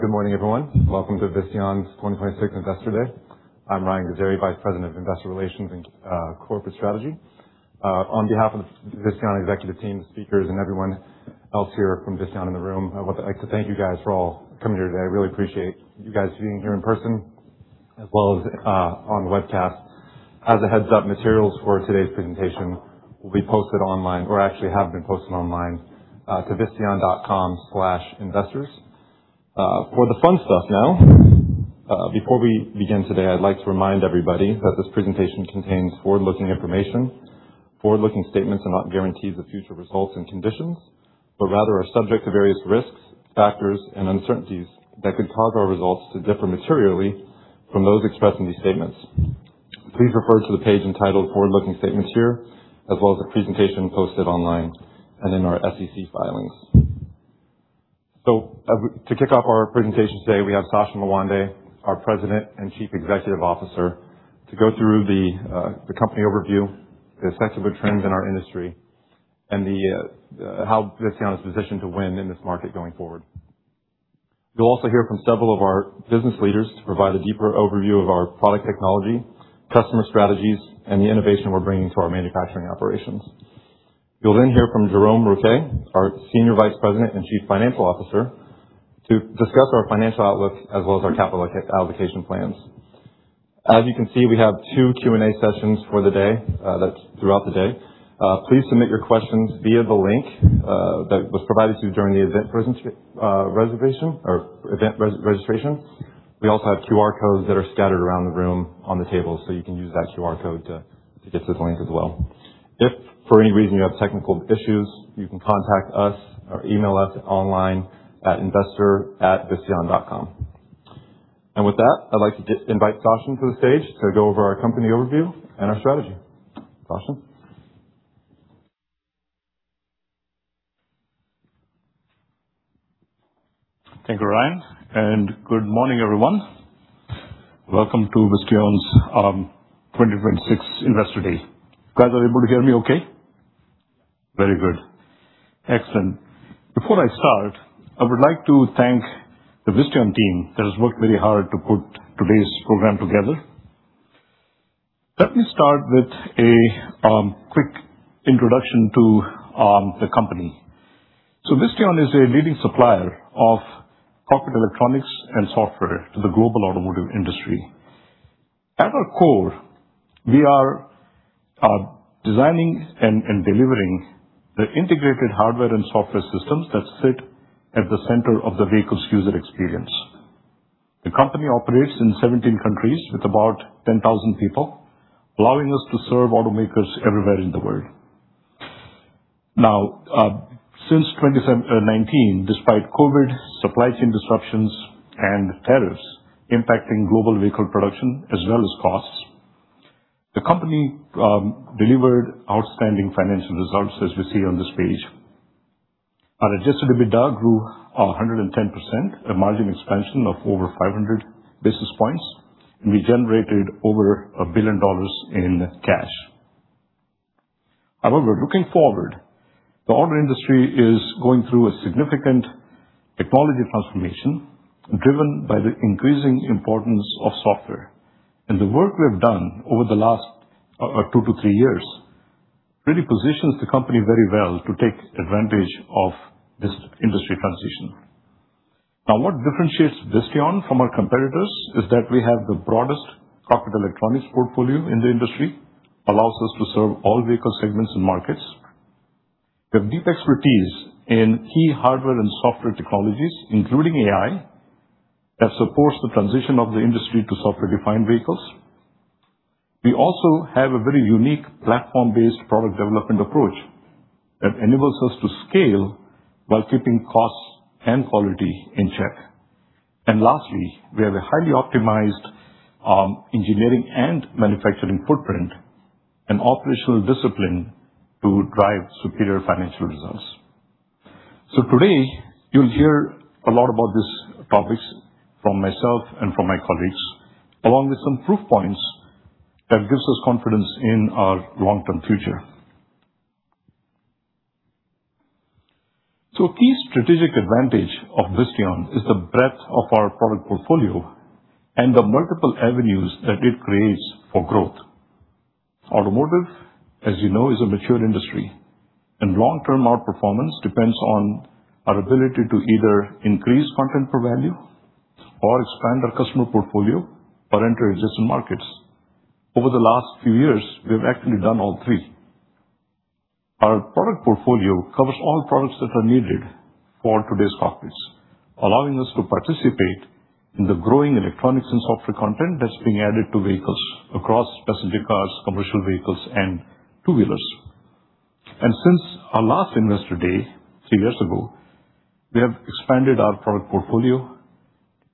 Good morning, everyone. Welcome to Visteon's 2026 Investor Day. I'm Ryan Wentling, Vice President of Investor Relations and Corporate Strategy. On behalf of Visteon executive team, the speakers, and everyone else here from Visteon in the room, I'd like to thank you guys for all coming here today. I really appreciate you guys being here in person as well as on the webcast. As a heads-up, materials for today's presentation will be posted online or actually have been posted online to visteon.com/investors. For the fun stuff now, before we begin today, I'd like to remind everybody that this presentation contains forward-looking information. Forward-looking statements are not guarantees of future results and conditions, but rather are subject to various risks, factors, and uncertainties that could cause our results to differ materially from those expressed in these statements. Please refer to the page entitled Forward-Looking Statements here, as well as the presentation posted online and in our SEC filings. To kick off our presentation today, we have Sachin Lawande, our President and Chief Executive Officer, to go through the company overview, the secular trends in our industry, and how Visteon is positioned to win in this market going forward. You'll also hear from several of our business leaders to provide a deeper overview of our product technology, customer strategies, and the innovation we're bringing to our manufacturing operations. You'll then hear from Jerome Rouquet, our Senior Vice President and Chief Financial Officer, to discuss our financial outlook as well as our capital allocation plans. As you can see, we have two Q&A sessions for the day, that's throughout the day. nnn n n Please submit your questions via the link that was provided to you during the event reservation or event registration. We also have QR codes that are scattered around the room on the table, you can use that QR code to get this link as well. If for any reason you have technical issues, you can contact us or email us online at investor@visteon.com. With that, I'd like to invite Sachin to the stage to go over our company overview and our strategy. Sachin. Thank you, Ryan. Good morning, everyone. Welcome to Visteon's 2026 Investor Day. You guys are able to hear me okay? Very good. Excellent. Before I start, I would like to thank the Visteon team that has worked very hard to put today's program together. Let me start with a quick introduction to the company. Visteon is a leading supplier of cockpit electronics and software to the global automotive industry. At our core, we are designing and delivering the integrated hardware and software systems that sit at the center of the vehicle's user experience. The company operates in 17 countries with about 10,000 people, allowing us to serve automakers everywhere in the world. Now, since 2019, despite COVID supply chain disruptions and tariffs impacting global vehicle production as well as costs, the company delivered outstanding financial results as we see on this page. Our adjusted EBITDA grew 110%, a margin expansion of over 500 basis points, and we generated over $1 billion in cash. However, looking forward, the auto industry is going through a significant technology transformation driven by the increasing importance of software. The work we have done over the last two to three years really positions the company very well to take advantage of this industry transition. Now, what differentiates Visteon from our competitors is that we have the broadest cockpit electronics portfolio in the industry, allows us to serve all vehicle segments and markets. We have deep expertise in key hardware and software technologies, including AI, that supports the transition of the industry to software-defined vehicles. We also have a very unique platform-based product development approach that enables us to scale while keeping costs and quality in check. Lastly, we have a highly optimized engineering and manufacturing footprint and operational discipline to drive superior financial results. Today you'll hear a lot about these topics from myself and from my colleagues, along with some proof points that gives us confidence in our long-term future. A key strategic advantage of Visteon is the breadth of our product portfolio and the multiple avenues that it creates for growth. Automotive, as you know, is a mature industry, and long-term outperformance depends on our ability to either increase content for value or expand our customer portfolio or enter existing markets. Over the last few years, we have actually done all three. Our product portfolio covers all products that are needed for today's cockpits, allowing us to participate in the growing electronics and software content that's being added to vehicles across passenger cars, commercial vehicles, and two-wheelers. Since our last Investor Day three years ago, we have expanded our product portfolio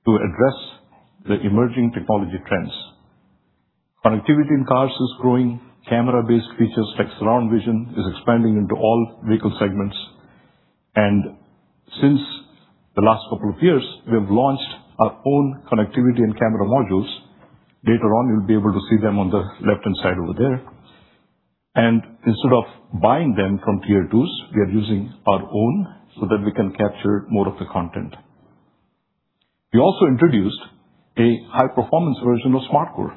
to address the emerging technology trends. Connectivity in cars is growing. Camera-based features like surround vision is expanding into all vehicle segments. Since the last couple of years, we have launched our own connectivity and camera modules. Later on, you'll be able to see them on the left-hand side over there. Instead of buying them from tier 2s, we are using our own so that we can capture more of the content. We also introduced a high-performance version of SmartCore.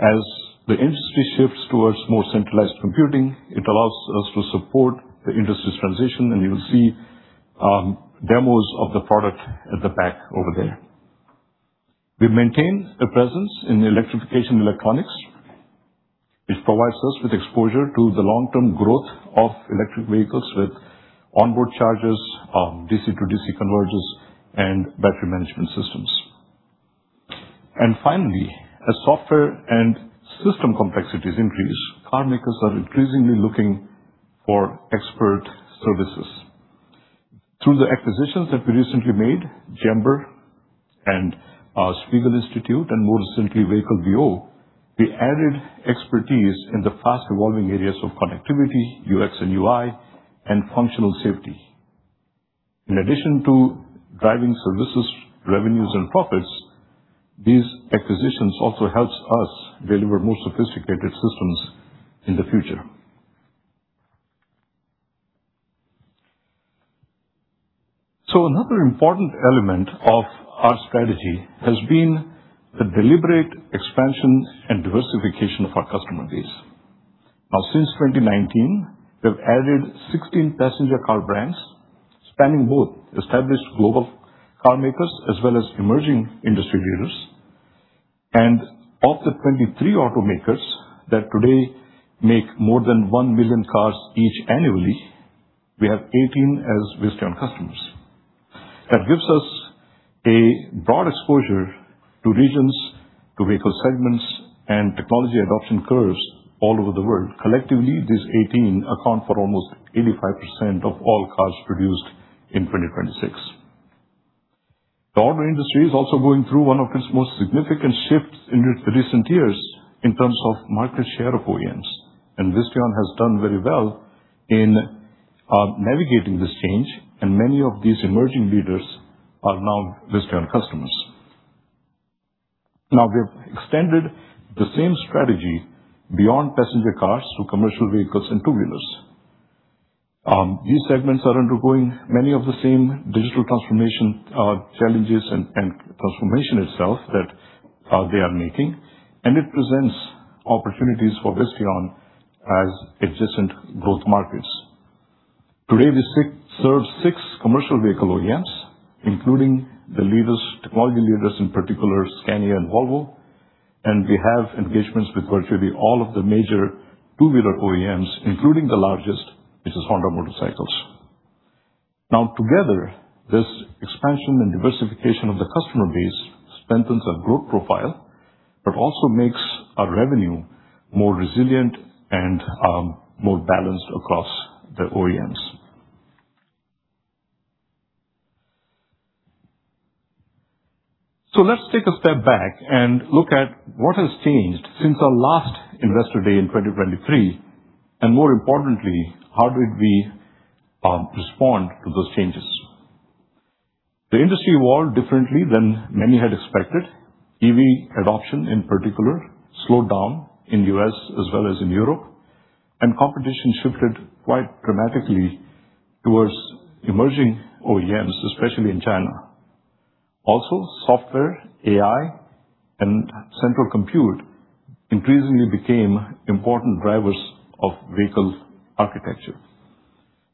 As the industry shifts towards more centralized computing, it allows us to support the industry's transition, and you will see demos of the product at the back over there. We've maintained a presence in the electrification of electronics, which provides us with exposure to the long-term growth of electric vehicles with onboard chargers, DC-to-DC converters, and battery management systems. Finally, as software and system complexities increase, car makers are increasingly looking for expert services. Through the acquisitions that we recently made, Jember and Spiegel Institut, and more recently, Vehicle VO, we added expertise in the fast-evolving areas of connectivity, UX and UI, and functional safety. In addition to driving services, revenues, and profits, these acquisitions also help us deliver more sophisticated systems in the future. Another important element of our strategy has been the deliberate expansion and diversification of our customer base. Since 2019, we have added 16 passenger car brands spanning both established global car makers as well as emerging industry leaders. Of the 23 automakers that today make more than 1 million cars each annually, we have 18 as Visteon customers. That gives us a broad exposure to regions, to vehicle segments, and technology adoption curves all over the world. Collectively, these 18 account for almost 85% of all cars produced in 2026. The auto industry is also going through one of its most significant shifts in recent years in terms of market share of OEMs, Visteon has done very well in navigating this change, and many of these emerging leaders are now Visteon customers. We have extended the same strategy beyond passenger cars to commercial vehicles and two-wheelers. These segments are undergoing many of the same digital transformation challenges and transformation itself that they are making, and it presents opportunities for Visteon as adjacent growth markets. Today, we serve six commercial vehicle OEMs, including the leaders, technology leaders, in particular, Scania and Volvo, and we have engagements with virtually all of the major two-wheeler OEMs, including the largest, which is Honda Motorcycles. Together, this expansion and diversification of the customer base strengthens our growth profile, but also makes our revenue more resilient and more balanced across the OEMs. Let's take a step back and look at what has changed since our last Investor Day in 2023, and more importantly, how did we respond to those changes. The industry evolved differently than many had expected. EV adoption, in particular, slowed down in U.S. as well as in Europe, and competition shifted quite dramatically towards emerging OEMs, especially in China. Also, software, AI, and central compute increasingly became important drivers of vehicle architecture.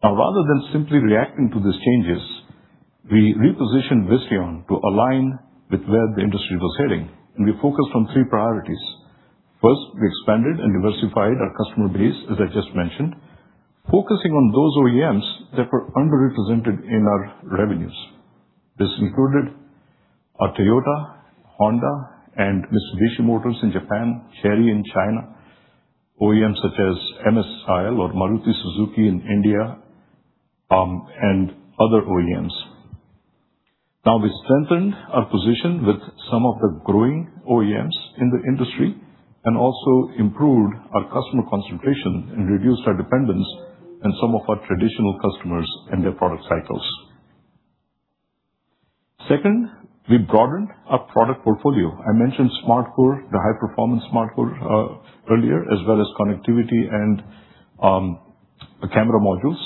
Rather than simply reacting to these changes, we repositioned Visteon to align with where the industry was heading, and we focused on three priorities. First, we expanded and diversified our customer base, as I just mentioned, focusing on those OEMs that were underrepresented in our revenues. This included our Toyota, Honda, and Mitsubishi Motors in Japan, Chery in China, OEMs such as MSIL or Maruti Suzuki in India, and other OEMs. We strengthened our position with some of the growing OEMs in the industry and also improved our customer concentration and reduced our dependence on some of our traditional customers and their product cycles. Second, we broadened our product portfolio. I mentioned SmartCore, the high-performance SmartCore earlier, as well as connectivity and camera modules.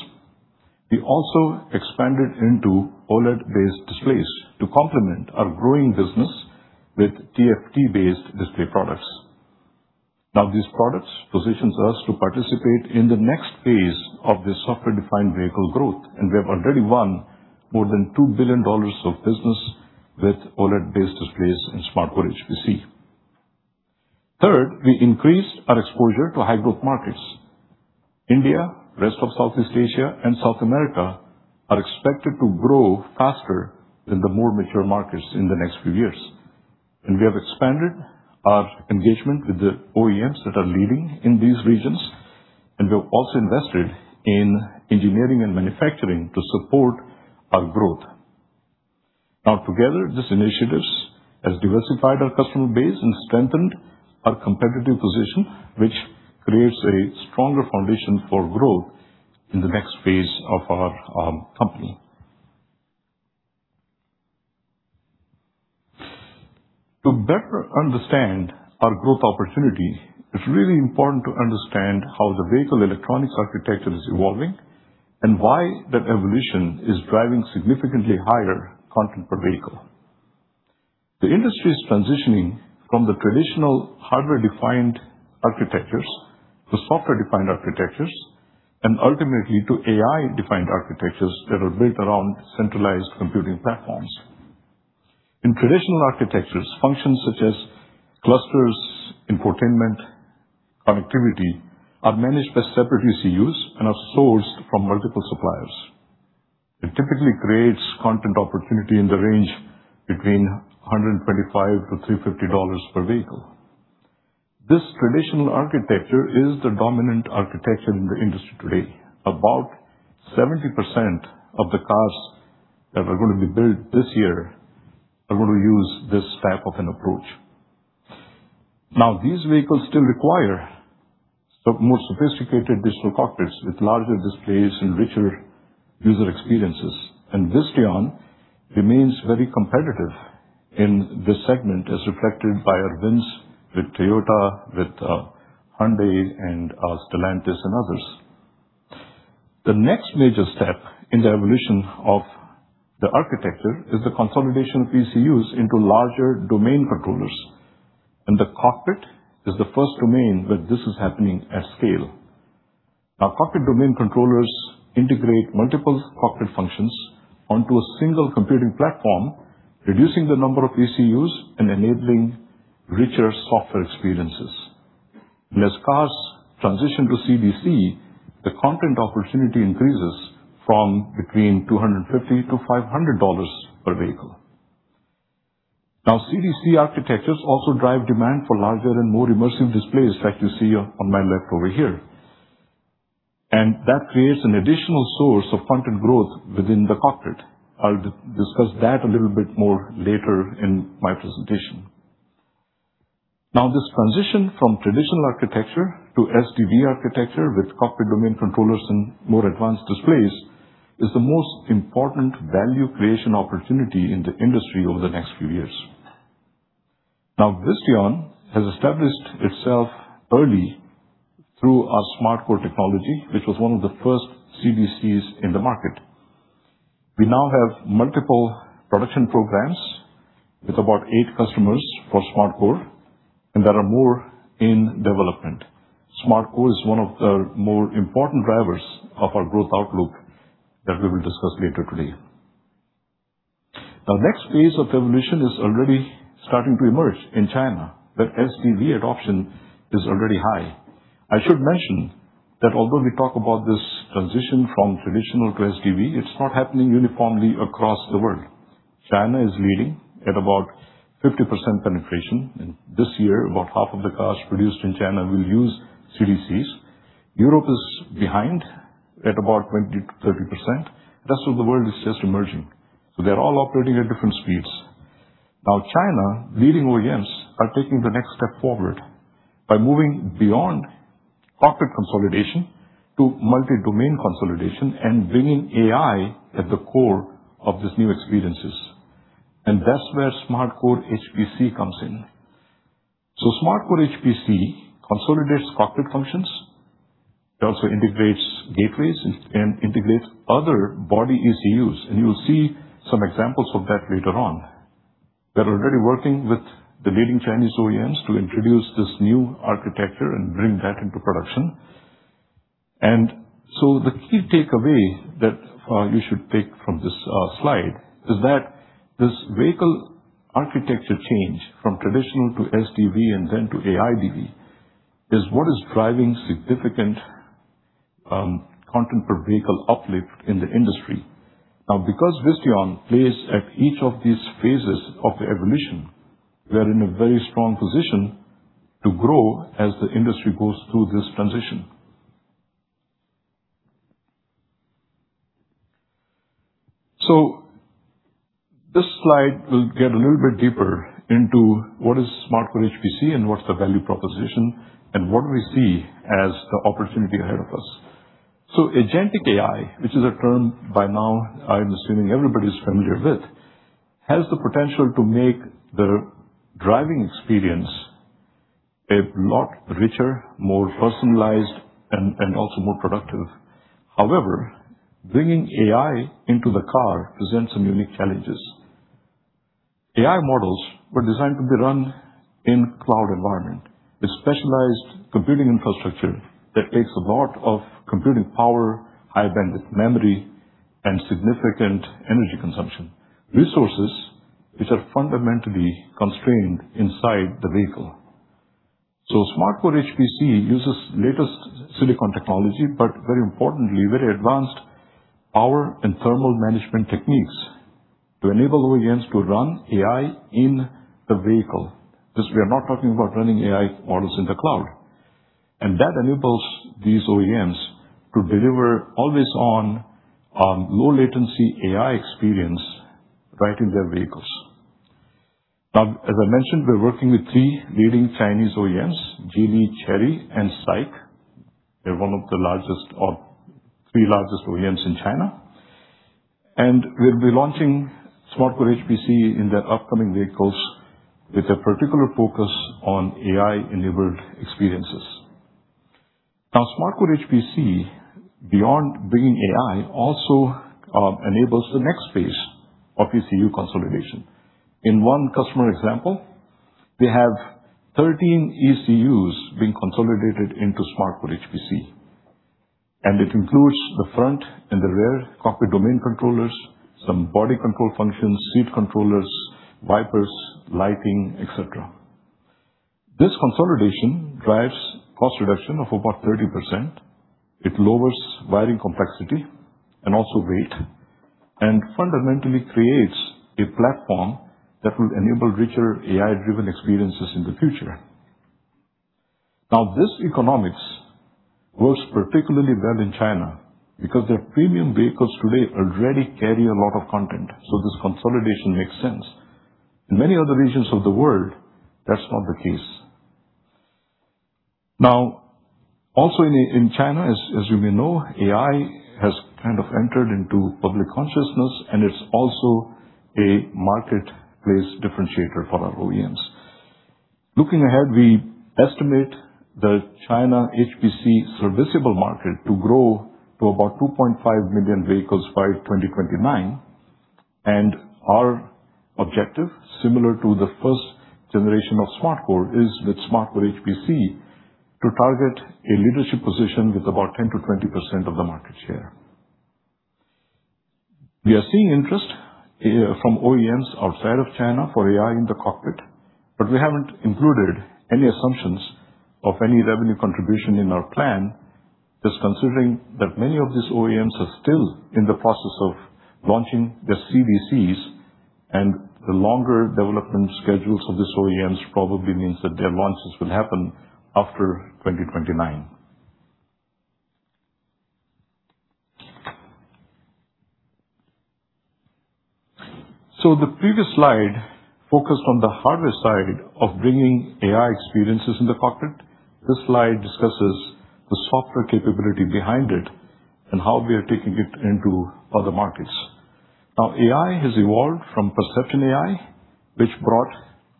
We also expanded into OLED-based displays to complement our growing business with TFT-based display products. These products position us to participate in the next phase of this software-defined vehicle growth, and we have already won more than $2 billion of business with OLED-based displays and SmartCore HPC. Third, we increased our exposure to high-growth markets. India, rest of Southeast Asia, and South America are expected to grow faster than the more mature markets in the next few years. We have expanded our engagement with the OEMs that are leading in these regions, and we have also invested in engineering and manufacturing to support our growth. Together, these initiatives have diversified our customer base and strengthened our competitive position, which creates a stronger foundation for growth in the next phase of our company. To better understand our growth opportunity, it's really important to understand how the vehicle electronics architecture is evolving and why that evolution is driving significantly higher content per vehicle. The industry is transitioning from the traditional hardware-defined architectures to software-defined architectures, ultimately to AI-defined architectures that are built around centralized computing platforms. In traditional architectures, functions such as clusters, infotainment, connectivity are managed by separate ECUs and are sourced from multiple suppliers. It typically creates content opportunity in the range between $125 to $350 per vehicle. This traditional architecture is the dominant architecture in the industry today. About 70% of the cars that are going to be built this year are going to use this type of an approach. These vehicles still require some more sophisticated digital cockpits with larger displays and richer user experiences. Visteon remains very competitive in this segment, as reflected by our wins with Toyota, with Hyundai, Stellantis, and others. The next major step in the evolution of the architecture is the consolidation of ECUs into larger domain controllers. The cockpit is the first domain where this is happening at scale. Cockpit domain controllers integrate multiple cockpit functions onto a single computing platform, reducing the number of ECUs and enabling richer software experiences. As cars transition to CDC, the content opportunity increases from between $250 to $500 per vehicle. CDC architectures also drive demand for larger and more immersive displays, like you see on my left over here. That creates an additional source of content growth within the cockpit. I'll discuss that a little bit more later in my presentation. This transition from traditional architecture to SDV architecture with cockpit domain controllers and more advanced displays is the most important value creation opportunity in the industry over the next few years. Visteon has established itself early through our SmartCore technology, which was one of the first CDCs in the market. We now have multiple production programs with about eight customers for SmartCore, and there are more in development. SmartCore is one of the more important drivers of our growth outlook that we will discuss later today. The next phase of evolution is already starting to emerge in China, where SDV adoption is already high. I should mention that although we talk about this transition from traditional to SDV, it's not happening uniformly across the world. China is leading at about 50% penetration, and this year, about half of the cars produced in China will use CDCs. Europe is behind at about 20%-30%. The rest of the world is just emerging. They're all operating at different speeds. China leading OEMs are taking the next step forward by moving beyond cockpit consolidation to multi-domain consolidation and bringing AI at the core of these new experiences. That's where SmartCore HPC comes in. SmartCore HPC consolidates cockpit functions. It also integrates gateways and integrates other body ECUs, and you'll see some examples of that later on. We are already working with the leading Chinese OEMs to introduce this new architecture and bring that into production. The key takeaway that you should take from this slide is that this vehicle architecture change from traditional to SDV and then to AIDV is what is driving significant content per vehicle uplift in the industry. Because Visteon plays at each of these phases of evolution, we are in a very strong position to grow as the industry goes through this transition. This slide will get a little bit deeper into what is SmartCore HPC and what's the value proposition and what we see as the opportunity ahead of us. Agentic AI, which is a term by now I'm assuming everybody's familiar with, has the potential to make the driving experience a lot richer, more personalized, and also more productive. However, bringing AI into the car presents some unique challenges. AI models were designed to be run in cloud environment, a specialized computing infrastructure that takes a lot of computing power, high bandwidth memory, and significant energy consumption. Resources which are fundamentally constrained inside the vehicle. SmartCore HPC uses latest silicon technology, but very importantly, very advanced power and thermal management techniques to enable OEMs to run AI in the vehicle, because we are not talking about running AI models in the cloud. That enables these OEMs to deliver always on, low latency AI experience right in their vehicles. As I mentioned, we're working with three leading Chinese OEMs, Geely, Chery, and SAIC. They're one of the largest or three largest OEMs in China. We'll be launching SmartCore HPC in that upcoming vehicles with a particular focus on AI-enabled experiences. SmartCore HPC, beyond bringing AI, also enables the next phase of ECU consolidation. In one customer example, we have 13 ECUs being consolidated into SmartCore HPC, and it includes the front and the rear cockpit domain controllers, some body control functions, seat controllers, wipers, lighting, et cetera. This consolidation drives cost reduction of about 30%. It lowers wiring complexity and also weight, and fundamentally creates a platform that will enable richer AI-driven experiences in the future. This economics works particularly well in China because their premium vehicles today already carry a lot of content, so this consolidation makes sense. In many other regions of the world, that's not the case. Also in China, as you may know, AI has kind of entered into public consciousness, and it's also a marketplace differentiator for our OEMs. Looking ahead, we estimate the China HPC serviceable market to grow to about 2.5 million vehicles by 2029. Our objective, similar to the first generation of SmartCore, is with SmartCore HPC to target a leadership position with about 10%-20% of the market share. We are seeing interest from OEMs outside of China for AI in the cockpit, but we haven't included any assumptions of any revenue contribution in our plan. Just considering that many of these OEMs are still in the process of launching their CDCs, and the longer development schedules of these OEMs probably means that their launches will happen after 2029. The previous slide focused on the hardware side of bringing AI experiences in the cockpit. This slide discusses the software capability behind it and how we are taking it into other markets. AI has evolved from perception AI, which brought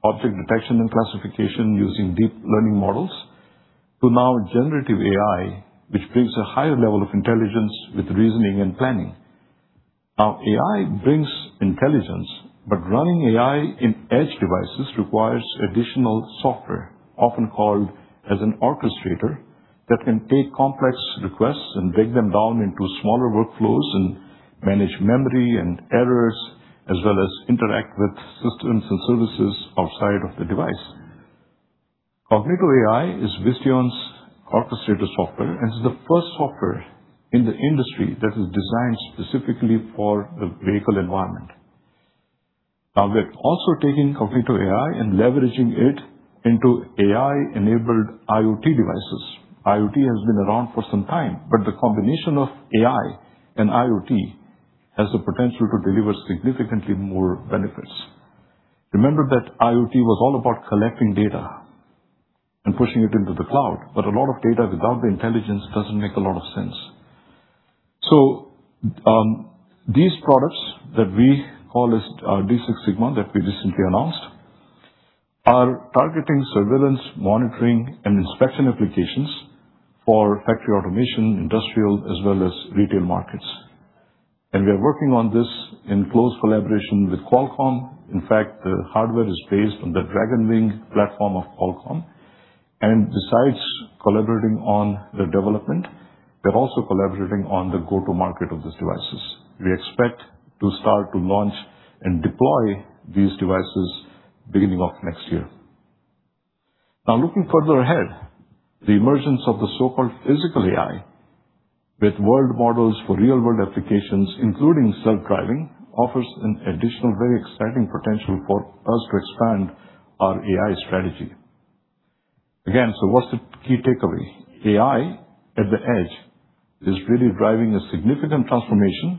object detection and classification using deep learning models, to now generative AI, which brings a higher level of intelligence with reasoning and planning. AI brings intelligence, but running AI in edge devices requires additional software, often called as an orchestrator, that can take complex requests and break them down into smaller workflows and manage memory and errors, as well as interact with systems and services outside of the device. cognitoAI is Visteon's orchestrator software and is the first software in the industry that is designed specifically for the vehicle environment. We're also taking cognitoAI and leveraging it into AI-enabled IoT devices. IoT has been around for some time, the combination of AI and IoT has the potential to deliver significantly more benefits. Remember that IoT was all about collecting data and pushing it into the cloud, a lot of data without the intelligence doesn't make a lot of sense. These products that we call as our D6Sigma that we recently announced are targeting surveillance, monitoring, and inspection applications for factory automation, industrial, as well as retail markets. We are working on this in close collaboration with Qualcomm. In fact, the hardware is based on the Dragonwing platform of Qualcomm. Besides collaborating on the development, they're also collaborating on the go-to-market of these devices. We expect to start to launch and deploy these devices beginning of next year. Looking further ahead, the emergence of the so-called physical AI with world models for real-world applications, including self-driving, offers an additional, very exciting potential for us to expand our AI strategy. What's the key takeaway? AI at the edge is really driving a significant transformation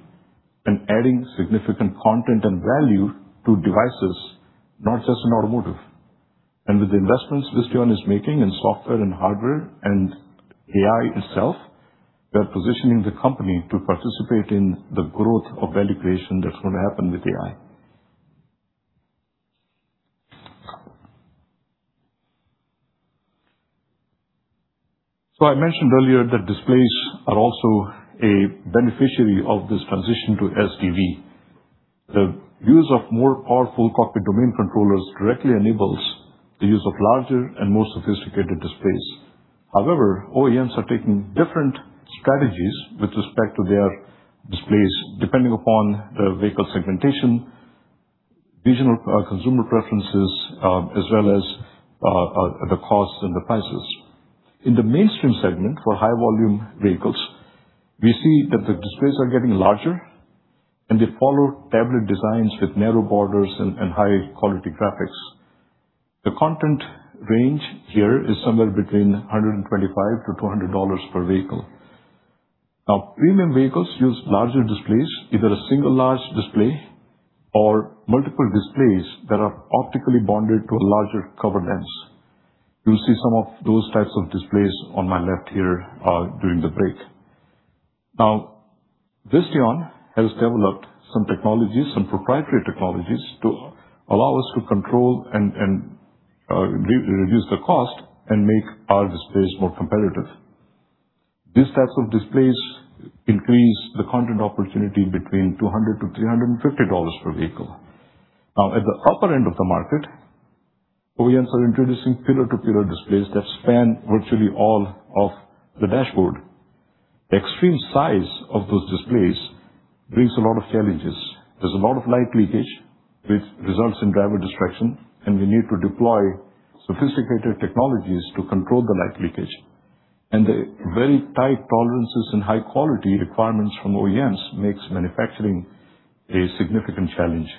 and adding significant content and value to devices, not just in automotive. With the investments Visteon is making in software and hardware and AI itself, we are positioning the company to participate in the growth of value creation that's going to happen with AI. I mentioned earlier that displays are also a beneficiary of this transition to SDV. The use of more powerful cockpit domain controllers directly enables the use of larger and more sophisticated displays. However, OEMs are taking different strategies with respect to their displays, depending upon the vehicle segmentation, regional consumer preferences, as well as the costs and the prices. In the mainstream segment for high volume vehicles, we see that the displays are getting larger, and they follow tablet designs with narrow borders and high-quality graphics. The content range here is somewhere between $125-$200 per vehicle. Premium vehicles use larger displays, either a single large display or multiple displays that are optically bonded to a larger cover lens. You'll see some of those types of displays on my left here during the break. Visteon has developed some technologies, some proprietary technologies, to allow us to control and reduce the cost and make our displays more competitive. These types of displays increase the content opportunity between $200-$350 per vehicle. At the upper end of the market, OEMs are introducing pillar-to-pillar displays that span virtually all of the dashboard. The extreme size of those displays brings a lot of challenges. There's a lot of light leakage, which results in driver distraction, and we need to deploy sophisticated technologies to control the light leakage. The very tight tolerances and high-quality requirements from OEMs makes manufacturing a significant challenge.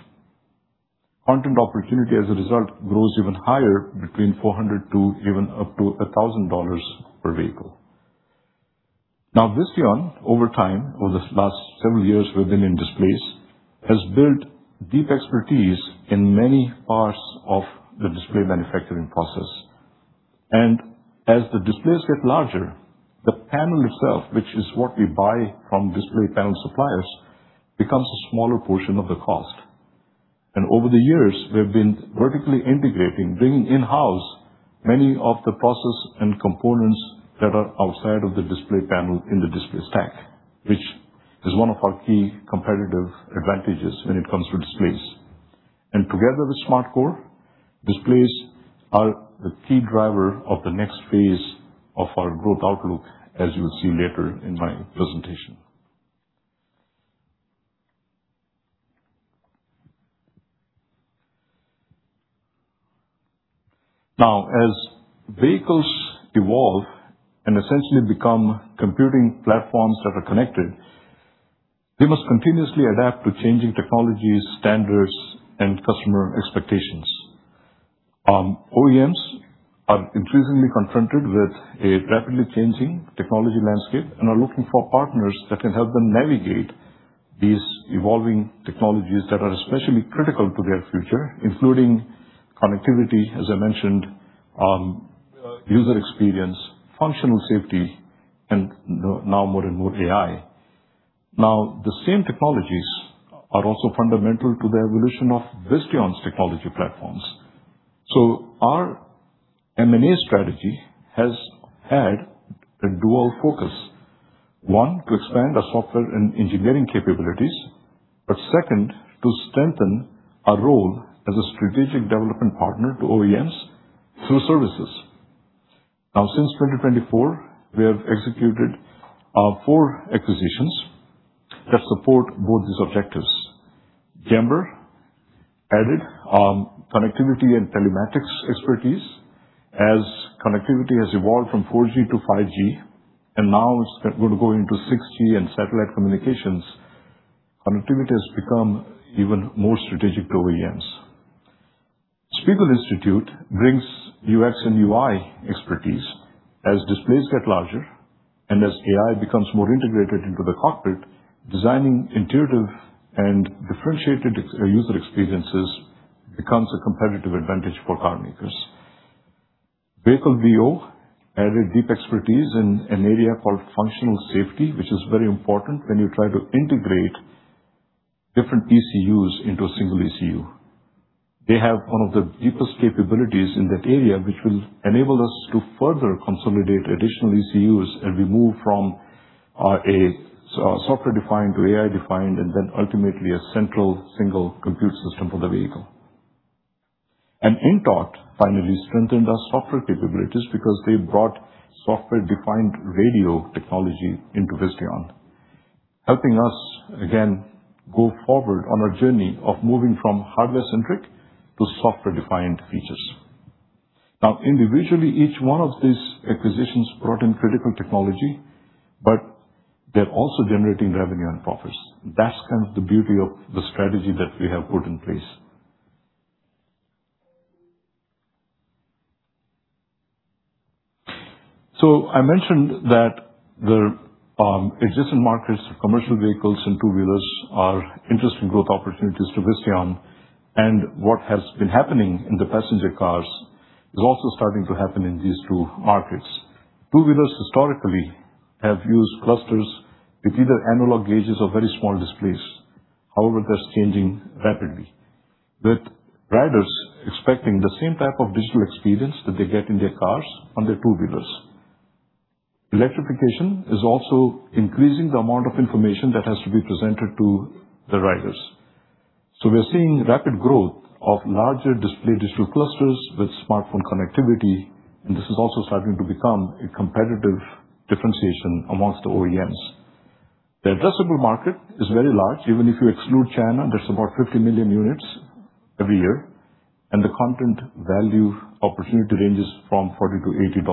Content opportunity, as a result, grows even higher, between $400 to even up to $1,000 per vehicle. Visteon, over time, over the last several years we've been in displays, has built deep expertise in many parts of the display manufacturing process. As the displays get larger, the panel itself, which is what we buy from display panel suppliers, becomes a smaller portion of the cost. Over the years, we've been vertically integrating, bringing in-house many of the process and components that are outside of the display panel in the display stack, which is one of our key competitive advantages when it comes to displays. Together with SmartCore, displays are a key driver of the next phase of our growth outlook, as you'll see later in my presentation. As vehicles evolve and essentially become computing platforms that are connected, we must continuously adapt to changing technologies, standards, and customer expectations. OEMs are increasingly confronted with a rapidly changing technology landscape and are looking for partners that can help them navigate these evolving technologies that are especially critical to their future, including connectivity, as I mentioned, user experience, functional safety, and now more and more AI. The same technologies are also fundamental to the evolution of Visteon's technology platforms. Our M&A strategy has had a dual focus. One, to expand our software and engineering capabilities, but second, to strengthen our role as a strategic development partner to OEMs through services. Since 2024, we have executed four acquisitions that support both these objectives. Jember added connectivity and telematics expertise as connectivity has evolved from 4G to 5G and now is going to go into 6G and satellite communications. Connectivity has become even more strategic to OEMs. Spiegel Institut brings UX and UI expertise. As displays get larger and as AI becomes more integrated into the cockpit, designing intuitive and differentiated user experiences becomes a competitive advantage for car makers. Vehicle VO added deep expertise in an area called functional safety, which is very important when you try to integrate different ECUs into a single ECU. They have one of the deepest capabilities in that area, which will enable us to further consolidate additional ECUs as we move from a software-defined to AI-defined, and then ultimately a central single compute system for the vehicle. Inntot finally strengthened our software capabilities because they brought software-defined radio technology into Visteon, helping us, again, go forward on our journey of moving from hardware-centric to software-defined features. Individually, each one of these acquisitions brought in critical technology, but they're also generating revenue and profits. That's kind of the beauty of the strategy that we have put in place. I mentioned that the existing markets, commercial vehicles and two-wheelers, are interesting growth opportunities to Visteon, and what has been happening in the passenger cars is also starting to happen in these two markets. Two-wheelers historically have used clusters with either analog gauges or very small displays. However, that's changing rapidly, with riders expecting the same type of digital experience that they get in their cars on their two-wheelers. Electrification is also increasing the amount of information that has to be presented to the riders. We are seeing rapid growth of larger display digital clusters with smartphone connectivity, and this is also starting to become a competitive differentiation amongst OEMs. The addressable market is very large. Even if you exclude China, there's about 50 million units every year, and the content value opportunity ranges from $40-$80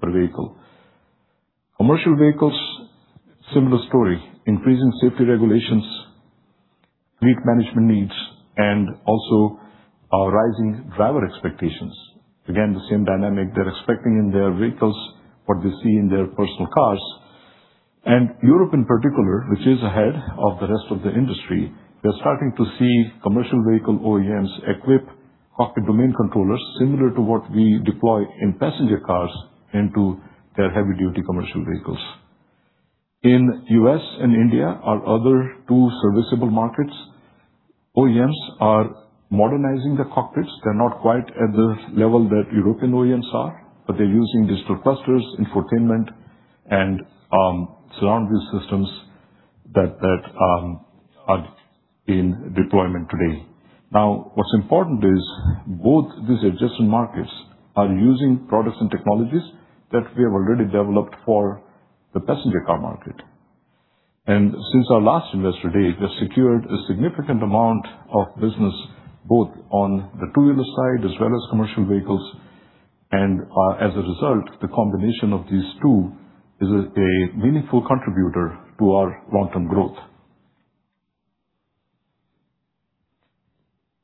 per vehicle. Commercial vehicles, similar story. Increasing safety regulations, fleet management needs, and also our rising driver expectations. Again, the same dynamic. They're expecting in their vehicles what they see in their personal cars. Europe in particular, which is ahead of the rest of the industry, we are starting to see commercial vehicle OEMs equip cockpit domain controllers similar to what we deploy in passenger cars into their heavy duty commercial vehicles. In the U.S. and India, our other two serviceable markets, OEMs are modernizing the cockpits. They're not quite at the level that European OEMs are, but they're using digital clusters, infotainment, and surround view systems that are in deployment today. What's important is both these adjacent markets are using products and technologies that we have already developed for the passenger car market. Since our last Investor Day, we have secured a significant amount of business, both on the two-wheeler side as well as commercial vehicles. As a result, the combination of these two is a meaningful contributor to our long-term growth.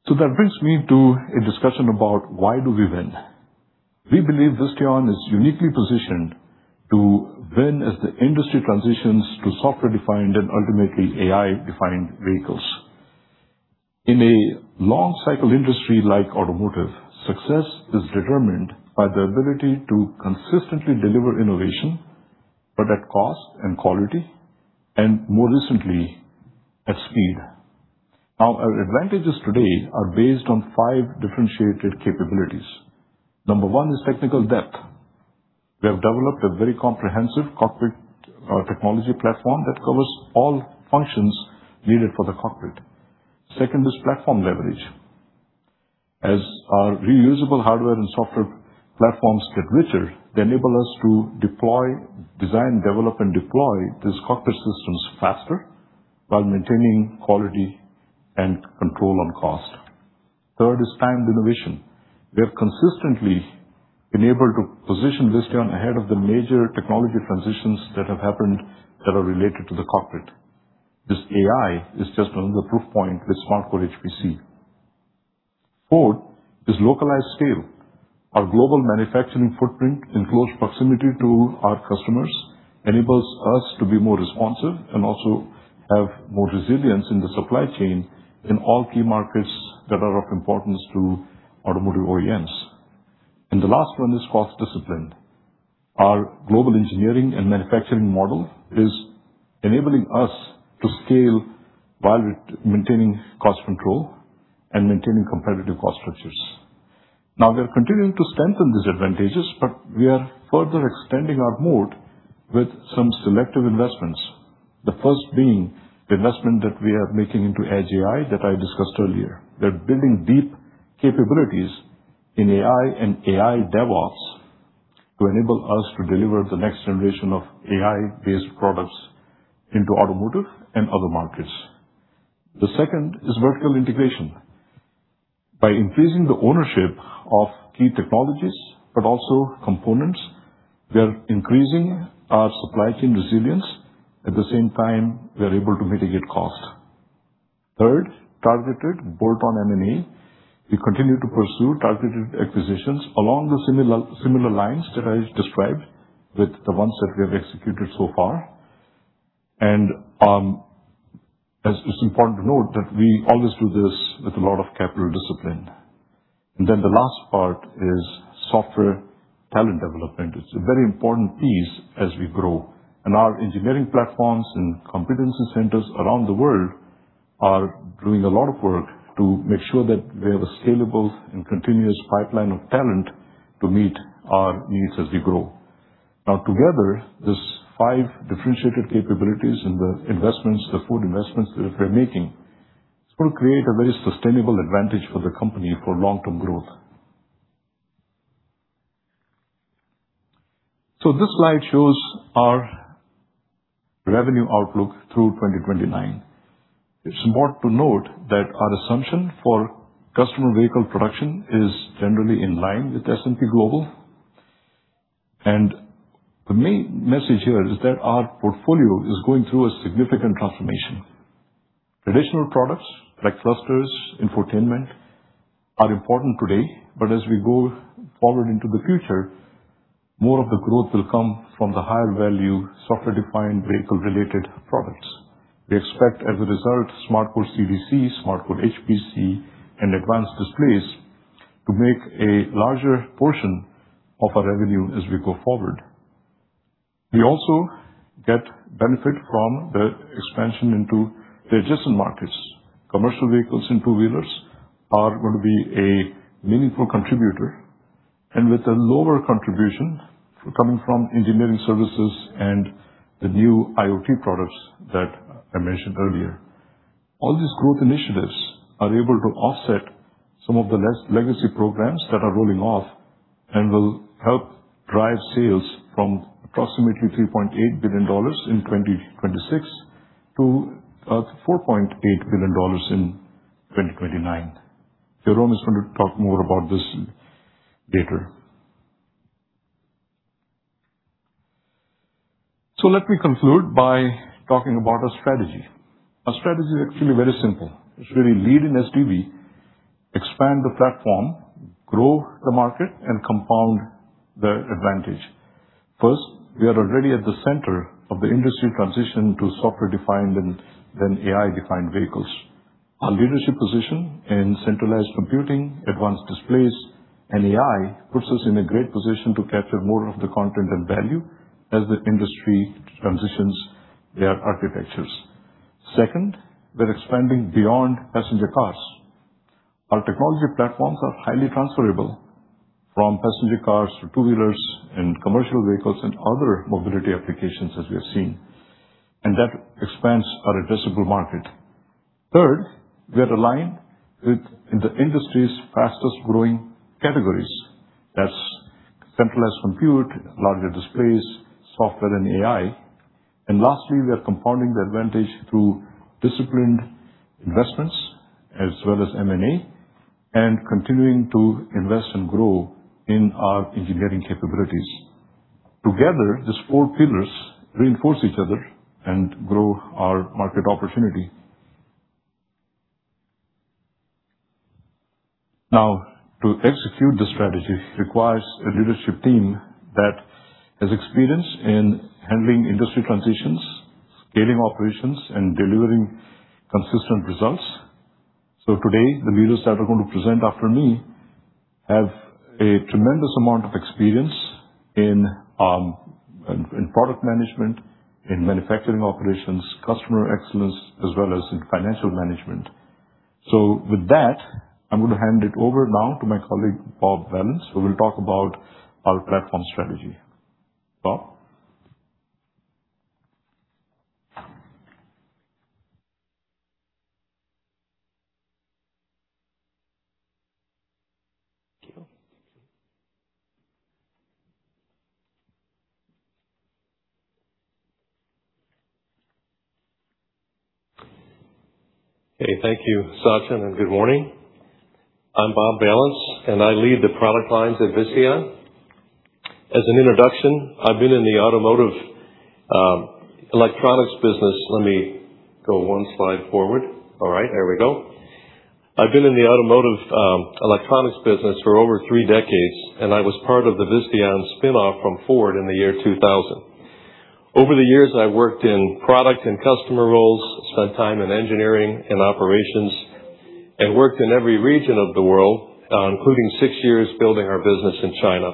That brings me to a discussion about why do we win? We believe Visteon is uniquely positioned to win as the industry transitions to software-defined and ultimately AI-defined vehicles. In a long cycle industry like automotive, success is determined by the ability to consistently deliver innovation, but at cost and quality, and more recently, at speed. Our advantages today are based on five differentiated capabilities. Number one is technical depth. We have developed a very comprehensive cockpit technology platform that covers all functions needed for the cockpit. Second is platform leverage. As our reusable hardware and software platforms get richer, they enable us to design, develop, and deploy these cockpit systems faster while maintaining quality and control on cost. Third is timed innovation. We have consistently been able to position Visteon ahead of the major technology transitions that have happened that are related to the cockpit. This AI is just another proof point with SmartCore HPC. Fourth is localized scale. Our global manufacturing footprint in close proximity to our customers enables us to be more responsive and also have more resilience in the supply chain in all key markets that are of importance to automotive OEMs. The last one is cost discipline. Our global engineering and manufacturing model is enabling us to scale while maintaining cost control and maintaining competitive cost structures. We are continuing to strengthen these advantages, but we are further extending our mode with some selective investments. The first being the investment that we are making into edge AI that I discussed earlier. We're building deep capabilities in AI and AI DevOps to enable us to deliver the next generation of AI-based products into automotive and other markets. The second is vertical integration. By increasing the ownership of key technologies, but also components, we are increasing our supply chain resilience. At the same time, we are able to mitigate cost. Third, targeted bolt-on M&A. We continue to pursue targeted acquisitions along the similar lines that I described with the ones that we have executed so far. It's important to note that we always do this with a lot of capital discipline. The last part is software talent development. It's a very important piece as we grow. Our engineering platforms and competency centers around the world are doing a lot of work to make sure that we have a scalable and continuous pipeline of talent to meet our needs as we grow. Together, these five differentiated capabilities and the four investments that we're making is going to create a very sustainable advantage for the company for long-term growth. This slide shows our revenue outlook through 2029. It's important to note that our assumption for customer vehicle production is generally in line with S&P Global. The main message here is that our portfolio is going through a significant transformation. Traditional products like clusters, infotainment, are important today, as we go forward into the future, more of the growth will come from the higher value software-defined vehicle related products. We expect, as a result, SmartCore CDC, SmartCore HPC, and advanced displays to make a larger portion of our revenue as we go forward. We also get benefit from the expansion into the adjacent markets. Commercial vehicles and two-wheelers are going to be a meaningful contributor, and with a lower contribution coming from engineering services and the new IoT products that I mentioned earlier. All these growth initiatives are able to offset some of the less legacy programs that are rolling off and will help drive sales from approximately $3.8 billion in 2026 to $4.8 billion in 2029. Jerome is going to talk more about this later. Let me conclude by talking about our strategy. Our strategy is actually very simple. It's really lead in SDV Expand the platform, grow the market, and compound the advantage. First, we are already at the center of the industry transition to software-defined and then AI-defined vehicles. Our leadership position in centralized computing, advanced displays, and AI puts us in a great position to capture more of the content and value as the industry transitions their architectures. Second, we're expanding beyond passenger cars. Our technology platforms are highly transferable from passenger cars to two-wheelers and commercial vehicles and other mobility applications as we have seen, and that expands our addressable market. Third, we are aligned with the industry's fastest-growing categories. That's centralized compute, larger displays, software, and AI. Lastly, we are compounding the advantage through disciplined investments as well as M&A and continuing to invest and grow in our engineering capabilities. Together, these four pillars reinforce each other and grow our market opportunity. To execute the strategy requires a leadership team that has experience in handling industry transitions, scaling operations, and delivering consistent results. Today, the leaders that are going to present after me have a tremendous amount of experience in product management, in manufacturing operations, customer excellence, as well as in financial management. With that, I'm going to hand it over now to my colleague, Bob Vallance, who will talk about our platform strategy. Bob? Thank you. Thank you, Sachin, good morning. I'm Bob Vallance, and I lead the product lines at Visteon. As an introduction, I've been in the automotive electronics business. Let me go one slide forward. All right, there we go. I've been in the automotive electronics business for over three decades, and I was part of the Visteon spinoff from Ford in the year 2000. Over the years, I worked in product and customer roles, spent time in engineering and operations, and worked in every region of the world, including six years building our business in China.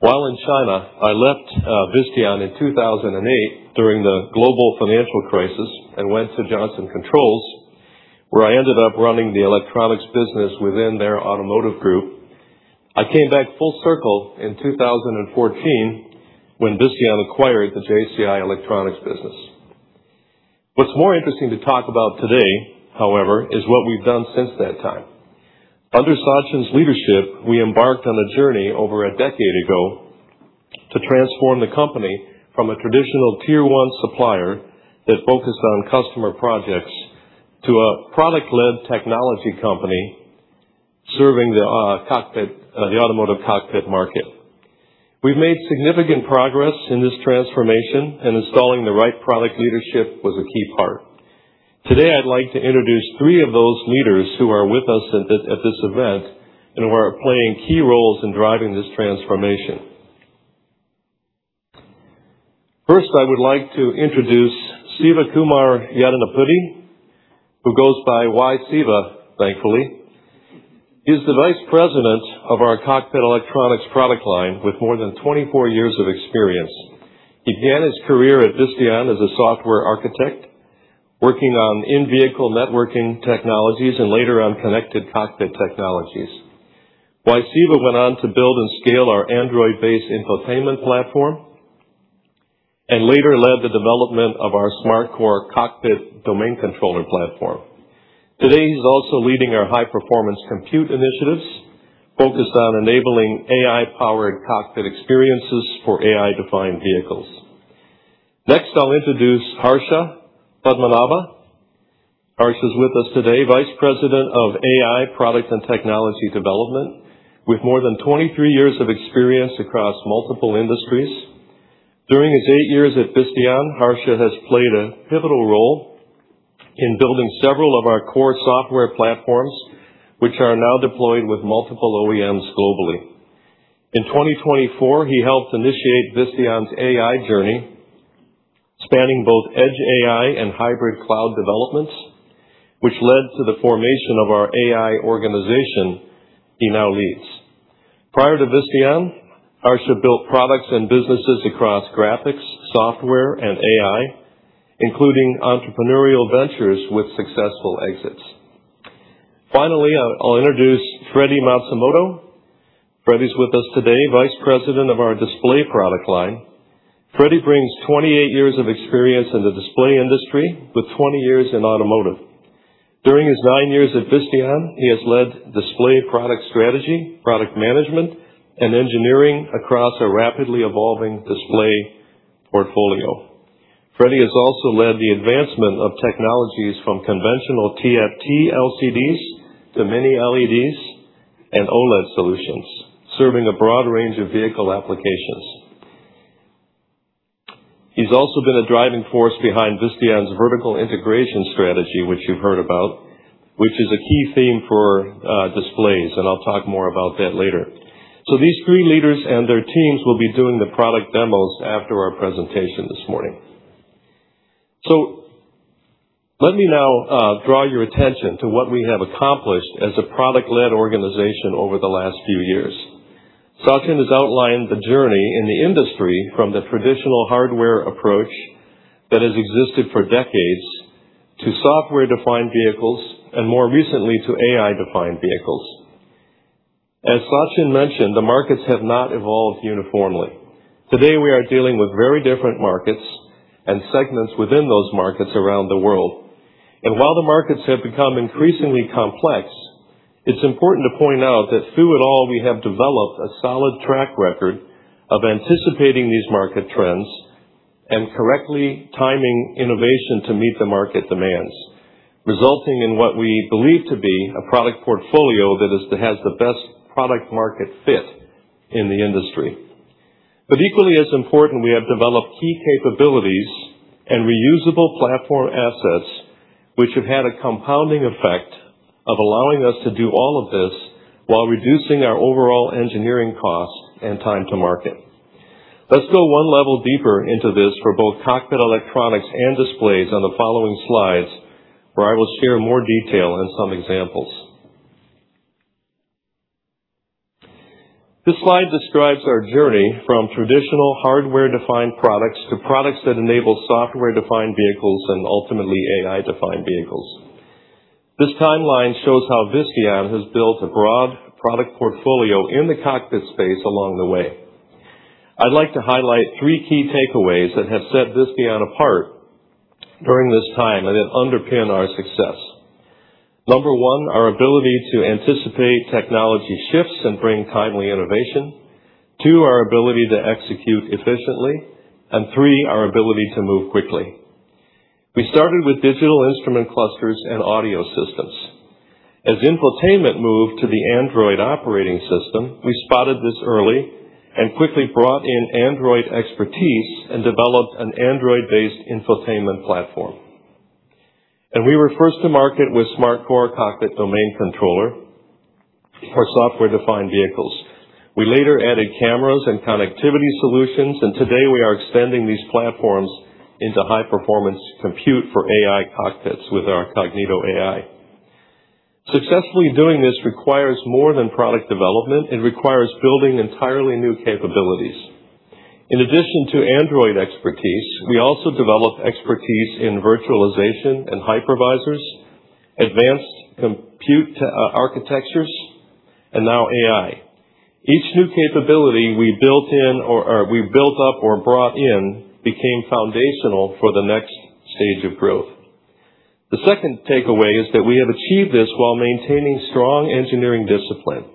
While in China, I left Visteon in 2008 during the global financial crisis and went to Johnson Controls, where I ended up running the electronics business within their automotive group. I came back full circle in 2014 when Visteon acquired the JCI Electronics business. What's more interesting to talk about today, however, is what we've done since that time. Under Sachin's leadership, we embarked on a journey over a decade ago to transform the company from a traditional tier 1 supplier that focused on customer projects to a product-led technology company serving the automotive cockpit market. We've made significant progress in this transformation, and installing the right product leadership was a key part. Today, I'd like to introduce three of those leaders who are with us at this event and who are playing key roles in driving this transformation. First, I would like to introduce Sivakumar Yeddanapudi, who goes by Y. Siva, thankfully. He's the vice president of our cockpit electronics product line with more than 24 years of experience. He began his career at Visteon as a software architect, working on in-vehicle networking technologies and later on connected cockpit technologies. Y. Siva went on to build and scale our Android-based infotainment platform and later led the development of our SmartCore Cockpit Domain Controller platform. Today, he's also leading our High-Performance Compute initiatives focused on enabling AI-powered cockpit experiences for AI-defined vehicles. Next, I'll introduce Harsha Padmanabha. Harsha is with us today, vice president of AI product and technology development, with more than 23 years of experience across multiple industries. During his eight years at Visteon, Harsha has played a pivotal role in building several of our core software platforms, which are now deployed with multiple OEMs globally. In 2024, he helped initiate Visteon's AI journey, spanning both edge AI and hybrid cloud developments, which led to the formation of our AI organization he now leads. Prior to Visteon, Harsha built products and businesses across graphics, software, and AI, including entrepreneurial ventures with successful exits. Finally, I'll introduce Futoshi Matsumoto. Futoshi's with us today, vice president of our display product line. Futoshi brings 28 years of experience in the display industry with 20 years in automotive. During his nine years at Visteon, he has led display product strategy, product management, and engineering across a rapidly evolving display portfolio. Futoshi has also led the advancement of technologies from conventional TFT LCDs to Mini LEDs and OLED solutions, serving a broad range of vehicle applications. He's also been a driving force behind Visteon's vertical integration strategy, which you've heard about, which is a key theme for displays, and I'll talk more about that later. These three leaders and their teams will be doing the product demos after our presentation this morning. Let me now draw your attention to what we have accomplished as a product-led organization over the last few years. Sachin has outlined the journey in the industry from the traditional hardware approach that has existed for decades to software-defined vehicles, and more recently, to AI-defined vehicles. As Sachin mentioned, the markets have not evolved uniformly. Today, we are dealing with very different markets and segments within those markets around the world. While the markets have become increasingly complex, it's important to point out that through it all, we have developed a solid track record of anticipating these market trends and correctly timing innovation to meet the market demands, resulting in what we believe to be a product portfolio that has the best product-market fit in the industry. Equally as important, we have developed key capabilities and reusable platform assets, which have had a compounding effect of allowing us to do all of this while reducing our overall engineering cost and time to market. Let's go 1 level deeper into this for both cockpit electronics and displays on the following slides, where I will share more detail and some examples. This slide describes our journey from traditional hardware-defined products to products that enable software-defined vehicles and ultimately AI-defined vehicles. This timeline shows how Visteon has built a broad product portfolio in the cockpit space along the way. I'd like to highlight three key takeaways that have set Visteon apart during this time and that underpin our success. Number 1, our ability to anticipate technology shifts and bring timely innovation. 2, our ability to execute efficiently. 3, our ability to move quickly. We started with digital instrument clusters and audio systems. As infotainment moved to the Android operating system, we spotted this early and quickly brought in Android expertise and developed an Android-based infotainment platform. We were first to market with SmartCore Cockpit Domain Controller for software-defined vehicles. We later added cameras and connectivity solutions, and today we are extending these platforms into high-performance compute for AI cockpits with our cognitoAI. Successfully doing this requires more than product development. It requires building entirely new capabilities. In addition to Android expertise, we also developed expertise in virtualization and hypervisors, advanced compute architectures, and now AI. Each new capability we built up or brought in became foundational for the next stage of growth. The second takeaway is that we have achieved this while maintaining strong engineering discipline.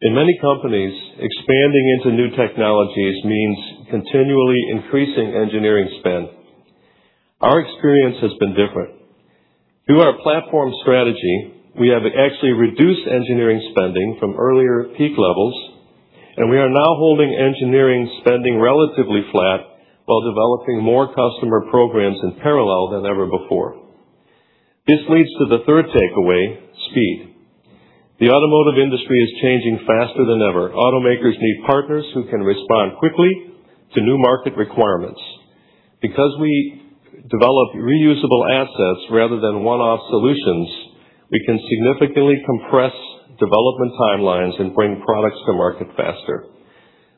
In many companies, expanding into new technologies means continually increasing engineering spend. Our experience has been different. Through our platform strategy, we have actually reduced engineering spending from earlier peak levels, we are now holding engineering spending relatively flat while developing more customer programs in parallel than ever before. This leads to the third takeaway, speed. The automotive industry is changing faster than ever. Automakers need partners who can respond quickly to new market requirements. Because we develop reusable assets rather than one-off solutions, we can significantly compress development timelines and bring products to market faster.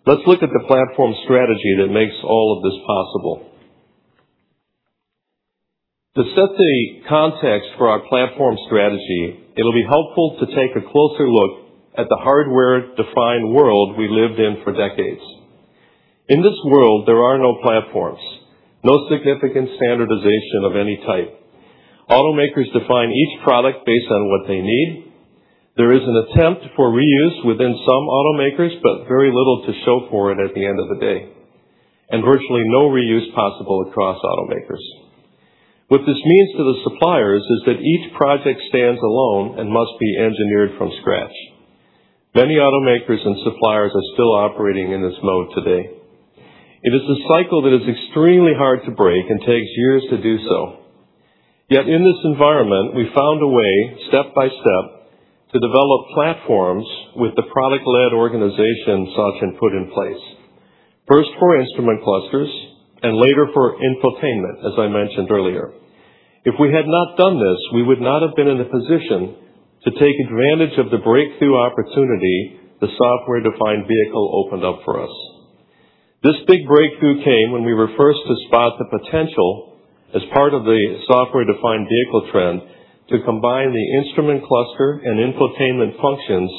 Let's look at the platform strategy that makes all of this possible. To set the context for our platform strategy, it'll be helpful to take a closer look at the hardware-defined world we lived in for decades. In this world, there are no platforms, no significant standardization of any type. Automakers define each product based on what they need. There is an attempt for reuse within some automakers, but very little to show for it at the end of the day, and virtually no reuse possible across automakers. What this means to the suppliers is that each project stands alone and must be engineered from scratch. Many automakers and suppliers are still operating in this mode today. It is a cycle that is extremely hard to break and takes years to do so. Yet in this environment, we found a way, step by step, to develop platforms with the product-led organization Sachin put in place. First for instrument clusters, and later for infotainment, as I mentioned earlier. If we had not done this, we would not have been in a position to take advantage of the breakthrough opportunity the software-defined vehicle opened up for us. This big breakthrough came when we were first to spot the potential as part of the software-defined vehicle trend to combine the instrument cluster and infotainment functions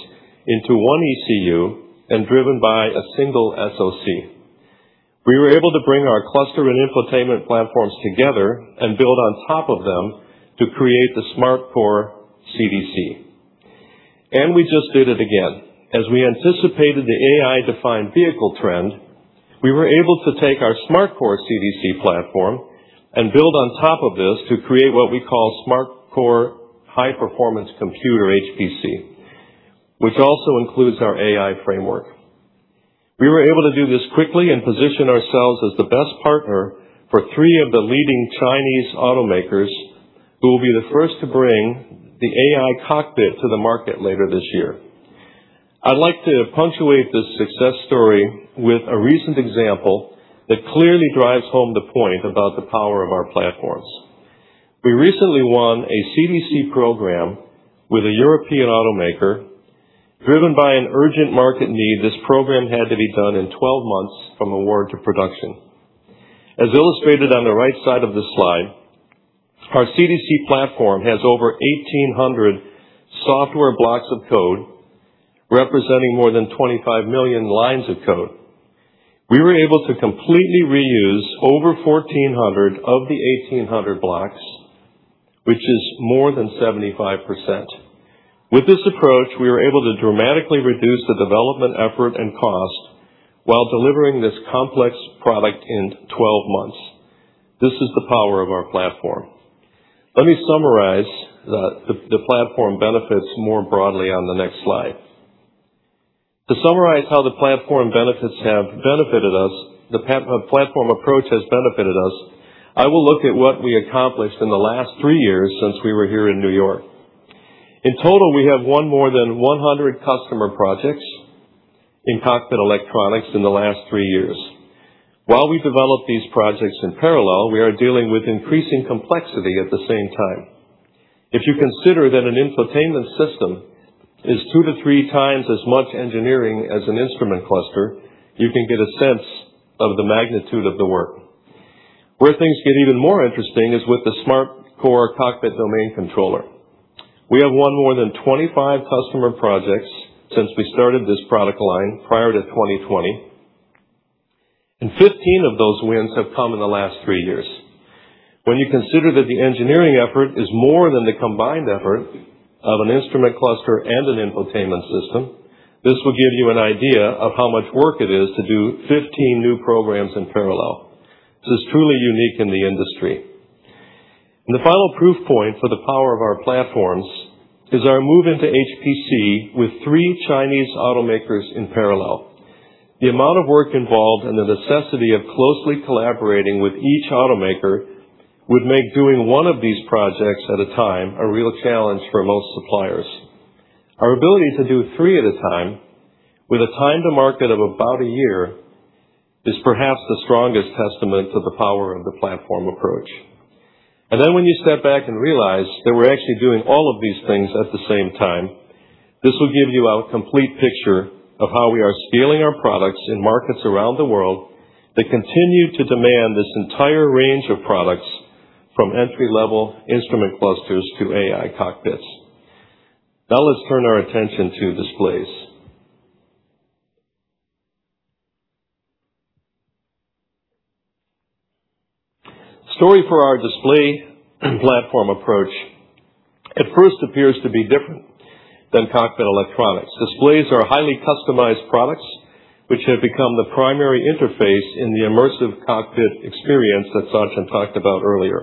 into one ECU and driven by a single SoC. We were able to bring our cluster and infotainment platforms together and build on top of them to create the SmartCore CDC. We just did it again. As we anticipated the AI-defined vehicle trend, we were able to take our SmartCore CDC platform and build on top of this to create what we call SmartCore High-Performance Computer, HPC. Which also includes our AI framework. We were able to do this quickly and position ourselves as the best partner for three of the leading Chinese automakers who will be the first to bring the AI cockpit to the market later this year. I'd like to punctuate this success story with a recent example that clearly drives home the point about the power of our platforms. We recently won a CDC program with a European automaker. Driven by an urgent market need, this program had to be done in 12 months from award to production. As illustrated on the right side of the slide, our CDC platform has over 1,800 software blocks of code representing more than 25 million lines of code. We were able to completely reuse over 1,400 of the 1,800 blocks, which is more than 75%. With this approach, we were able to dramatically reduce the development effort and cost while delivering this complex product in 12 months. This is the power of our platform. Let me summarize the platform benefits more broadly on the next slide. To summarize how the platform approach has benefited us, I will look at what we accomplished in the last three years since we were here in New York. In total, we have won more than 100 customer projects in cockpit electronics in the last three years. While we develop these projects in parallel, we are dealing with increasing complexity at the same time. If you consider that an infotainment system is two to three times as much engineering as an instrument cluster, you can get a sense of the magnitude of the work. Where things get even more interesting is with the SmartCore cockpit domain controller. We have won more than 25 customer projects since we started this product line prior to 2020, and 15 of those wins have come in the last three years. When you consider that the engineering effort is more than the combined effort of an instrument cluster and an infotainment system, this will give you an idea of how much work it is to do 15 new programs in parallel. This is truly unique in the industry. The final proof point for the power of our platforms is our move into HPC with three Chinese automakers in parallel. The amount of work involved and the necessity of closely collaborating with each automaker would make doing one of these projects at a time a real challenge for most suppliers. Our ability to do three at a time with a time to market of about a year is perhaps the strongest testament to the power of the platform approach. When you step back and realize that we're actually doing all of these things at the same time, this will give you a complete picture of how we are scaling our products in markets around the world that continue to demand this entire range of products from entry-level instrument clusters to AI cockpits. Now let's turn our attention to displays. Story for our display platform approach at first appears to be different than cockpit electronics. Displays are highly customized products, which have become the primary interface in the immersive cockpit experience that Sachin talked about earlier.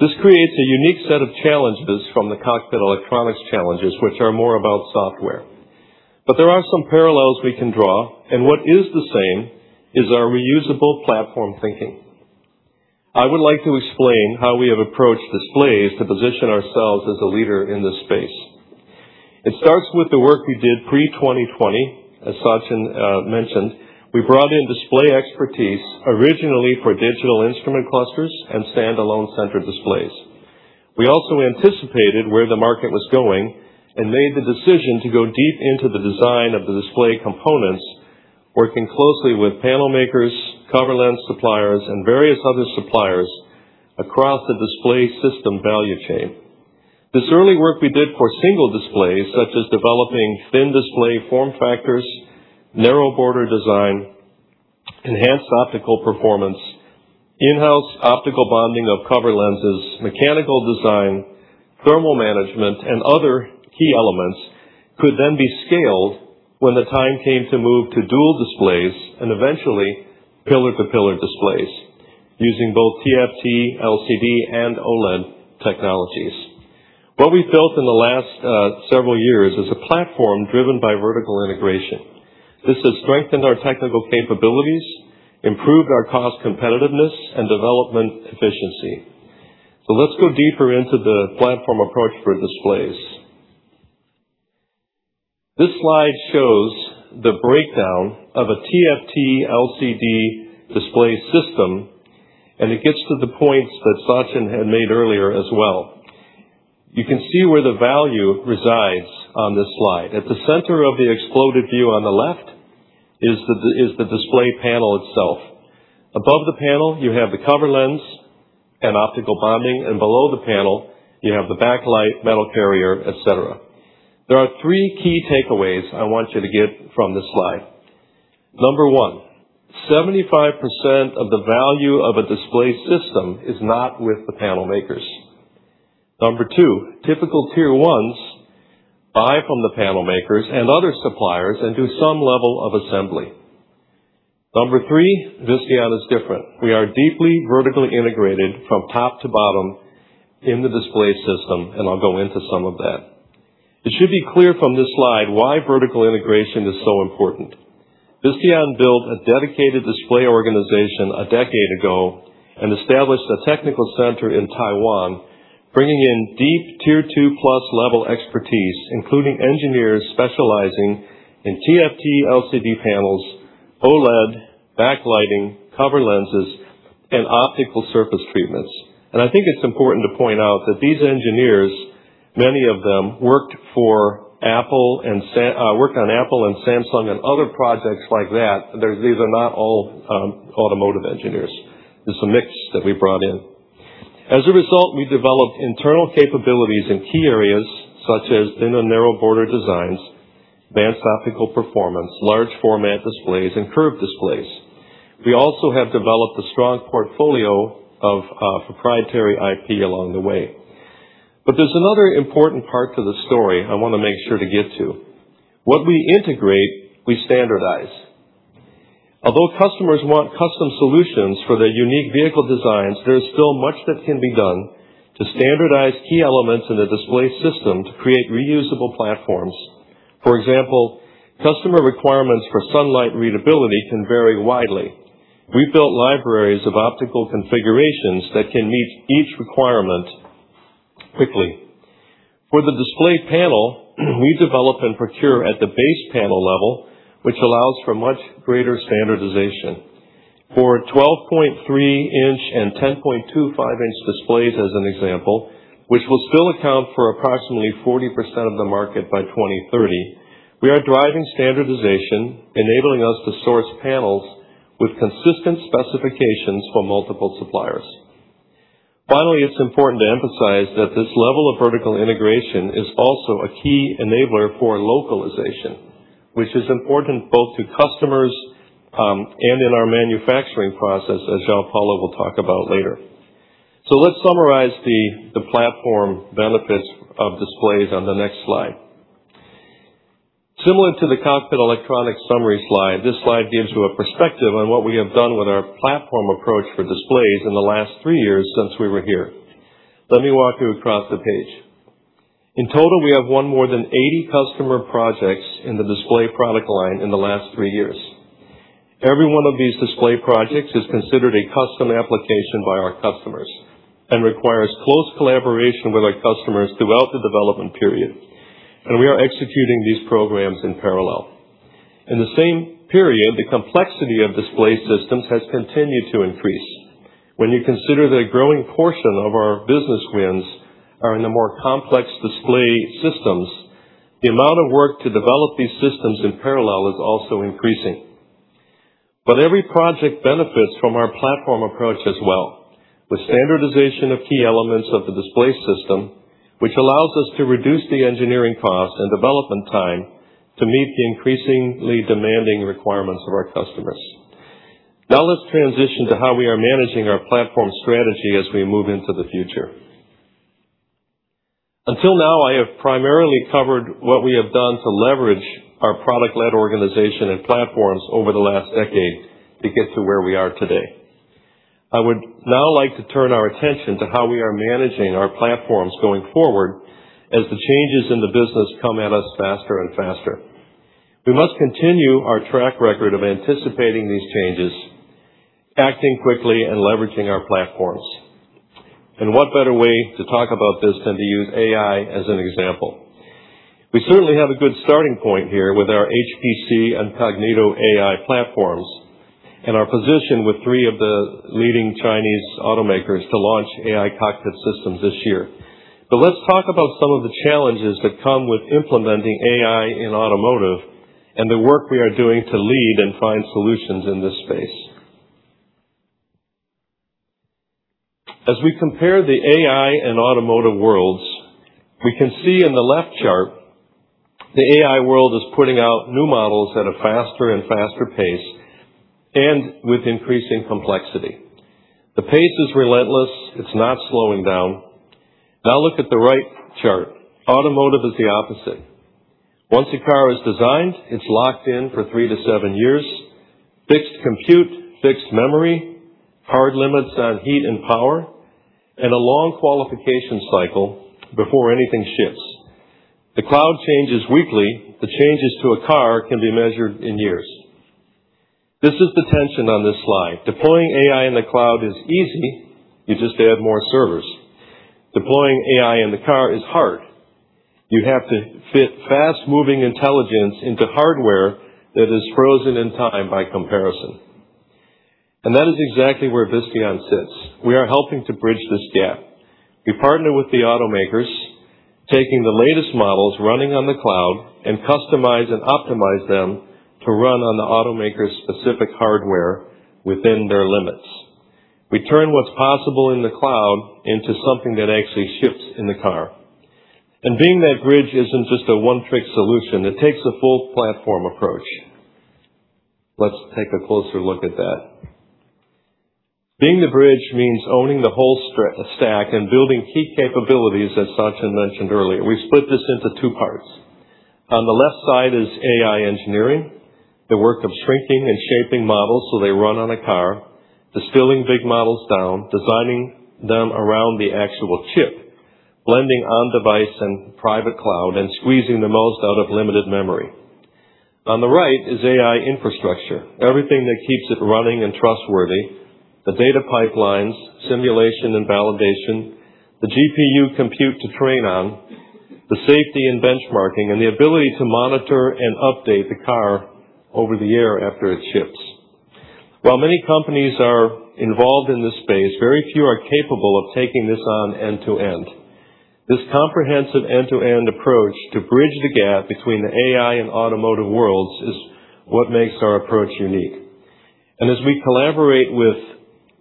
This creates a unique set of challenges from the cockpit electronics challenges, which are more about software. There are some parallels we can draw, what is the same is our reusable platform thinking. I would like to explain how we have approached displays to position ourselves as a leader in this space. It starts with the work we did pre-2020. As Sachin mentioned, we brought in display expertise originally for digital instrument clusters and standalone center displays. We also anticipated where the market was going and made the decision to go deep into the design of the display components, working closely with panel makers, cover lens suppliers, and various other suppliers across the display system value chain. This early work we did for single displays, such as developing thin display form factors, narrow border design, enhanced optical performance, in-house optical bonding of cover lenses, mechanical design, thermal management, other key elements could then be scaled when the time came to move to dual displays, eventually pillar-to-pillar displays using both TFT, LCD, and OLED technologies. What we've built in the last several years is a platform driven by vertical integration. This has strengthened our technical capabilities, improved our cost competitiveness, and development efficiency. Let's go deeper into the platform approach for displays. This slide shows the breakdown of a TFT LCD display system, it gets to the points that Sachin had made earlier as well. You can see where the value resides on this slide. At the center of the exploded view on the left is the display panel itself. Above the panel, you have the cover lens and optical bonding. Below the panel, you have the backlight, metal carrier, et cetera. There are three key takeaways I want you to get from this slide. Number 1, 75% of the value of a display system is not with the panel makers. Number two, typical tier 1s buy from the panel makers and other suppliers and do some level of assembly. Number three, Visteon is different. We are deeply vertically integrated from top to bottom in the display system, and I'll go into some of that. It should be clear from this slide why vertical integration is so important. Visteon built a dedicated display organization a decade ago and established a technical center in Taiwan, bringing in deep tier 2-plus level expertise, including engineers specializing in TFT LCD panels, OLED backlighting, cover lenses, and optical surface treatments. I think it's important to point out that these engineers, many of them, worked on Apple and Samsung and other projects like that. These are not all automotive engineers. It's a mix that we brought in. As a result, we developed internal capabilities in key areas such as in the narrow border designs, advanced optical performance, large format displays, and curved displays. We also have developed a strong portfolio of proprietary IP along the way. There's another important part to the story I want to make sure to get to. What we integrate, we standardize. Although customers want custom solutions for their unique vehicle designs, there is still much that can be done to standardize key elements in the display system to create reusable platforms. For example, customer requirements for sunlight readability can vary widely. We built libraries of optical configurations that can meet each requirement quickly. For the display panel, we develop and procure at the base panel level, which allows for much greater standardization. For 12.3-inch and 10.25-inch displays, as an example, which will still account for approximately 40% of the market by 2030, we are driving standardization, enabling us to source panels with consistent specifications from multiple suppliers. Finally, it's important to emphasize that this level of vertical integration is also a key enabler for localization, which is important both to customers, and in our manufacturing process, as Joao Paulo will talk about later. Let's summarize the platform benefits of displays on the next slide. Similar to the cockpit electronic summary slide, this slide gives you a perspective on what we have done with our platform approach for displays in the last three years since we were here. Let me walk you across the page. In total, we have won more than 80 customer projects in the display product line in the last three years. Every one of these display projects is considered a custom application by our customers and requires close collaboration with our customers throughout the development period, and we are executing these programs in parallel. In the same period, the complexity of display systems has continued to increase. When you consider that a growing portion of our business wins are in the more complex display systems, the amount of work to develop these systems in parallel is also increasing. Every project benefits from our platform approach as well. With standardization of key elements of the display system, which allows us to reduce the engineering cost and development time to meet the increasingly demanding requirements of our customers. Now, let's transition to how we are managing our platform strategy as we move into the future. Until now, I have primarily covered what we have done to leverage our product-led organization and platforms over the last decade to get to where we are today. I would now like to turn our attention to how we are managing our platforms going forward, as the changes in the business come at us faster and faster. We must continue our track record of anticipating these changes, acting quickly, and leveraging our platforms. What better way to talk about this than to use AI as an example? We certainly have a good starting point here with our HPC and cognitoAI platforms and our position with three of the leading Chinese automakers to launch AI cockpit systems this year. Let's talk about some of the challenges that come with implementing AI in automotive and the work we are doing to lead and find solutions in this space. As we compare the AI and automotive worlds, we can see in the left chart, the AI world is putting out new models at a faster and faster pace and with increasing complexity. The pace is relentless. It's not slowing down. Now look at the right chart. Automotive is the opposite. Once a car is designed, it's locked in for three to seven years. Fixed compute, fixed memory, hard limits on heat and power, and a long qualification cycle before anything ships. The cloud changes weekly. The changes to a car can be measured in years. This is the tension on this slide. Deploying AI in the cloud is easy. You just add more servers. Deploying AI in the car is hard. You have to fit fast-moving intelligence into hardware that is frozen in time by comparison. That is exactly where Visteon sits. We are helping to bridge this gap. We partner with the automakers, taking the latest models running on the cloud, and customize and optimize them to run on the automaker's specific hardware within their limits. We turn what's possible in the cloud into something that actually ships in the car. Being that bridge isn't just a one-trick solution. It takes a full platform approach. Let's take a closer look at that. Being the bridge means owning the whole stack and building key capabilities, as Sachin mentioned earlier. We've split this into two parts. On the left side is AI engineering, the work of shrinking and shaping models so they run on a car, distilling big models down, designing them around the actual chip, blending on-device and private cloud, and squeezing the most out of limited memory. On the right is AI infrastructure. Everything that keeps it running and trustworthy, the data pipelines, simulation and validation, the GPU compute to train on, the safety and benchmarking, and the ability to monitor and update the car over the air after it ships. While many companies are involved in this space, very few are capable of taking this on end-to-end. This comprehensive end-to-end approach to bridge the gap between the AI and automotive worlds is what makes our approach unique. As we collaborate with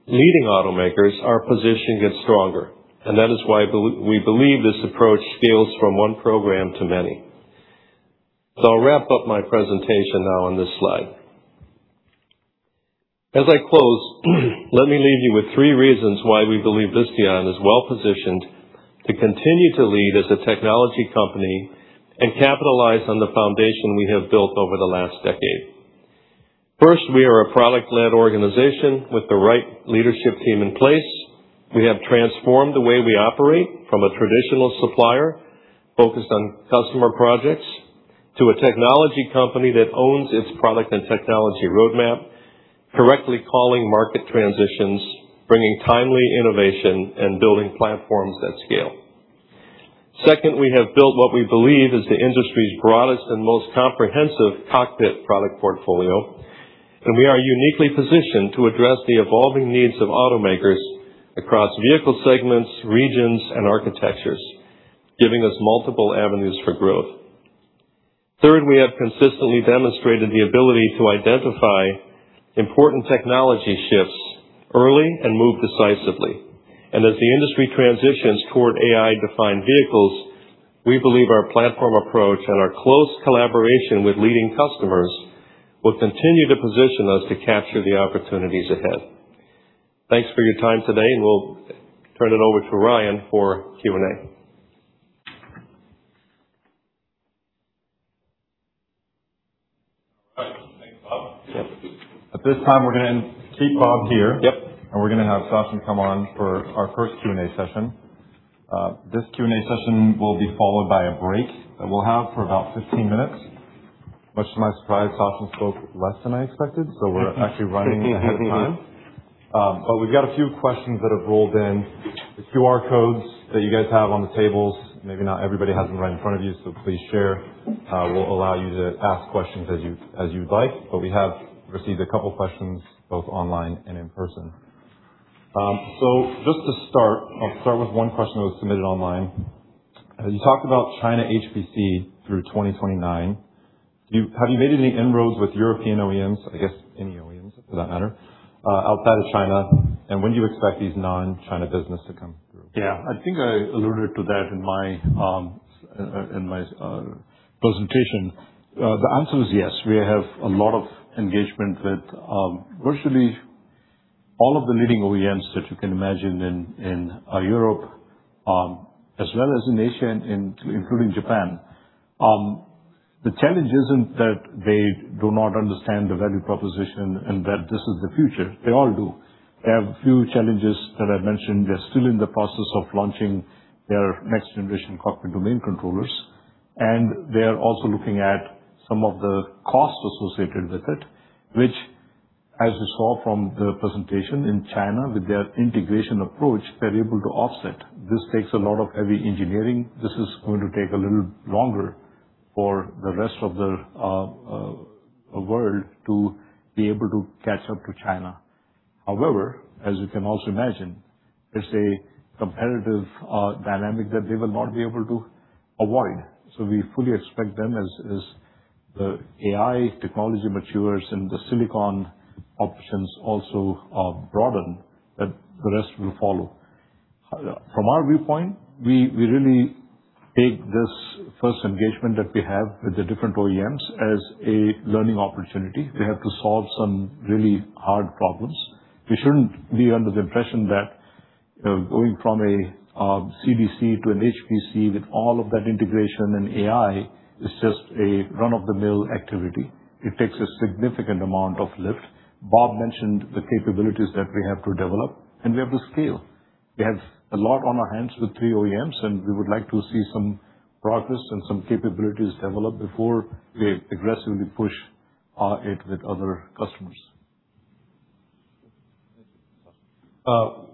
leading automakers, our position gets stronger, and that is why we believe this approach scales from one program to many. I'll wrap up my presentation now on this slide. As I close, let me leave you with three reasons why we believe Visteon is well-positioned to continue to lead as a technology company and capitalize on the foundation we have built over the last decade. First, we are a product-led organization with the right leadership team in place. We have transformed the way we operate from a traditional supplier focused on customer projects to a technology company that owns its product and technology roadmap, correctly calling market transitions, bringing timely innovation, and building platforms at scale. Second, we have built what we believe is the industry's broadest and most comprehensive cockpit product portfolio, and we are uniquely positioned to address the evolving needs of automakers across vehicle segments, regions, and architectures, giving us multiple avenues for growth. Third, we have consistently demonstrated the ability to identify important technology shifts early and move decisively. As the industry transitions toward AI-defined vehicles, we believe our platform approach and our close collaboration with leading customers will continue to position us to capture the opportunities ahead. Thanks for your time today. We'll turn it over to Ryan for Q&A. All right. Thanks, Bob. Yep. At this time, we're gonna keep Bob here. Yep. We're going to have Sachin come on for our first Q&A session. This Q&A session will be followed by a break that we'll have for about 15 minutes. Much to my surprise, Sachin spoke less than I expected, we're actually running ahead of time. We've got a few questions that have rolled in. The QR codes that you guys have on the tables, maybe not everybody has them right in front of you, please share, will allow you to ask questions as you'd like. We have received a couple questions both online and in person. Just to start, I'll start with one question that was submitted online. You talked about China HPC through 2029. Have you made any inroads with European OEMs, I guess any OEMs for that matter, outside of China? When do you expect these non-China business to come through? I think I alluded to that in my presentation. The answer is yes. We have a lot of engagement with virtually all of the leading OEMs that you can imagine in Europe, as well as in Asia, including Japan. The challenge isn't that they do not understand the value proposition and that this is the future. They all do. They have a few challenges that I've mentioned. They're still in the process of launching their next-generation Cockpit Domain Controllers. They are also looking at some of the costs associated with it, which, as you saw from the presentation in China, with their integration approach, they're able to offset. This takes a lot of heavy engineering. This is going to take a little longer for the rest of the world to be able to catch up to China. However, as you can also imagine, it's a competitive dynamic that they will not be able to avoid. We fully expect then as the AI technology matures and the silicon options also broaden, that the rest will follow. From our viewpoint, we really take this first engagement that we have with the different OEMs as a learning opportunity. We have to solve some really hard problems. We shouldn't be under the impression that going from a CDC to an HPC with all of that integration and AI is just a run-of-the-mill activity. It takes a significant amount of lift. Bob mentioned the capabilities that we have to develop, and we have to scale. We have a lot on our hands with three OEMs, and we would like to see some progress and some capabilities developed before we aggressively push it with other customers.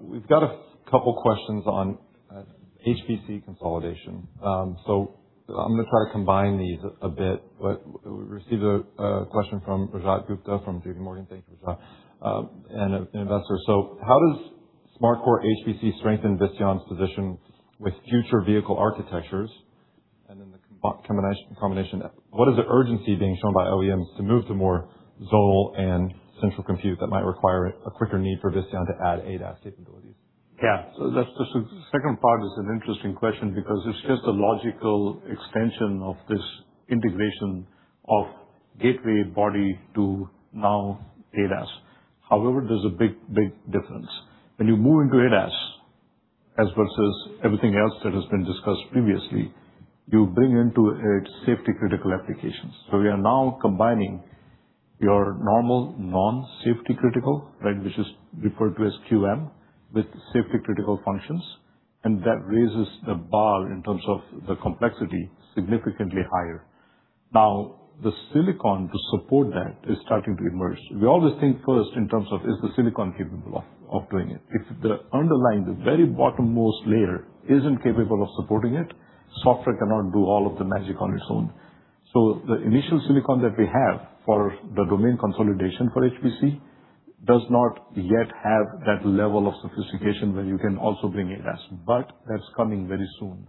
We've got a couple questions on HPC consolidation. I'm going to try to combine these a bit. We received a question from Rajat Gupta from J.P. Morgan. Thank you, Rajat, an investor. How does SmartCore HPC strengthen Visteon's position with future vehicle architectures and then the combination? What is the urgency being shown by OEMs to move to more zonal and central compute that might require a quicker need for Visteon to add ADAS capabilities? Yeah. The second part is an interesting question because it's just a logical extension of this integration of gateway body to now ADAS. However, there's a big difference. When you move into ADAS, as versus everything else that has been discussed previously, you bring into it safety-critical applications. We are now combining your normal non-safety critical, which is referred to as QM, with safety-critical functions, and that raises the bar in terms of the complexity significantly higher. The silicon to support that is starting to emerge. We always think first in terms of, is the silicon capable of doing it? If the underlying, the very bottommost layer isn't capable of supporting it, software cannot do all of the magic on its own. The initial silicon that we have for the domain consolidation for HPC does not yet have that level of sophistication where you can also bring ADAS, but that's coming very soon.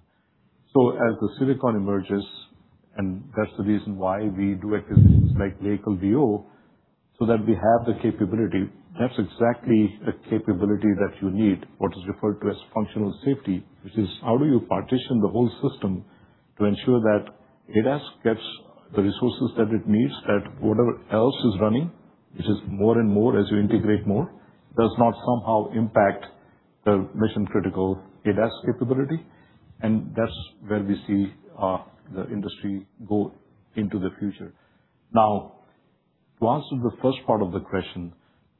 As the silicon emerges, and that's the reason why we do acquisitions like Vehicle VO, so that we have the capability. That's exactly a capability that you need, what is referred to as functional safety, which is how do you partition the whole system to ensure that ADAS gets the resources that it needs, that whatever else is running, which is more and more as you integrate more, does not somehow impact the mission-critical ADAS capability. That's where we see the industry go into the future. To answer the first part of the question,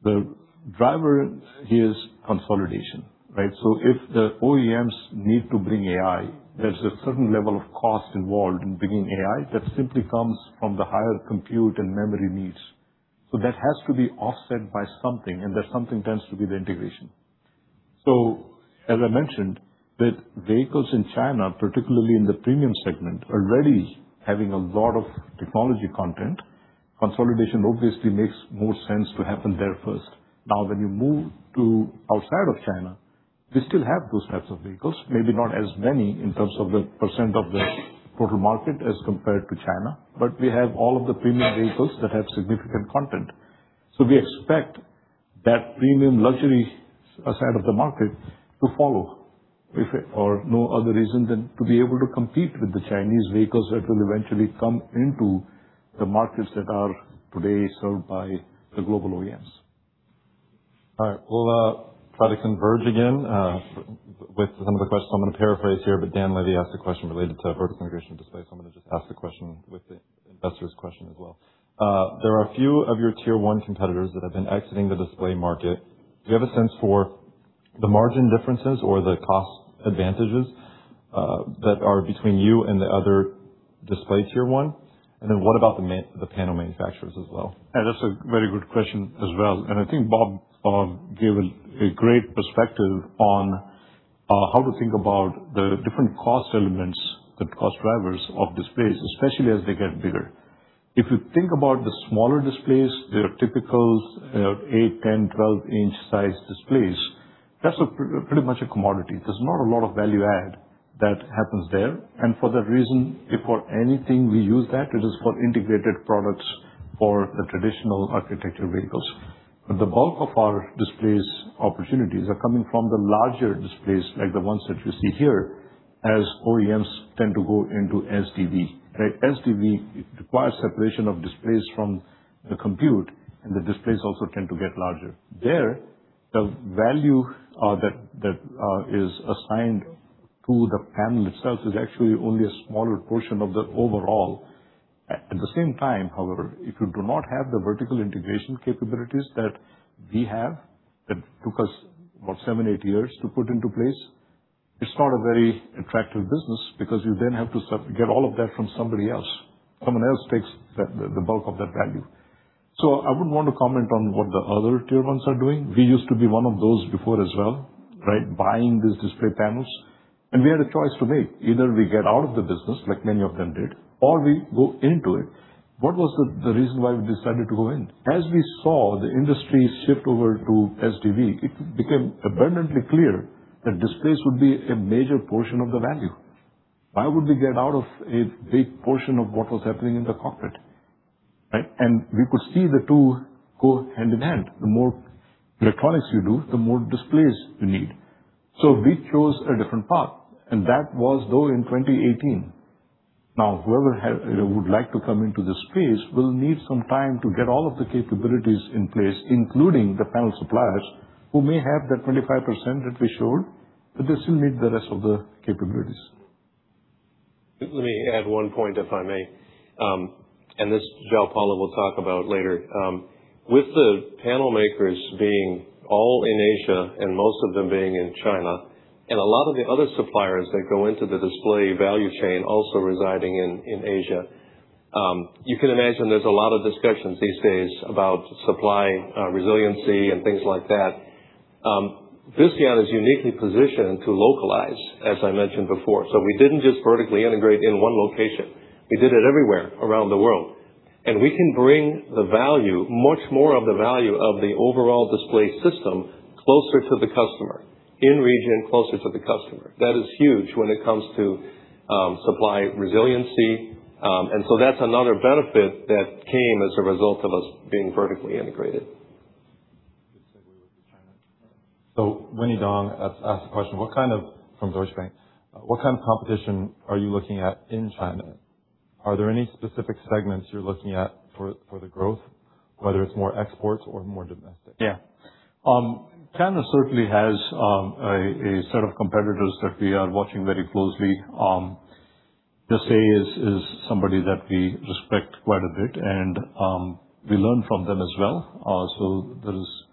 the driver here is consolidation, right? If the OEMs need to bring AI, there's a certain level of cost involved in bringing AI that simply comes from the higher compute and memory needs. That has to be offset by something, and that something tends to be the integration. As I mentioned, with vehicles in China, particularly in the premium segment, already having a lot of technology content, consolidation obviously makes more sense to happen there first. When you move to outside of China, we still have those types of vehicles, maybe not as many in terms of the percent of the total market as compared to China. We have all of the premium vehicles that have significant content. We expect that premium luxury side of the market to follow if for no other reason than to be able to compete with the Chinese vehicles that will eventually come into the markets that are today served by the global OEMs. All right. We'll try to converge again with some of the questions I'm going to paraphrase here. Dan Levy asked a question related to vertical integration displays. I'm going to just ask the question with the investor's question as well. There are a few of your tier one competitors that have been exiting the display market. Do you have a sense for the margin differences or the cost advantages that are between you and the other display tier one? What about the panel manufacturers as well? That's a very good question as well. I think Bob Vallance gave a great perspective on how to think about the different cost elements, the cost drivers of displays, especially as they get bigger. If you think about the smaller displays, your typical 8, 10, 12 inch size displays, that's pretty much a commodity. There's not a lot of value add that happens there. For that reason, if for anything we use that, it is for integrated products for the traditional architecture vehicles. The bulk of our displays opportunities are coming from the larger displays, like the ones that you see here, as OEMs tend to go into SDV. SDV requires separation of displays from the compute, and the displays also tend to get larger. There, the value that is assigned to the panel itself is actually only a smaller portion of the overall. At the same time, however, if you do not have the vertical integration capabilities that we have, that took us about 7, 8 years to put into place, it's not a very attractive business because you then have to get all of that from somebody else. Someone else takes the bulk of that value. I wouldn't want to comment on what the other tier ones are doing. We used to be one of those before as well, buying these display panels. We had a choice to make. Either we get out of the business, like many of them did, or we go into it. What was the reason why we decided to go in? As we saw the industry shift over to SDV, it became abundantly clear that displays would be a major portion of the value. Why would we get out of a big portion of what was happening in the cockpit? We could see the two go hand in hand. The more electronics you do, the more displays you need. We chose a different path, and that was though in 2018. Whoever would like to come into this space will need some time to get all of the capabilities in place, including the panel suppliers, who may have that 25% that we showed, but they still need the rest of the capabilities. Let me add one point, if I may. This, Joao Paulo will talk about later. With the panel makers being all in Asia and most of them being in China, a lot of the other suppliers that go into the display value chain also residing in Asia, you can imagine there's a lot of discussions these days about supply resiliency and things like that. Visteon is uniquely positioned to localize, as I mentioned before. We didn't just vertically integrate in one location. We did it everywhere around the world. We can bring the value, much more of the value of the overall display system closer to the customer, in region, closer to the customer. That is huge when it comes to supply resiliency. That's another benefit that came as a result of us being vertically integrated. Winnie Dong asked a question, from Deutsche Bank, "What kind of competition are you looking at in China? Are there any specific segments you're looking at for the growth, whether it's more exports or more domestic? Yeah. China certainly has a set of competitors that we are watching very closely. Just say is somebody that we respect quite a bit, we learn from them as well. There's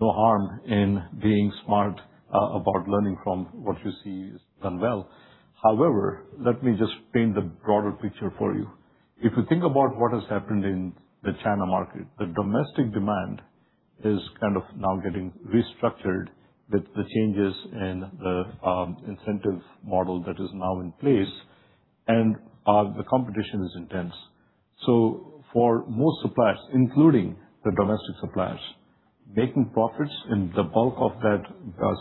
no harm in being smart about learning from what you see is done well. However, let me just paint the broader picture for you. If you think about what has happened in the China market, the domestic demand is kind of now getting restructured with the changes in the incentive model that is now in place, the competition is intense. For most suppliers, including the domestic suppliers, making profits in the bulk of that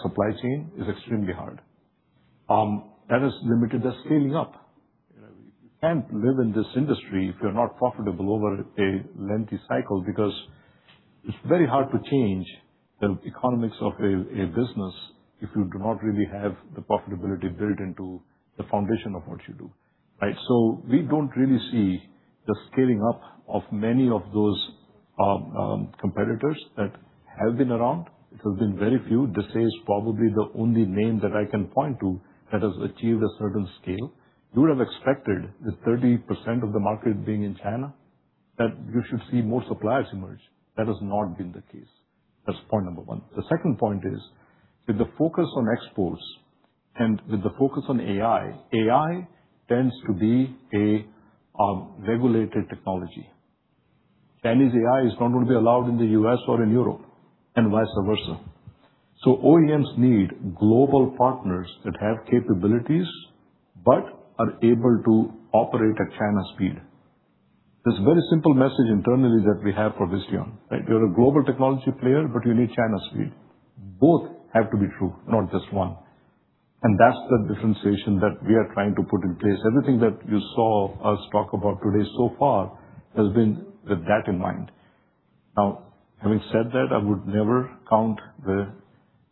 supply chain is extremely hard. That has limited their scaling up. You can't live in this industry if you're not profitable over a lengthy cycle because it's very hard to change the economics of a business if you do not really have the profitability built into the foundation of what you do. Right? We don't really see the scaling up of many of those competitors that have been around. It has been very few. This is probably the only name that I can point to that has achieved a certain scale. You would have expected with 30% of the market being in China, that you should see more suppliers emerge. That has not been the case. That's point number one. The second point is, with the focus on exports with the focus on AI tends to be a regulated technology. Chinese AI is not going to be allowed in the U.S. or in Europe, vice versa. OEMs need global partners that have capabilities but are able to operate at China speed. That's a very simple message internally that we have for Visteon. Right? We are a global technology player, but we need China speed. Both have to be true, not just one. That's the differentiation that we are trying to put in place. Everything that you saw us talk about today so far has been with that in mind. Having said that, I would never count the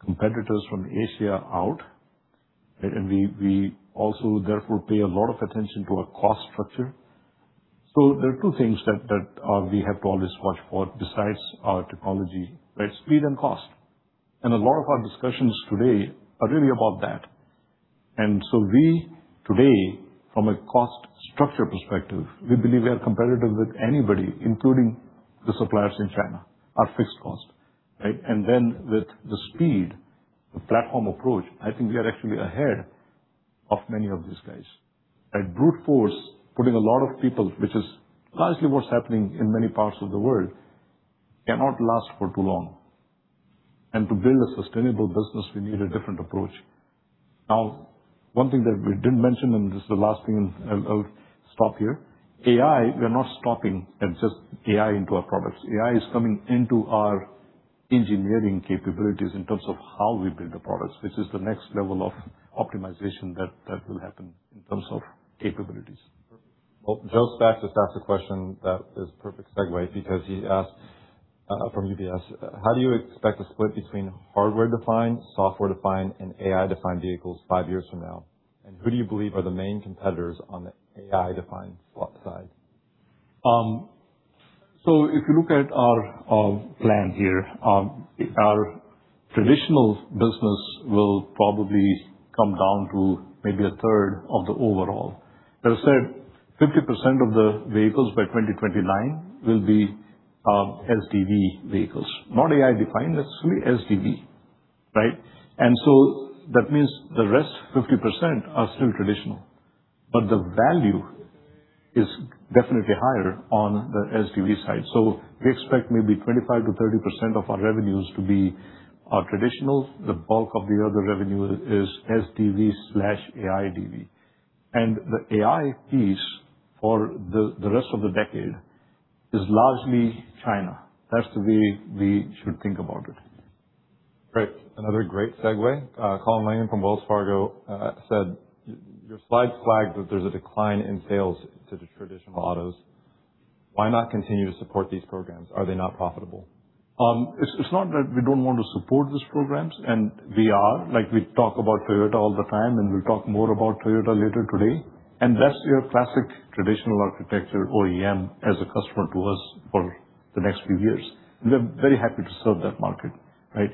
competitors from Asia out. We also therefore pay a lot of attention to our cost structure. There are two things that we have to always watch for besides our technology, right? Speed and cost. A lot of our discussions today are really about that. We today, from a cost structure perspective, we believe we are competitive with anybody, including the suppliers in China, our fixed cost. Right? With the speed platform approach, I think we are actually ahead of many of these guys. A brute force putting a lot of people, which is largely what's happening in many parts of the world, cannot last for too long. To build a sustainable business, we need a different approach. Now, one thing that we didn't mention, and this is the last thing and I'll stop here. AI, we are not stopping at just AI into our products. AI is coming into our engineering capabilities in terms of how we build the products, which is the next level of optimization that will happen in terms of capabilities. Well, Joseph Spak just asked a question that is a perfect segue because he asked, from UBS, "How do you expect to split between hardware-defined, software-defined, and AI-defined vehicles five years from now? Who do you believe are the main competitors on the AI-defined side? If you look at our plan here, our traditional business will probably come down to maybe a third of the overall. That said, 50% of the vehicles by 2029 will be SDV vehicles. Not AI-defined, that's SDV. Right? That means the rest, 50%, are still traditional. The value is definitely higher on the SDV side. We expect maybe 25%-30% of our revenues to be our traditional. The bulk of the other revenue is SDV/AIDV. The AI piece for the rest of the decade is largely China. That's the way we should think about it. Great. Another great segue. Colin Langan from Wells Fargo said, "Your slide flagged that there's a decline in sales to the traditional autos. Why not continue to support these programs? Are they not profitable? It's not that we don't want to support these programs, and we are. We talk about Toyota all the time, and we'll talk more about Toyota later today. That's your classic traditional architecture OEM as a customer to us for the next few years. We are very happy to serve that market. Right?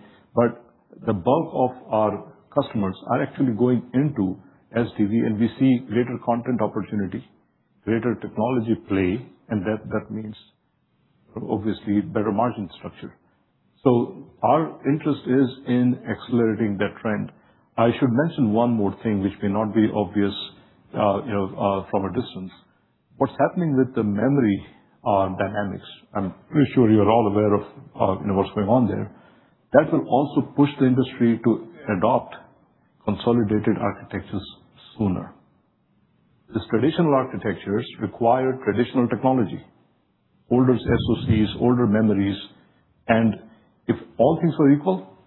The bulk of our customers are actually going into SDV, and we see greater content opportunity, greater technology play, and that means obviously better margin structure. Our interest is in accelerating that trend. I should mention one more thing which may not be obvious from a distance. What's happening with the memory dynamics, I'm pretty sure you are all aware of what's going on there. That will also push the industry to adopt consolidated architectures sooner. These traditional architectures require traditional technology Older SoCs, older memories. If all things are equal,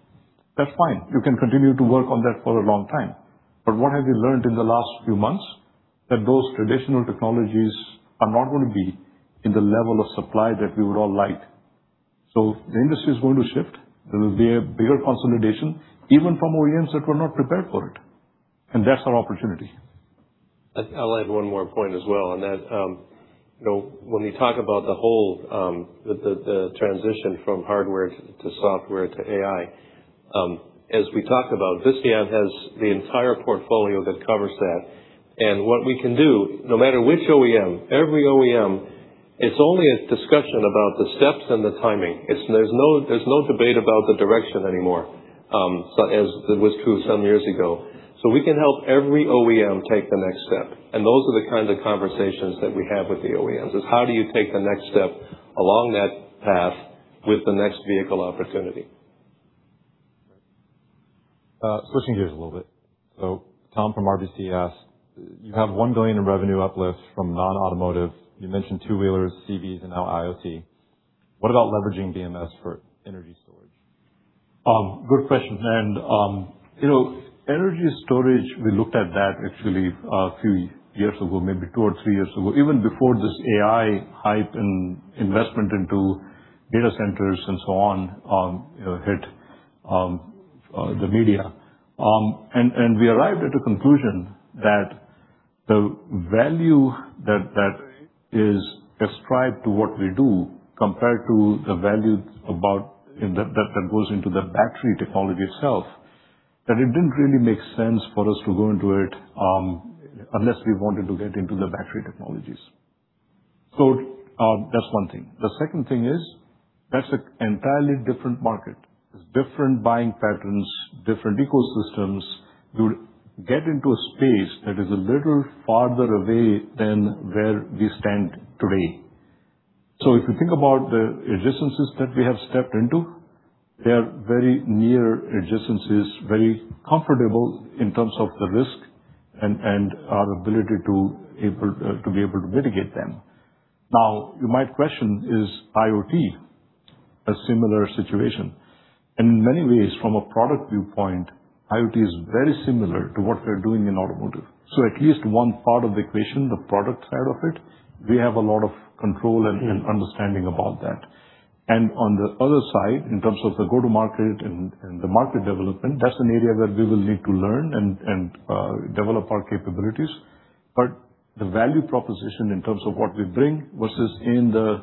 that's fine. You can continue to work on that for a long time. What have we learned in the last few months? That those traditional technologies are not going to be in the level of supply that we would all like. The industry is going to shift. There will be a bigger consolidation, even from OEMs that were not prepared for it, and that's our opportunity. I'll add one more point as well on that. When we talk about the whole, the transition from hardware to software to AI. As we talk about, Visteon has the entire portfolio that covers that. What we can do, no matter which OEM, every OEM, it's only a discussion about the steps and the timing. There's no debate about the direction anymore, as was true some years ago. We can help every OEM take the next step, and those are the kinds of conversations that we have with the OEMs, is how do you take the next step along that path with the next vehicle opportunity? Switching gears a little bit. Tom from RBC asked, you have $1 billion in revenue uplift from non-automotive. You mentioned two-wheelers, CVs, and now IoT. What about leveraging BMS for energy storage? Good question. Energy storage, we looked at that actually a few years ago, maybe two or three years ago, even before this AI hype and investment into data centers and so on hit the media. We arrived at a conclusion that the value that is ascribed to what we do compared to the value that goes into the battery technology itself, that it didn't really make sense for us to go into it, unless we wanted to get into the battery technologies. That's one thing. The second thing is that's an entirely different market. There's different buying patterns, different ecosystems. You'll get into a space that is a little farther away than where we stand today. If you think about the adjacencies that we have stepped into, they are very near adjacencies, very comfortable in terms of the risk and our ability to be able to mitigate them. Now, you might question, is IoT a similar situation? In many ways, from a product viewpoint, IoT is very similar to what we're doing in automotive. At least one part of the equation, the product side of it, we have a lot of control and understanding about that. On the other side, in terms of the go-to-market and the market development, that's an area where we will need to learn and develop our capabilities. The value proposition in terms of what we bring versus in the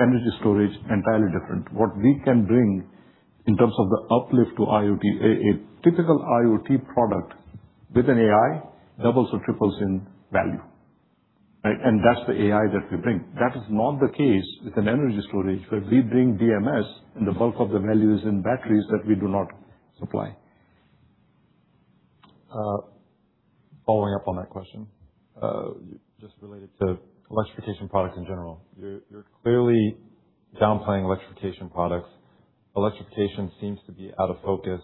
energy storage, entirely different. What we can bring in terms of the uplift to IoT, a typical IoT product with an AI doubles or triples in value, right? That's the AI that we bring. That is not the case with an energy storage, where we bring BMS and the bulk of the value is in batteries that we do not supply. Following up on that question, just related to electrification products in general. You are clearly downplaying electrification products. Electrification seems to be out of focus.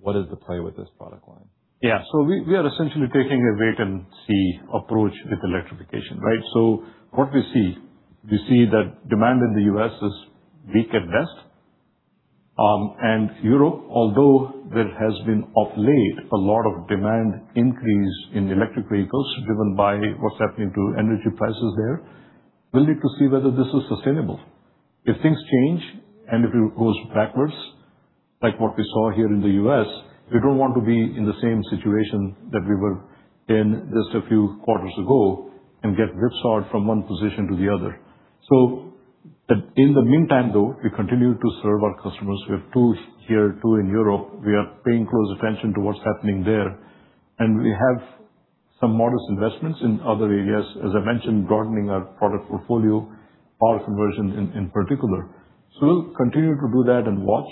What is the play with this product line? We are essentially taking a wait-and-see approach with electrification, right? What we see, we see that demand in the U.S. is weak at best. Europe, although there has been of late a lot of demand increase in electric vehicles driven by what is happening to energy prices there, we will need to see whether this is sustainable. If things change and if it goes backwards, like what we saw here in the U.S., we do not want to be in the same situation that we were in just a few quarters ago and get whipsawed from one position to the other. In the meantime, though, we continue to serve our customers. We have two here, two in Europe. We are paying close attention to what is happening there. We have some modest investments in other areas, as I mentioned, broadening our product portfolio, power conversion in particular. We will continue to do that and watch.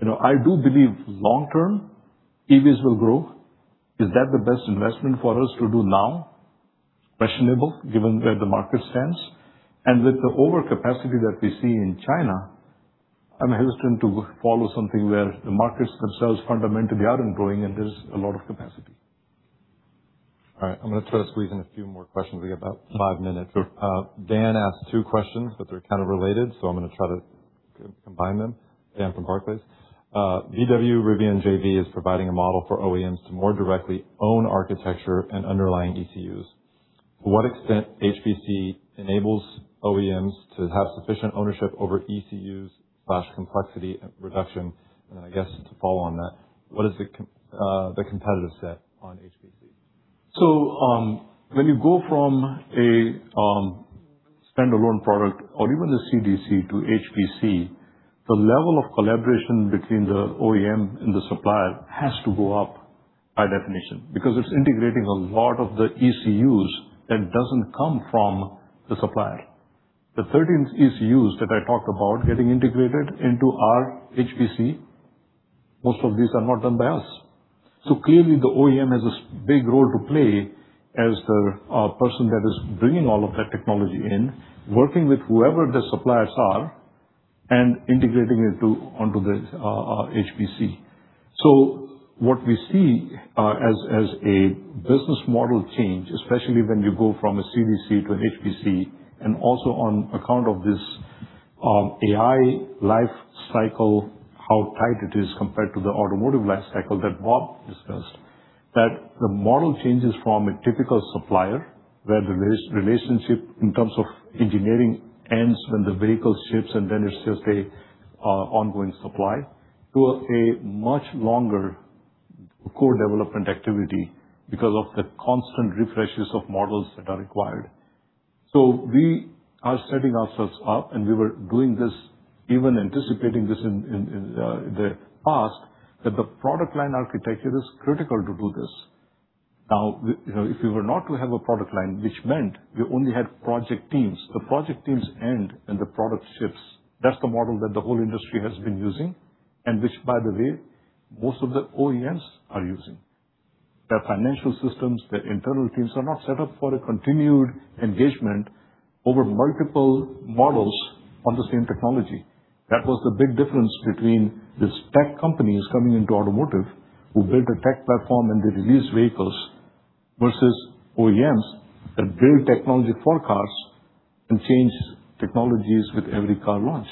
I do believe long term, EVs will grow. Is that the best investment for us to do now? Questionable, given where the market stands. With the overcapacity that we see in China, I am hesitant to follow something where the markets themselves fundamentally aren't growing and there is a lot of capacity. I am going to try to squeeze in a few more questions. We got about five minutes. Dan asked two questions, but they are kind of related, I am going to try to combine them. Dan from Barclays. VW Rivian JV is providing a model for OEMs to more directly own architecture and underlying ECUs. To what extent HPC enables OEMs to have sufficient ownership over ECUs/complexity reduction? What is the competitive set on HPC? When you go from a standalone product or even the CDC to HPC, the level of collaboration between the OEM and the supplier has to go up by definition, because it's integrating a lot of the ECUs that doesn't come from the supplier. The 13 ECUs that I talked about getting integrated into our HPC, most of these are not done by us. Clearly the OEM has a big role to play as the person that is bringing all of that technology in, working with whoever the suppliers are integrating it onto this HPC. What we see as a business model change, especially when you go from a CDC to HPC, and also on account of this AI life cycle, how tight it is compared to the automotive life cycle that Bob discussed, that the model changes from a typical supplier, where the relationship in terms of engineering ends when the vehicle ships, and then it's just an ongoing supply, to a much longer core development activity because of the constant refreshes of models that are required. We are setting ourselves up, and we were doing this, even anticipating this in the past, that the product line architecture is critical to do this. If we were not to have a product line, which meant we only had project teams. The project teams end when the product ships. That's the model that the whole industry has been using, and which, by the way, most of the OEMs are using. Their financial systems, their internal teams are not set up for a continued engagement over multiple models on the same technology. That was the big difference between these tech companies coming into automotive who build a tech platform and they release vehicles, versus OEMs that build technology forecasts and change technologies with every car launch.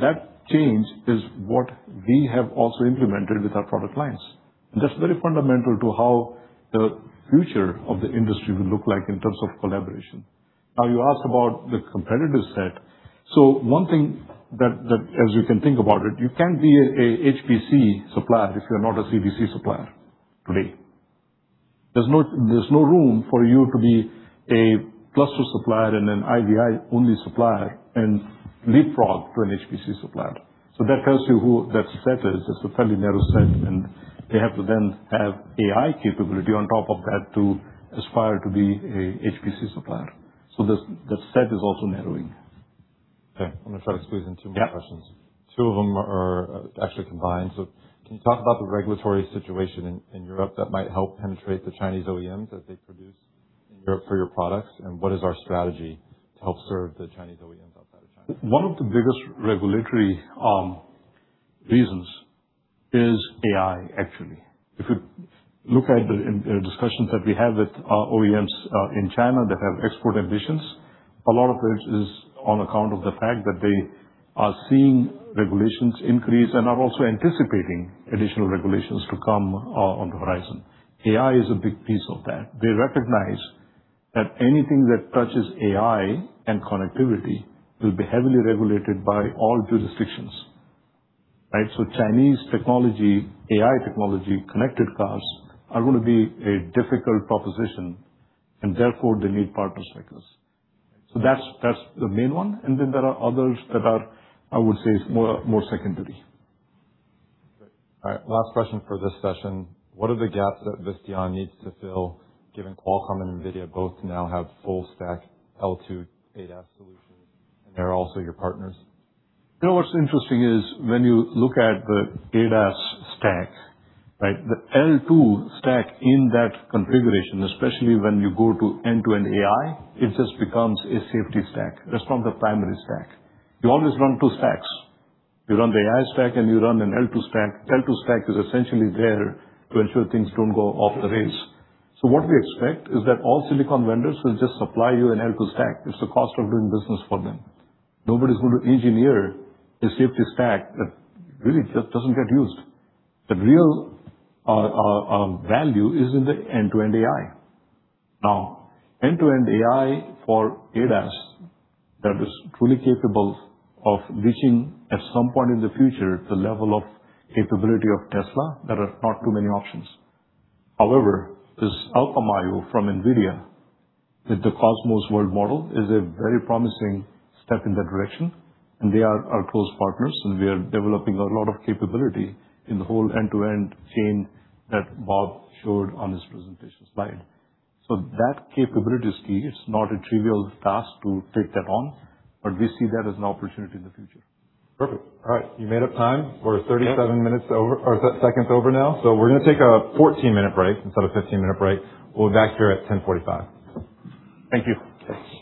That change is what we have also implemented with our product lines. That's very fundamental to how the future of the industry will look like in terms of collaboration. You ask about the competitor set. One thing that, as you can think about it, you can't be a HPC supplier if you're not a CDC supplier today. There's no room for you to be a cluster supplier and an IVI-only supplier and leapfrog to an HPC supplier. That tells you who that set is. It's a fairly narrow set, and they have to then have AI capability on top of that to aspire to be a HPC supplier. The set is also narrowing. Okay, I'm going to try to squeeze in two more questions. Yeah. Two of them are actually combined. Can you talk about the regulatory situation in Europe that might help penetrate the Chinese OEMs as they produce in Europe for your products? What is our strategy to help serve the Chinese OEMs outside of China? One of the biggest regulatory reasons is AI, actually. If you look at the discussions that we have with our OEMs in China that have export ambitions, a lot of this is on account of the fact that they are seeing regulations increase and are also anticipating additional regulations to come on the horizon. AI is a big piece of that. They recognize that anything that touches AI and connectivity will be heavily regulated by all jurisdictions. Right? Chinese technology, AI technology, connected cars are going to be a difficult proposition, and therefore they need partners like us. That's the main one, and then there are others that are, I would say, is more secondary. Great. All right. Last question for this session. What are the gaps that Visteon needs to fill given Qualcomm and Nvidia both now have full stack L2 ADAS solutions, and they're also your partners? What's interesting is when you look at the ADAS stack, right, the L2 stack in that configuration, especially when you go to end-to-end AI, it just becomes a safety stack. That's not the primary stack. You always run two stacks. You run the AI stack, and you run an L2 stack. L2 stack is essentially there to ensure things don't go off the rails. What we expect is that all silicon vendors will just supply you an L2 stack. It's the cost of doing business for them. Nobody's going to engineer a safety stack that really just doesn't get used. The real value is in the end-to-end AI. End-to-end AI for ADAS that is truly capable of reaching, at some point in the future, the level of capability of Tesla, there are not too many options. However, this Alpha Mayo from Nvidia, with the Cosmos World model, is a very promising step in that direction, and they are our close partners, and we are developing a lot of capability in the whole end-to-end chain that Bob showed on his presentation slide. That capability, Steve, is not a trivial task to take that on, but we see that as an opportunity in the future. Perfect. All right. You made up time. We're 37 minutes over or seconds over now. We're gonna take a 14-minute break instead of a 15-minute break. We'll be back here at 10:45. Thank you. Thanks.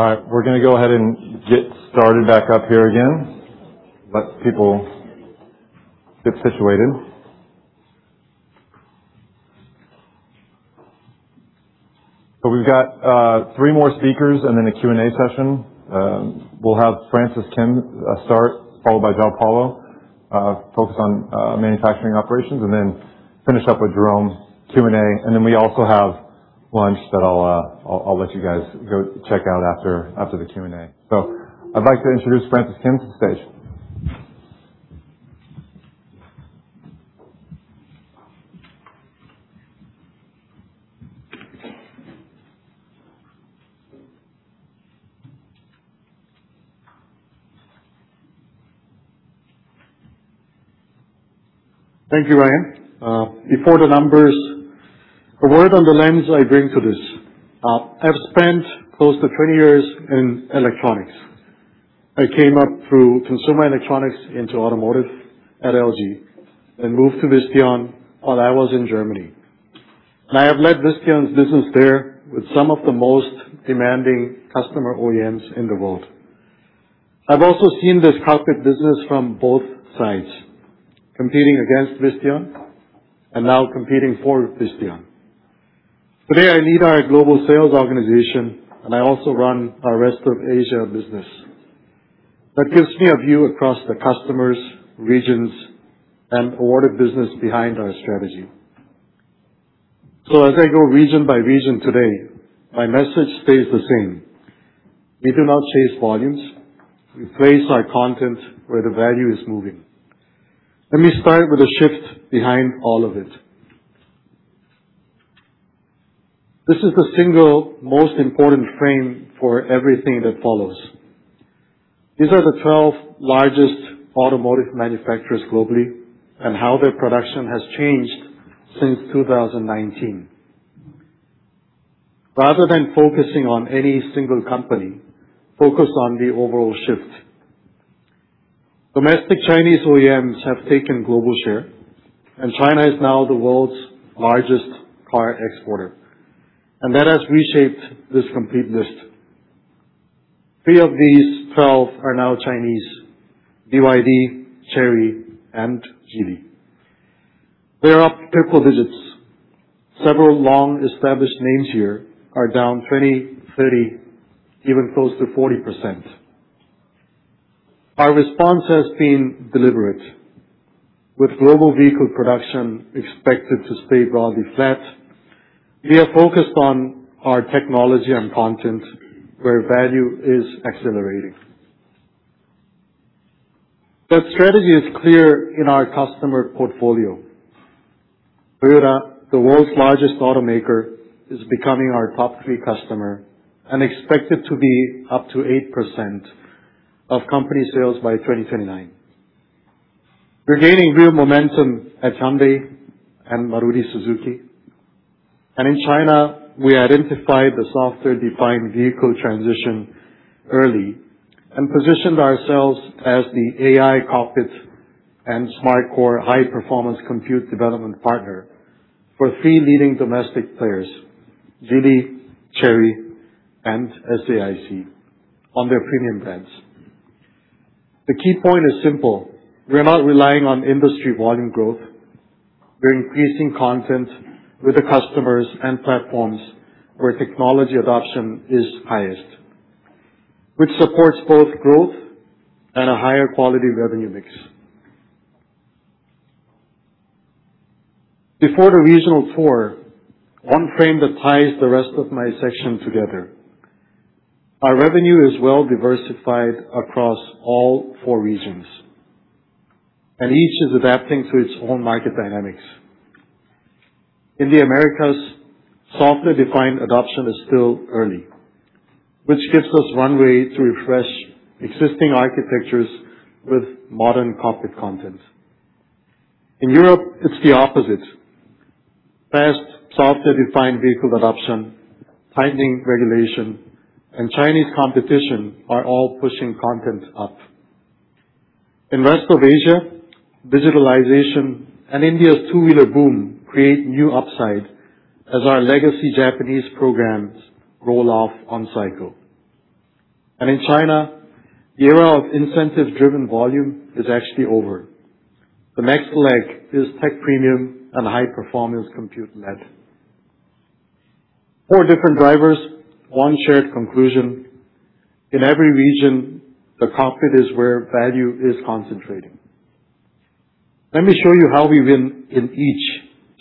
All right. We're going to go ahead and get started back up here again. Let people get situated. We've got three more speakers and then a Q&A session. We'll have Francis Kim start, followed by Joao Paulo, focus on manufacturing operations, and then finish up with Jerome's Q&A. We also have lunch that I'll let you guys go check out after the Q&A. I'd like to introduce Francis Kim to the stage. Thank you, Ryan. Before the numbers, a word on the lens I bring to this. I've spent close to 20 years in electronics. I came up through consumer electronics into automotive at LG and moved to Visteon while I was in Germany. I have led Visteon's business there with some of the most demanding customer OEMs in the world. I've also seen this cockpit business from both sides, competing against Visteon and now competing for Visteon. Today, I lead our global sales organization, and I also run our rest of Asia business. That gives me a view across the customers, regions, and awarded business behind our strategy. As I go region by region today, my message stays the same. We do not chase volumes. We place our content where the value is moving. Let me start with the shift behind all of it. This is the single most important frame for everything that follows. These are the 12 largest automotive manufacturers globally and how their production has changed since 2019. Rather than focusing on any single company, focus on the overall shift. Domestic Chinese OEMs have taken global share, and China is now the world's largest car exporter, and that has reshaped this complete list. three of these 12 are now Chinese, BYD, Chery, and Geely. They are up triple digits. Several long-established names here are down 20%, 30%, even close to 40%. Our response has been deliberate. With global vehicle production expected to stay broadly flat, we are focused on our technology and content where value is accelerating. That strategy is clear in our customer portfolio. Toyota, the world's largest automaker, is becoming our top three customer and expected to be up to 8% of company sales by 2029. We're gaining real momentum at Hyundai and Maruti Suzuki. In China, we identified the software-defined vehicle transition early and positioned ourselves as the AI cockpit and SmartCore high-performance compute development partner for three leading domestic players, Geely, Chery, and SAIC, on their premium brands. The key point is simple. We are not relying on industry volume growth. We're increasing content with the customers and platforms where technology adoption is highest, which supports both growth and a higher quality revenue mix. Before the regional tour, one frame that ties the rest of my section together. Our revenue is well diversified across all four regions, and each is adapting to its own market dynamics. In the Americas, software-defined adoption is still early, which gives us runway to refresh existing architectures with modern cockpit content. In Europe, it's the opposite. Fast software-defined vehicle adoption, tightening regulation, and Chinese competition are all pushing content up. In Rest of Asia, digitalization and India's two-wheeler boom create new upside as our legacy Japanese programs roll off on cycle. In China, the era of incentive-driven volume is actually over. The next leg is tech premium and High-Performance Compute led. Four different drivers, one shared conclusion. In every region, the cockpit is where value is concentrating. Let me show you how we win in each,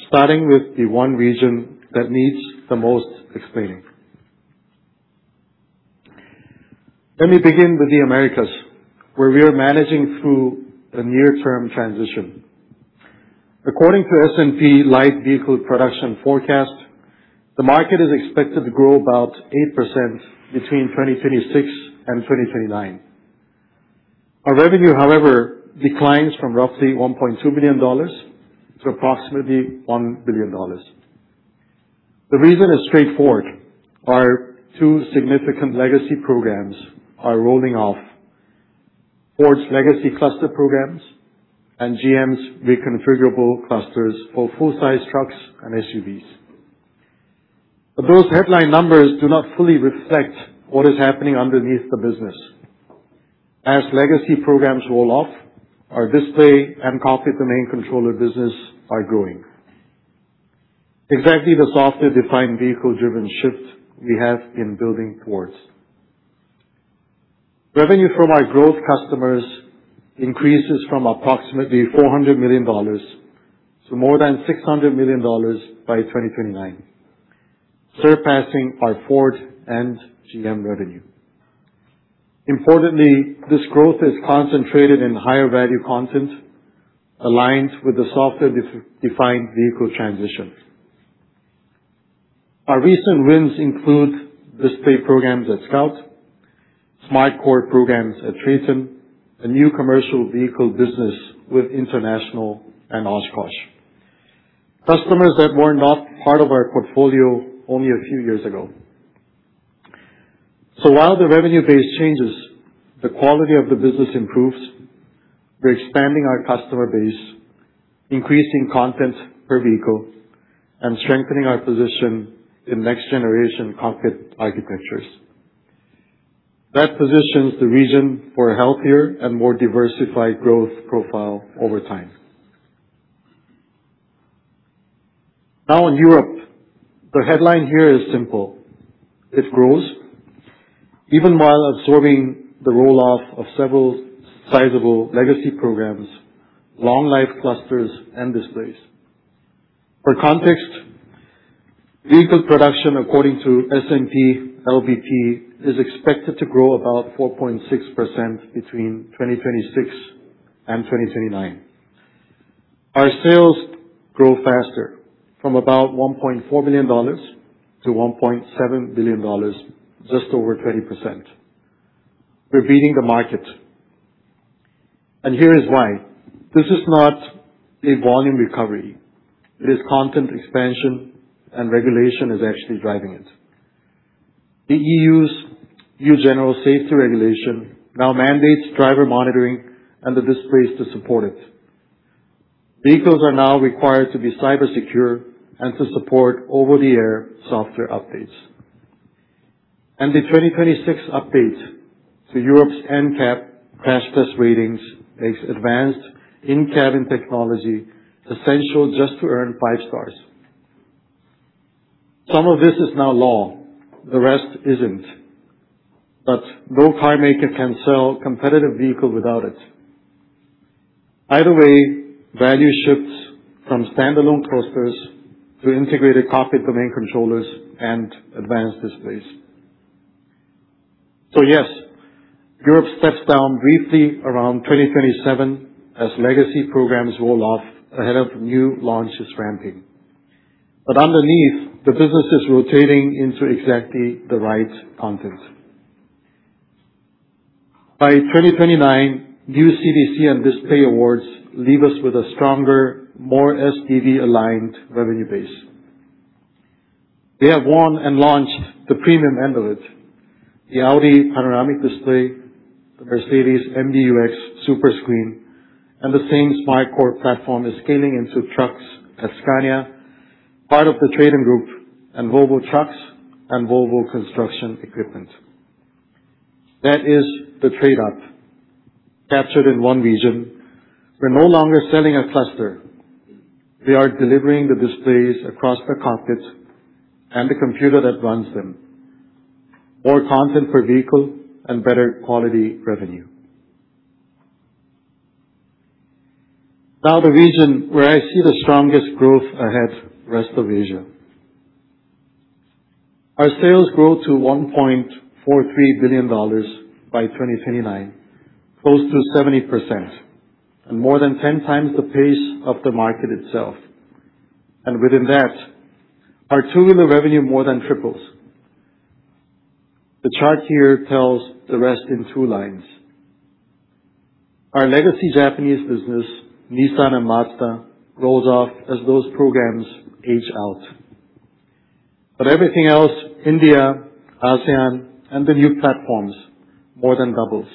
starting with the one region that needs the most explaining. Let me begin with the Americas, where we are managing through a near-term transition. According to S&P Global Light Vehicle Production forecast, the market is expected to grow about 8% between 2026 and 2029. Our revenue, however, declines from roughly $1.2 billion to approximately $1 billion. The reason is straightforward. Our two significant legacy programs are rolling off Ford's legacy cluster programs and GM's reconfigurable clusters for full-size trucks and SUVs. Those headline numbers do not fully reflect what is happening underneath the business. As legacy programs roll off, our display and Cockpit Domain Controller business are growing. Exactly the software-defined vehicle-driven shift we have been building towards. Revenue from our growth customers increases from approximately $400 million to more than $600 million by 2029, surpassing our Ford and GM revenue. Importantly, this growth is concentrated in higher value content, aligned with the software-defined vehicle transition. Our recent wins include display programs at Scout, SmartCore programs at Traton, a new commercial vehicle business with International and Oshkosh. Customers that were not part of our portfolio only a few years ago. While the revenue base changes, the quality of the business improves. We're expanding our customer base, increasing content per vehicle, and strengthening our position in next-generation cockpit architectures. In Europe, the headline here is simple. It grows even while absorbing the roll-off of several sizable legacy programs, long-life clusters, and displays. For context, vehicle production, according to S&P Global LVP, is expected to grow about 4.6% between 2026 and 2029. Our sales grow faster from about $1.4 billion to $1.7 billion, just over 20%. We're beating the market. Here is why. This is not a volume recovery. It is content expansion, and regulation is actually driving it. The EU's new general safety regulation now mandates driver monitoring and the displays to support it. Vehicles are now required to be cybersecure and to support over-the-air software updates. The 2026 update to Europe's NCAP crash test ratings makes advanced in-cabin technology essential just to earn 5 stars. Some of this is now law, the rest isn't. No car maker can sell competitive vehicle without it. Either way, value shifts from standalone clusters to integrated Cockpit Domain Controllers and advanced displays. Yes, Europe steps down briefly around 2027 as legacy programs roll off ahead of new launches ramping. Underneath, the business is rotating into exactly the right content. By 2029, new CDC and display awards leave us with a stronger, more SDV-aligned revenue base. We have won and launched the premium end of it, the Audi panoramic display, the Mercedes MBUX Superscreen, and the same SmartCore platform is scaling into trucks at Scania, part of the Traton group, and Volvo Trucks and Volvo Construction Equipment. That is the trade-off captured in one region. We're no longer selling a cluster. We are delivering the displays across the cockpit and the computer that runs them. More content per vehicle and better quality revenue. The region where I see the strongest growth ahead, Rest of Asia. Our sales grow to $1.43 billion by 2029, close to 70%, and more than 10 times the pace of the market itself. Within that, our two-wheeler revenue more than triples. The chart here tells the rest in two lines. Our legacy Japanese business, Nissan and Mazda, rolls off as those programs age out. Everything else, India, ASEAN, and the new platforms, more than doubles.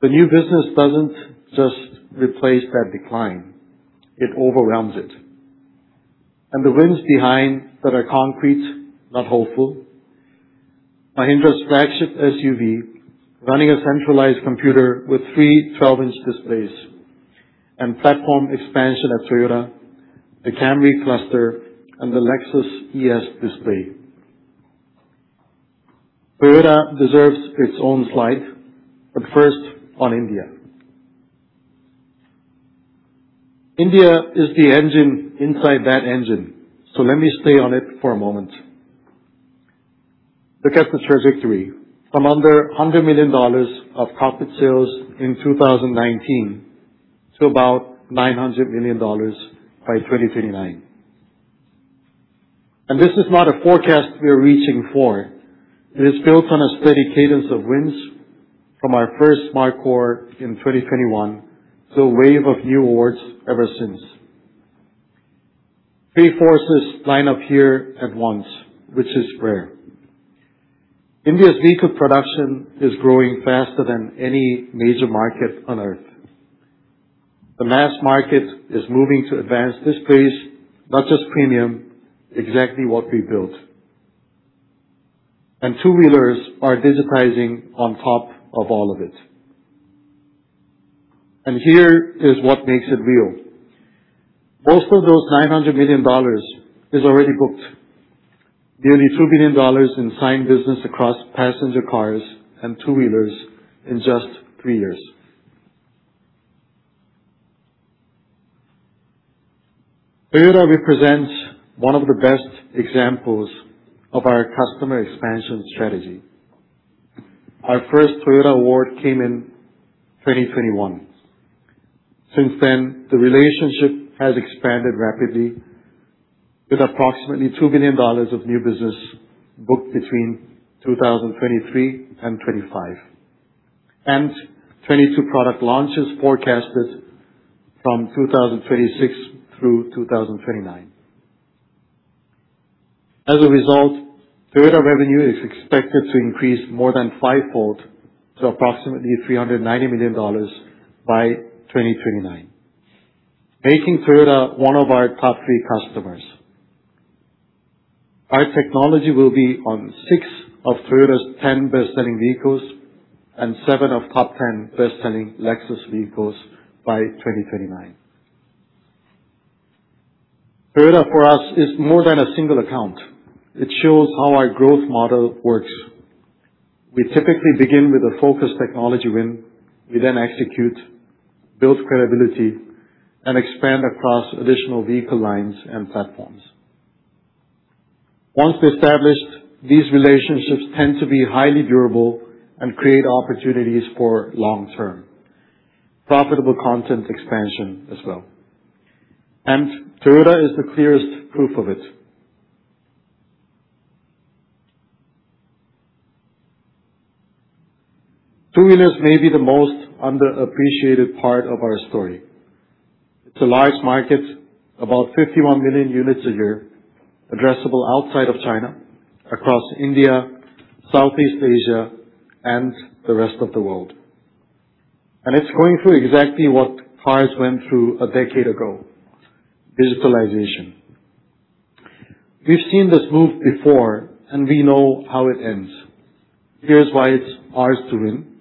The new business doesn't just replace that decline, it overwhelms it. The wins behind that are concrete, not hopeful Mahindra's flagship SUV running a centralized computer with three 12-inch displays, and platform expansion at Toyota, the Camry cluster, and the Lexus ES display. Toyota deserves its own slide, first on India. India is the engine inside that engine, let me stay on it for a moment. Look at the trajectory. From under $100 million of cockpit sales in 2019 to about $900 million by 2029. This is not a forecast we're reaching for. It is built on a steady cadence of wins from our first SmartCore in 2021 to a wave of new awards ever since. Three forces line up here at once, which is rare. India's vehicle production is growing faster than any major market on Earth. The mass market is moving to advanced displays, not just premium, exactly what we built. Two-wheelers are digitizing on top of all of it. Here is what makes it real. Most of those $900 million is already booked. Nearly $2 billion in signed business across passenger cars and two-wheelers in just three years. Toyota represents one of the best examples of our customer expansion strategy. Our first Toyota award came in 2021. Since then, the relationship has expanded rapidly with approximately $2 billion of new business booked between 2023 and 2025, and 22 product launches forecasted from 2026 through 2029. As a result, Toyota revenue is expected to increase more than five-fold to approximately $390 million by 2029, making Toyota one of our top three customers. Our technology will be on six of Toyota's 10 best-selling vehicles and seven of top 10 best-selling Lexus vehicles by 2029. Toyota for us is more than a single account. It shows how our growth model works. We typically begin with a focused technology win. We then execute, build credibility, and expand across additional vehicle lines and platforms. Once established, these relationships tend to be highly durable and create opportunities for long-term profitable content expansion as well. Toyota is the clearest proof of it. Two-wheelers may be the most underappreciated part of our story. It's a large market, about 51 million units a year, addressable outside of China, across India, Southeast Asia, and the rest of the world. It's going through exactly what cars went through a decade ago, digitalization. We've seen this move before, we know how it ends. Here's why it's ours to win.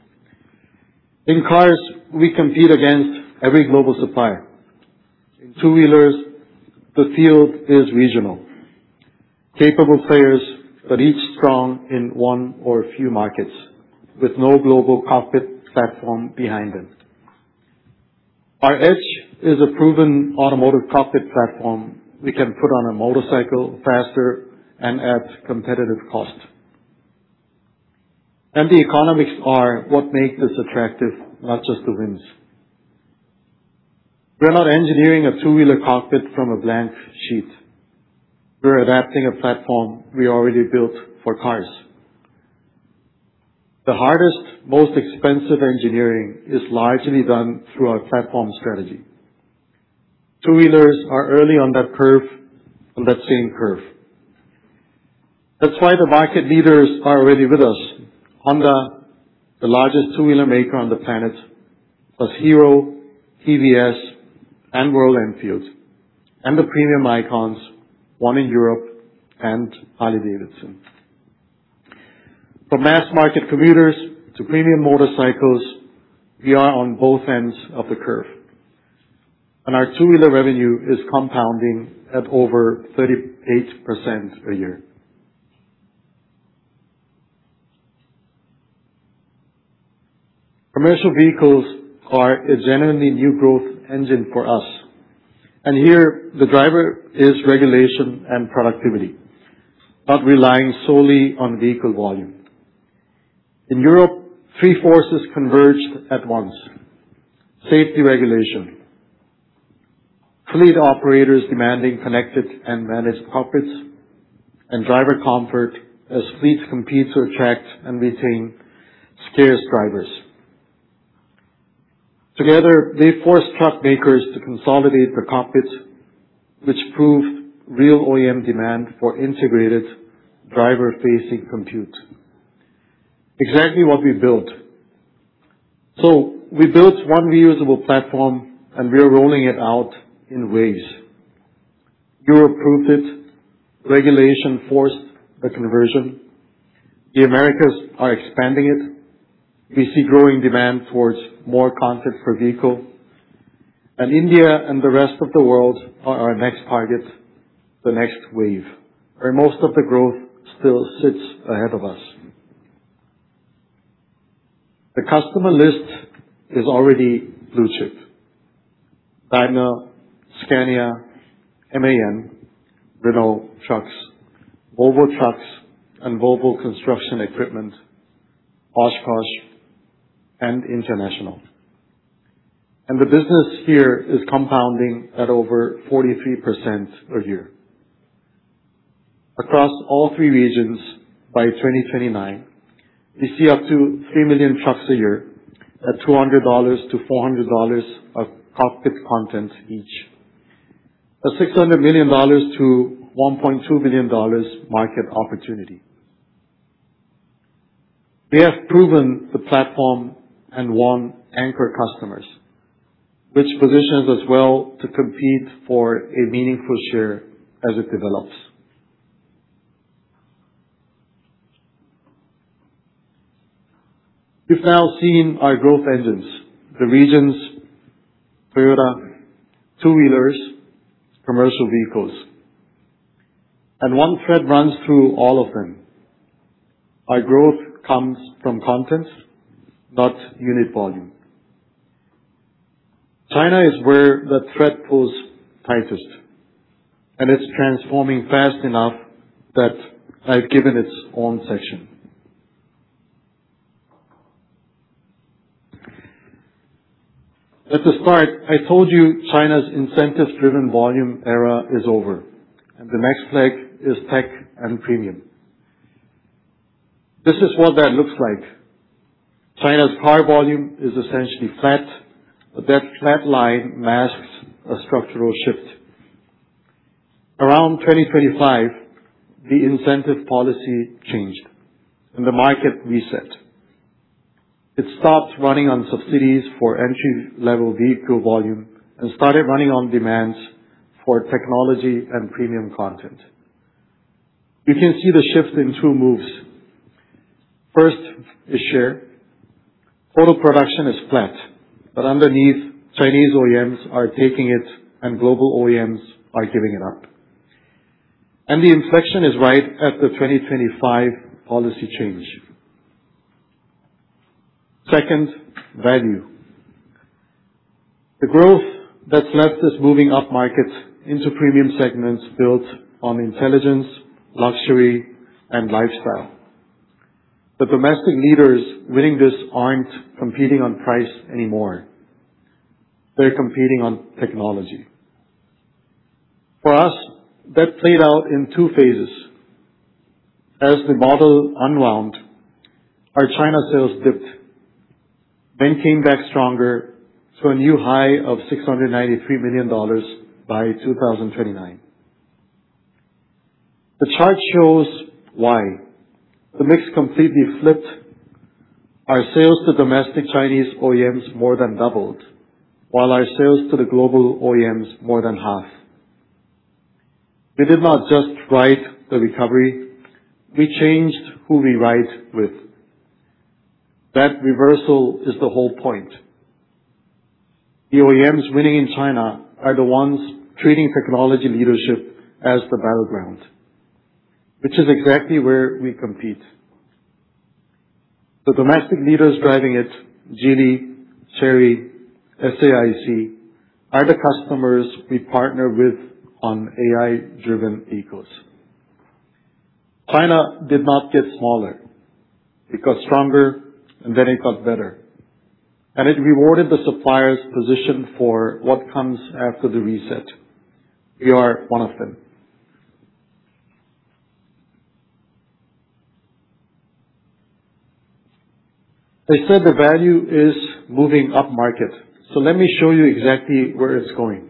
In cars, we compete against every global supplier. In two-wheelers, the field is regional. Capable players, each strong in one or a few markets with no global cockpit platform behind them. Our edge is a proven automotive cockpit platform we can put on a motorcycle faster and at competitive cost. The economics are what make this attractive, not just the wins. We're not engineering a two-wheeler cockpit from a blank sheet. We're adapting a platform we already built for cars. The hardest, most expensive engineering is largely done through our platform strategy. Two-wheelers are early on that curve, on that same curve. That's why the market leaders are already with us. Honda, the largest two-wheeler maker on the planet. Plus Hero, TVS, and Royal Enfield, and the premium icons, one in Europe and Harley-Davidson. For mass market commuters to premium motorcycles, we are on both ends of the curve. Our two-wheeler revenue is compounding at over 38% per year. Commercial vehicles are a genuinely new growth engine for us, here the driver is regulation and productivity, not relying solely on vehicle volume. In Europe, three forces converged at once. Safety regulation, fleet operators demanding connected and managed cockpits, and driver comfort as fleets compete to attract and retain scarce drivers. Together, they force truck makers to consolidate the cockpit, which proved real OEM demand for integrated driver-facing compute. Exactly what we built. We built one reusable platform and we are rolling it out in waves. Europe proved it. Regulation forced a conversion. The Americas are expanding it. We see growing demand towards more content per vehicle. India and the rest of the world are our next target, the next wave, where most of the growth still sits ahead of us. The customer list is already blue-chip. Daimler, Scania, MAN, Renault Trucks, Volvo Trucks and Volvo Construction Equipment, Oshkosh, and International. The business here is compounding at over 43% per year. Across all three regions, by 2029, we see up to 3 million trucks a year at $200-$400 of cockpit content each. A $600 million-$1.2 billion market opportunity. We have proven the platform and won anchor customers, which positions us well to compete for a meaningful share as it develops. You've now seen our growth engines, the regions, Toyota, two-wheelers, commercial vehicles. One thread runs through all of them. Our growth comes from content, not unit volume. China is where that thread pulls tightest, and it's transforming fast enough that I've given its own section. At the start, I told you China's incentive-driven volume era is over, the next leg is tech and premium. This is what that looks like. China's car volume is essentially flat, that flat line masks a structural shift. Around 2025, the incentive policy changed, the market reset. It stopped running on subsidies for entry-level vehicle volume and started running on demands for technology and premium content. You can see the shift in two moves. First is share. Total production is flat, underneath, Chinese OEMs are taking it and global OEMs are giving it up. The inflection is right at the 2025 policy change. Second, value. The growth that's left is moving up markets into premium segments built on intelligence, luxury, and lifestyle. The domestic leaders winning this aren't competing on price anymore. They're competing on technology. For us, that played out in two phases. As the model unwound, our China sales dipped, then came back stronger to a new high of $693 million by 2029. The chart shows why. The mix completely flipped. Our sales to domestic Chinese OEMs more than doubled, while our sales to the global OEMs more than halved. We did not just ride the recovery, we changed who we ride with. That reversal is the whole point. The OEMs winning in China are the ones treating technology leadership as the battleground, which is exactly where we compete. The domestic leaders driving it, Geely, Chery, SAIC, are the customers we partner with on AI-driven vehicles. China did not get smaller. It got stronger, then it got better. It rewarded the suppliers positioned for what comes after the reset. We are one of them. I said the value is moving up market. Let me show you exactly where it's going.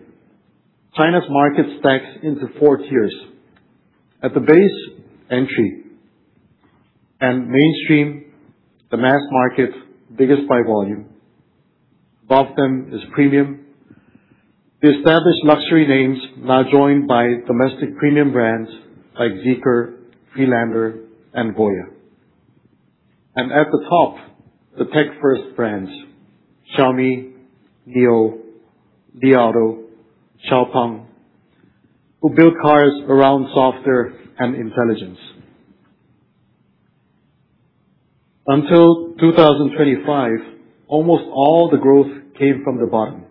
China's market stacks into 4 tiers. At the base, entry and mainstream, the mass market, biggest by volume. Above them is premium. The established luxury names now joined by domestic premium brands like Zeekr, Freelander, and Voyah. At the top, the tech-first brands, Xiaomi, NIO, Li Auto, XPeng, who build cars around software and intelligence. Until 2025, almost all the growth came from the bottom,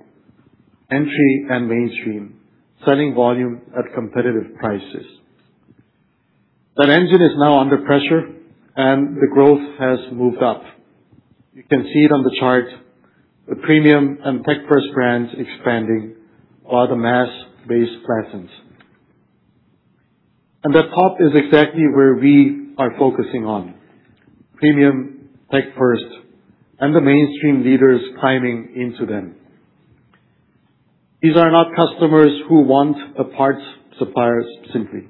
entry and mainstream, selling volume at competitive prices. That engine is now under pressure and the growth has moved up. You can see it on the chart, the premium and tech-first brands expanding while the mass base flattens. That top is exactly where we are focusing on. Premium, tech first, and the mainstream leaders climbing into them. These are not customers who want a parts supplier simply.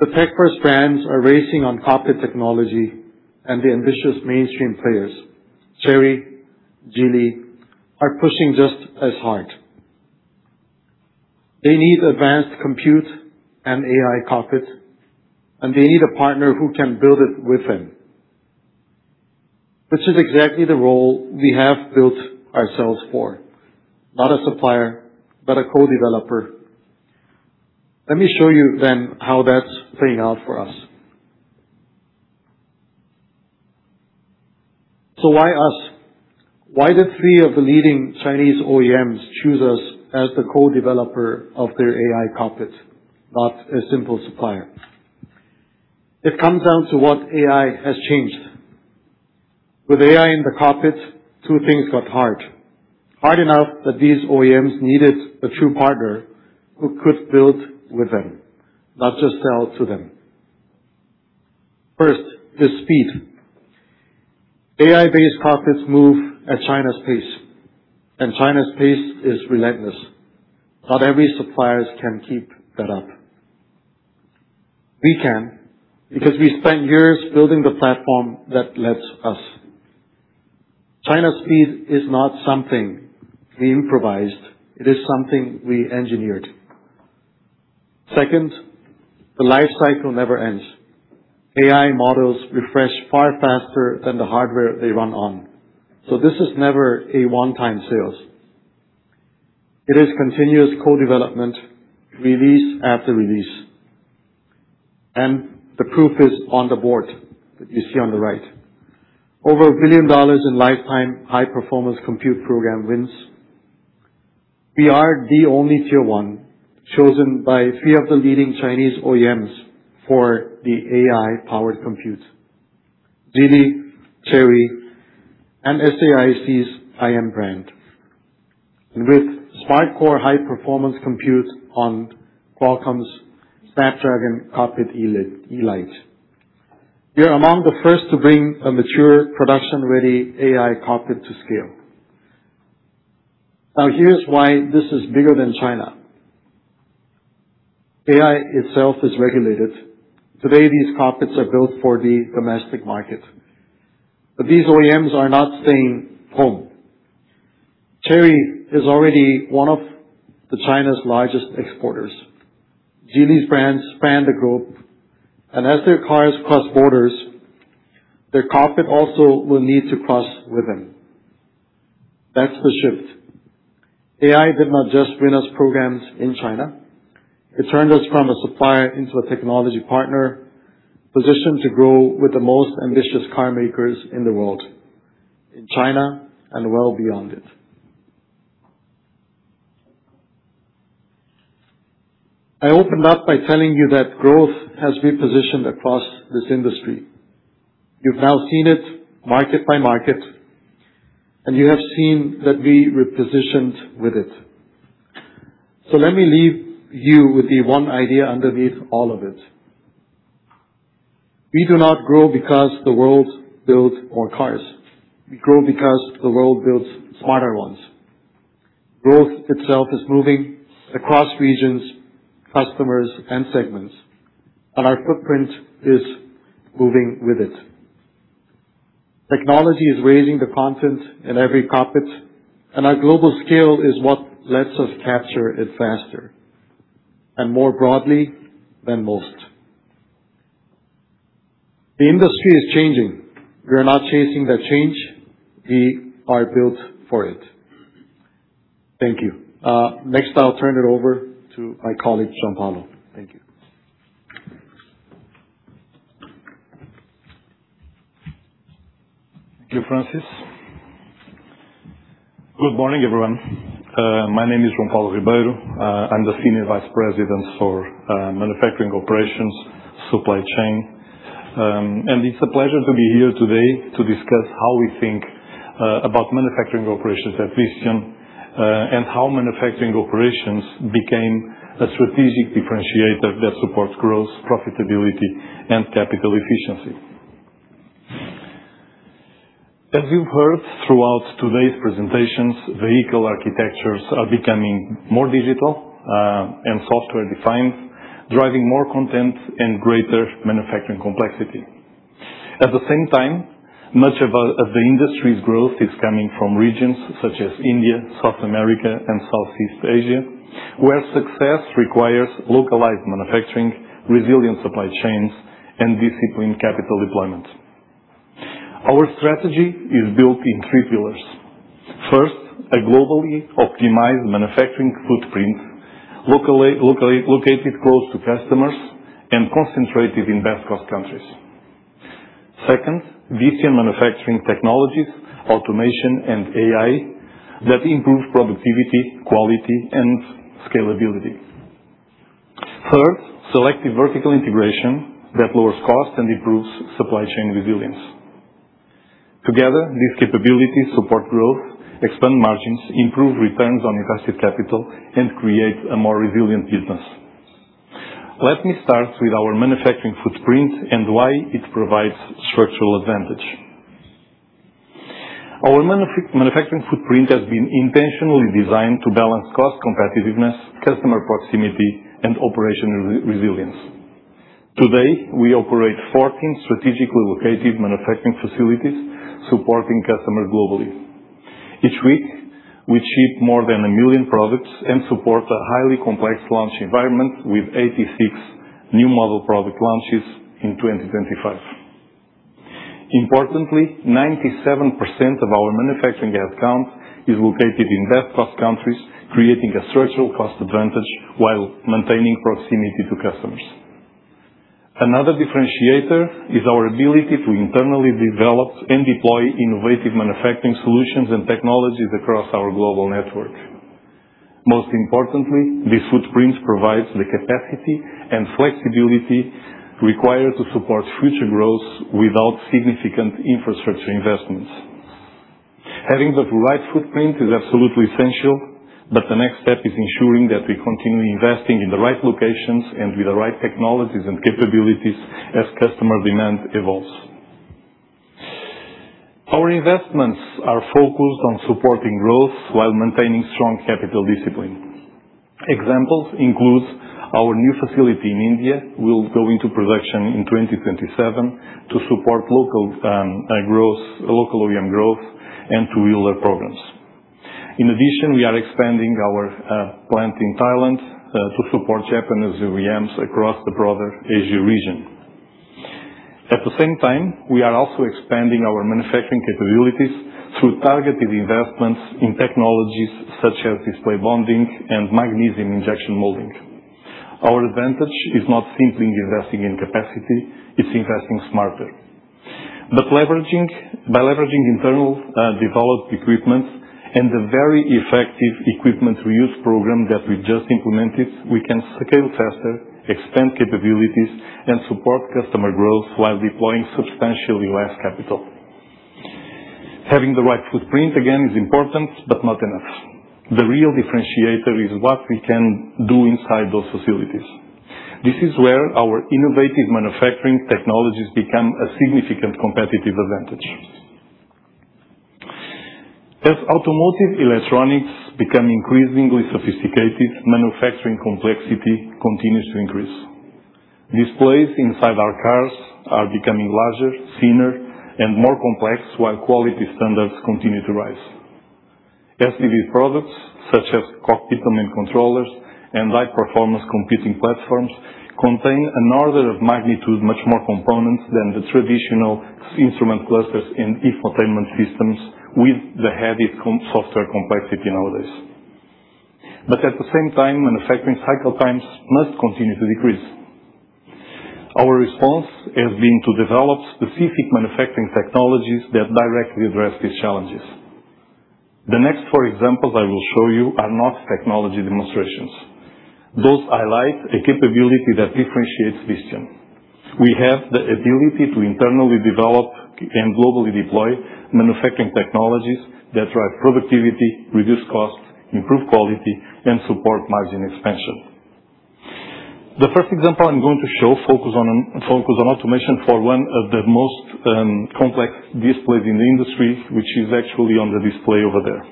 The tech-first brands are racing on cockpit technology and the ambitious mainstream players, Chery, Geely, are pushing just as hard. They need advanced compute and AI cockpits, they need a partner who can build it with them. Exactly the role we have built ourselves for, not a supplier, but a co-developer. Let me show you then how that's playing out for us. Why us? Why do three of the leading Chinese OEMs choose us as the co-developer of their AI cockpit, not a simple supplier? It comes down to what AI has changed. With AI in the cockpit, two things got hard. Hard enough that these OEMs needed a true partner who could build with them, not just sell to them. First, the speed. AI-based cockpits move at China's pace, China's pace is relentless. Not every supplier can keep that up. We can, because we spent years building the platform that lets us. China's speed is not something we improvised, it is something we engineered. Second, the life cycle never ends. This is never a one-time sale. It is continuous co-development, release after release. The proof is on the board that you see on the right. Over $1 billion in lifetime high-performance compute program wins. We are the only tier 1 chosen by 3 of the leading Chinese OEMs for the AI-powered compute. Geely, Chery, and SAIC's IM brand. With SmartCore high-performance compute on Qualcomm's Snapdragon Cockpit Elite. We are among the first to bring a mature production-ready AI cockpit to scale. Here's why this is bigger than China. AI itself is regulated. Today, these cockpits are built for the domestic market. These OEMs are not staying home. Chery is already one of China's largest exporters. Geely's brands span the globe, and as their cars cross borders, their cockpit also will need to cross with them. That's the shift. AI did not just win us programs in China. It turned us from a supplier into a technology partner, positioned to grow with the most ambitious car makers in the world, in China and well beyond it. I opened up by telling you that growth has repositioned across this industry. You've now seen it market by market, and you have seen that we repositioned with it. Let me leave you with the one idea underneath all of it. We do not grow because the world builds more cars. We grow because the world builds smarter ones. Growth itself is moving across regions, customers, and segments, and our footprint is moving with it. Technology is raising the content in every cockpit, and our global scale is what lets us capture it faster and more broadly than most. The industry is changing. We are not chasing that change. We are built for it. Thank you. Next, I'll turn it over to my colleague, Joao Paulo. Thank you. Thank you, Francis. Good morning, everyone. My name is Joao Paulo Ribeiro. I'm the Senior Vice President for manufacturing operations, supply chain. It's a pleasure to be here today to discuss how we think about manufacturing operations at Visteon, and how manufacturing operations became a strategic differentiator that supports growth, profitability, and capital efficiency. As you've heard throughout today's presentations, vehicle architectures are becoming more digital and software-defined, driving more content and greater manufacturing complexity. At the same time, much of the industry's growth is coming from regions such as India, South America, and Southeast Asia, where success requires localized manufacturing, resilient supply chains, and disciplined capital deployment. Our strategy is built in three pillars. First, a globally optimized manufacturing footprint, locally located close to customers and concentrated in best-cost countries. Second, Visteon manufacturing technologies, automation, and AI that improve productivity, quality, and scalability. Third, selective vertical integration that lowers cost and improves supply chain resilience. Together, these capabilities support growth, expand margins, improve returns on invested capital, and create a more resilient business. Let me start with our manufacturing footprint and why it provides structural advantage. Our manufacturing footprint has been intentionally designed to balance cost competitiveness, customer proximity, and operational resilience. Today, we operate 14 strategically located manufacturing facilities supporting customers globally. Each week, we ship more than a million products and support a highly complex launch environment with 86 new model product launches in 2025. Importantly, 97% of our manufacturing headcount is located in vast cost countries, creating a structural cost advantage while maintaining proximity to customers. Another differentiator is our ability to internally develop and deploy innovative manufacturing solutions and technologies across our global network. Most importantly, this footprint provides the capacity and flexibility required to support future growth without significant infrastructure investments. Having the right footprint is absolutely essential, the next step is ensuring that we continue investing in the right locations and with the right technologies and capabilities as customer demand evolves. Our investments are focused on supporting growth while maintaining strong capital discipline. Examples include our new facility in India, will go into production in 2027 to support local OEM growth and two-wheeler programs. In addition, we are expanding our plant in Thailand to support Japanese OEMs across the broader Asia region. At the same time, we are also expanding our manufacturing capabilities through targeted investments in technologies such as display bonding and magnesium injection molding. Our advantage is not simply investing in capacity, it's investing smarter. By leveraging internally developed equipment and the very effective equipment reuse program that we've just implemented, we can scale faster, extend capabilities, and support customer growth while deploying substantially less capital. Having the right footprint again is important, not enough. The real differentiator is what we can do inside those facilities. This is where our innovative manufacturing technologies become a significant competitive advantage. As automotive electronics become increasingly sophisticated, manufacturing complexity continues to increase. Displays inside our cars are becoming larger, thinner, and more complex, while quality standards continue to rise. SDV products, such as cockpit domain controllers and high-performance computing platforms, contain an order of magnitude, much more components than the traditional instrument clusters and infotainment systems with the heavy software complexity nowadays. At the same time, manufacturing cycle times must continue to decrease. Our response has been to develop specific manufacturing technologies that directly address these challenges. The next four examples I will show you are not technology demonstrations. Those highlight a capability that differentiates Visteon. We have the ability to internally develop and globally deploy manufacturing technologies that drive productivity, reduce costs, improve quality, and support margin expansion. The first example I'm going to show focus on automation for one of the most complex displays in the industry, which is actually on the display over there.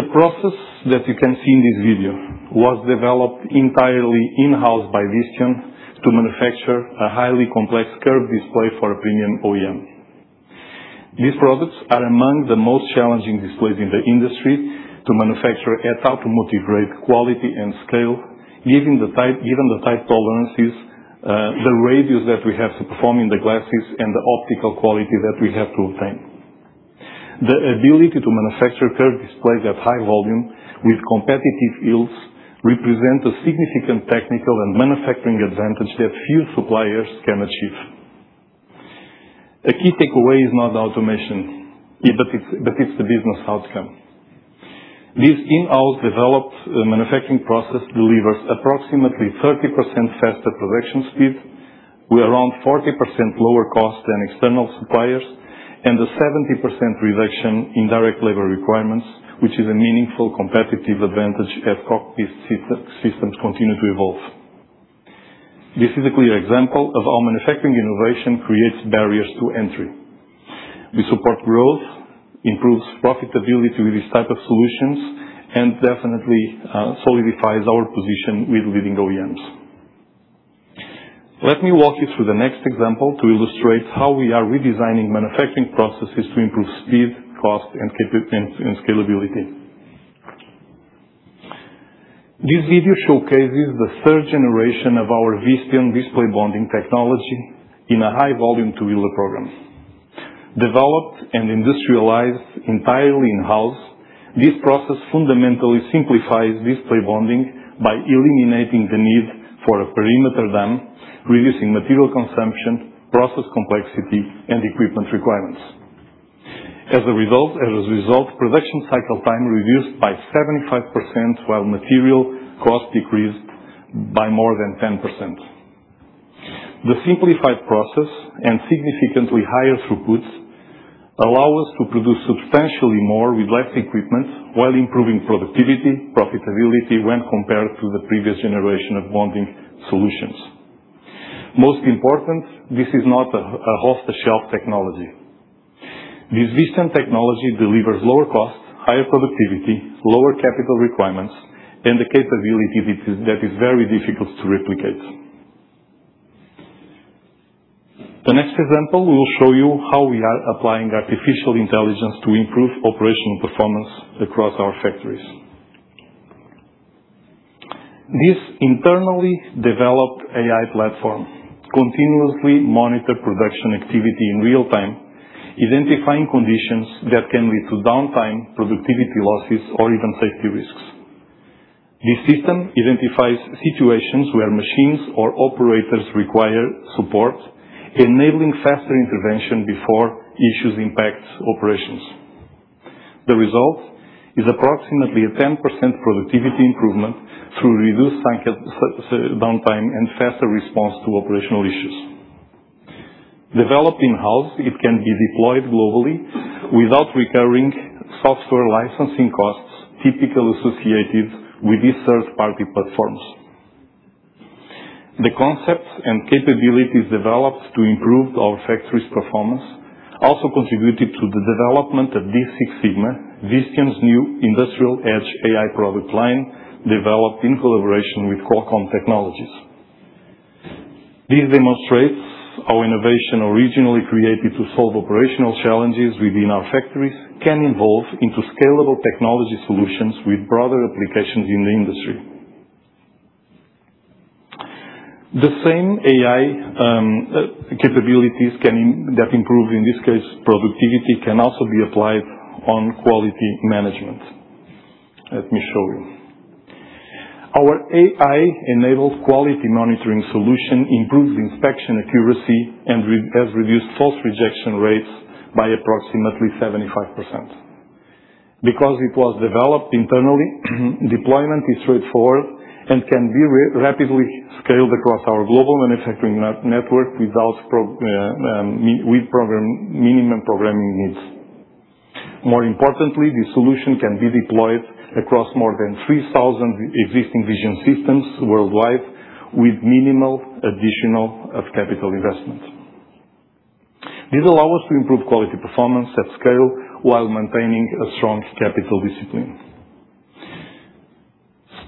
The process that you can see in this video was developed entirely in-house by Visteon to manufacture a highly complex curved display for premium OEM. These products are among the most challenging displays in the industry to manufacture at automotive-grade quality and scale, given the tight tolerances, the radius that we have to perform in the glasses, and the optical quality that we have to obtain. The ability to manufacture curved displays at high volume with competitive yields represents a significant technical and manufacturing advantage that few suppliers can achieve. A key takeaway is not automation, it's the business outcome. This in-house developed manufacturing process delivers approximately 30% faster production speed with around 40% lower cost than external suppliers, and a 70% reduction in direct labor requirements, which is a meaningful competitive advantage as cockpit systems continue to evolve. This is a clear example of how manufacturing innovation creates barriers to entry. We support growth, improves profitability with these type of solutions, and definitely solidifies our position with leading OEMs. Let me walk you through the next example to illustrate how we are redesigning manufacturing processes to improve speed, cost, and scalability. This video showcases the third generation of our Visteon display bonding technology in a high volume two-wheeler program. Developed and industrialized entirely in-house, this process fundamentally simplifies display bonding by eliminating the need for a perimeter dam, reducing material consumption, process complexity, and equipment requirements. As a result, production cycle time reduced by 75%, while material cost decreased by more than 10%. The simplified process and significantly higher throughputs allow us to produce substantially more with less equipment while improving productivity, profitability when compared to the previous generation of bonding solutions. Most important, this is not an off-the-shelf technology. This Visteon technology delivers lower cost, higher productivity, lower capital requirements, and a capability that is very difficult to replicate. The next example will show you how we are applying artificial intelligence to improve operational performance across our factories. This internally developed AI platform continuously monitors production activity in real time, identifying conditions that can lead to downtime, productivity losses, or even safety risks. This system identifies situations where machines or operators require support, enabling faster intervention before issues impact operations. The result is approximately a 10% productivity improvement through reduced downtime and faster response to operational issues. Developed in-house, it can be deployed globally without incurring software licensing costs typically associated with these third-party platforms. The concepts and capabilities developed to improve our factory's performance also contributed to the development of D6Sigma, Visteon's new industrial edge AI product line, developed in collaboration with Qualcomm Technologies. This demonstrates how innovation originally created to solve operational challenges within our factories can evolve into scalable technology solutions with broader applications in the industry. The same AI capabilities that improve, in this case, productivity, can also be applied on quality management. Let me show you. Our AI-enabled quality monitoring solution improves inspection accuracy and has reduced false rejection rates by approximately 75%. It was developed internally, deployment is straightforward and can be rapidly scaled across our global manufacturing network with minimum programming needs. More importantly, this solution can be deployed across more than 3,000 existing vision systems worldwide with minimal additional capital investment. This allows us to improve quality performance at scale while maintaining a strong capital discipline.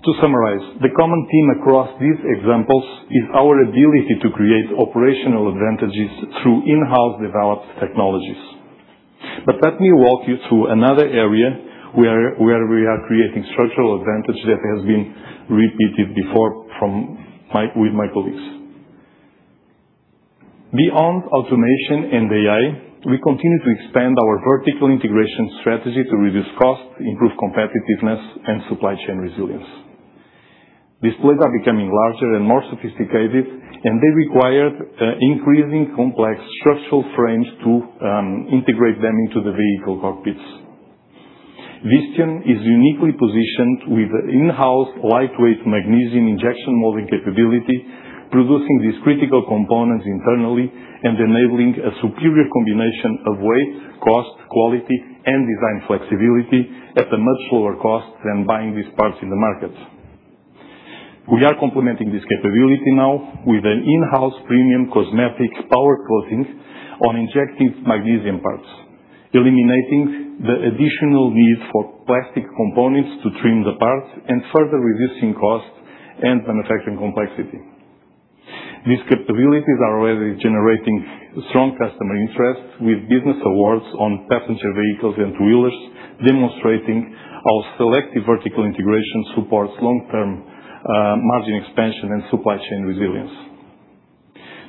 To summarize, the common theme across these examples is our ability to create operational advantages through in-house developed technologies. Let me walk you through another area where we are creating structural advantage that has been repeated before with my colleagues. Beyond automation and AI, we continue to expand our vertical integration strategy to reduce cost, improve competitiveness, and supply chain resilience. They require increasingly complex structural frames to integrate them into the vehicle cockpits. Visteon is uniquely positioned with in-house lightweight magnesium injection molding capability, producing these critical components internally and enabling a superior combination of weight, cost, quality, and design flexibility at a much lower cost than buying these parts in the market. We are complementing this capability now with an in-house premium cosmetic power coatings on injected magnesium parts, eliminating the additional need for plastic components to trim the parts and further reducing cost and manufacturing complexity. These capabilities are already generating strong customer interest with business awards on passenger vehicles and wheelers, demonstrating how selective vertical integration supports long-term margin expansion and supply chain resilience.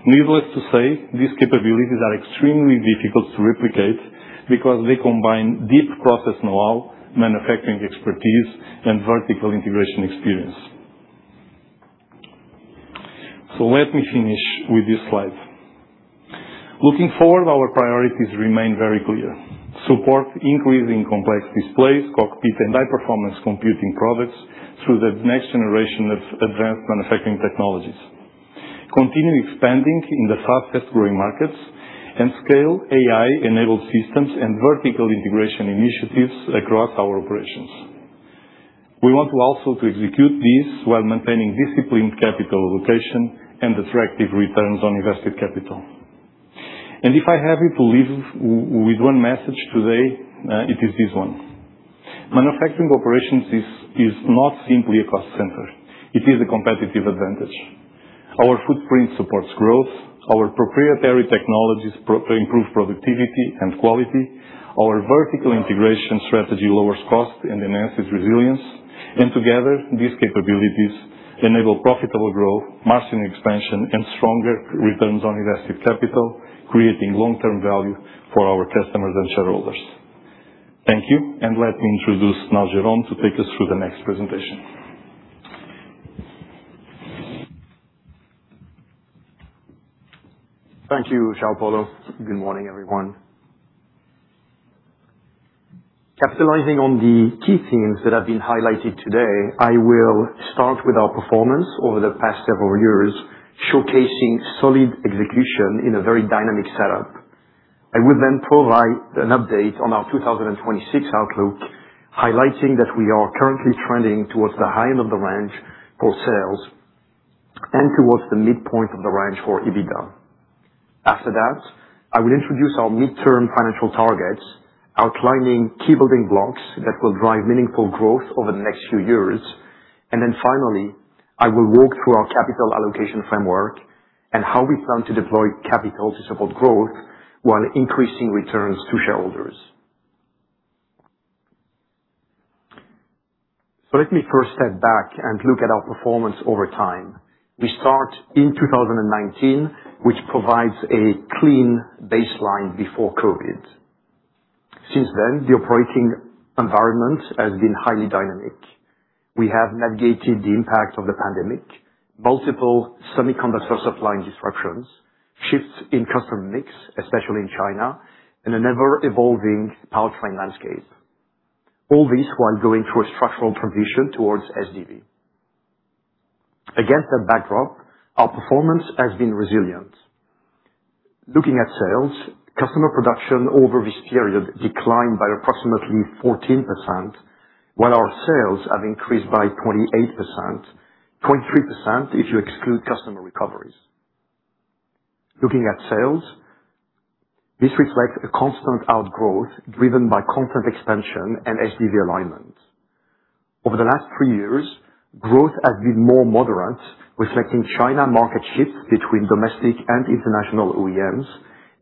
Needless to say, these capabilities are extremely difficult to replicate because they combine deep process knowhow, manufacturing expertise, and vertical integration experience. Let me finish with this slide. Looking forward, our priorities remain very clear. Support increasingly complex displays, cockpit, and high-performance computing products through the next generation of advanced manufacturing technologies. Continue expanding in the fastest-growing markets and scale AI-enabled systems and vertical integration initiatives across our operations. We want to also execute this while maintaining disciplined capital allocation and attractive returns on invested capital. If I have you to leave with one message today, it is this one. Manufacturing operations is not simply a cost center. It is a competitive advantage. Our footprint supports growth, our proprietary technologies improve productivity and quality, our vertical integration strategy lowers cost and enhances resilience, together, these capabilities enable profitable growth, margin expansion, and stronger returns on invested capital, creating long-term value for our customers and shareholders. Thank you, let me introduce now Jerome to take us through the next presentation. Thank you, Joao Paulo. Good morning, everyone. Capitalizing on the key themes that have been highlighted today, I will start with our performance over the past several years, showcasing solid execution in a very dynamic setup. I will provide an update on our 2026 outlook, highlighting that we are currently trending towards the high end of the range for sales and towards the midpoint of the range for EBITDA. After that, I will introduce our midterm financial targets, outlining key building blocks that will drive meaningful growth over the next few years. Finally, I will walk through our capital allocation framework and how we plan to deploy capital to support growth while increasing returns to shareholders. Let me first step back and look at our performance over time. We start in 2019, which provides a clean baseline before COVID. Since then, the operating environment has been highly dynamic. We have navigated the impact of the pandemic, multiple semiconductor supply disruptions, shifts in customer mix, especially in China, and an ever-evolving powertrain landscape. All this while going through a structural transition towards SDV. Against that backdrop, our performance has been resilient. Looking at sales, customer production over this period declined by approximately 14%, while our sales have increased by 28%, 23% if you exclude customer recoveries. Looking at sales, this reflects a constant outgrowth driven by constant expansion and SDV alignment. Over the last three years, growth has been more moderate, reflecting China market shifts between domestic and international OEMs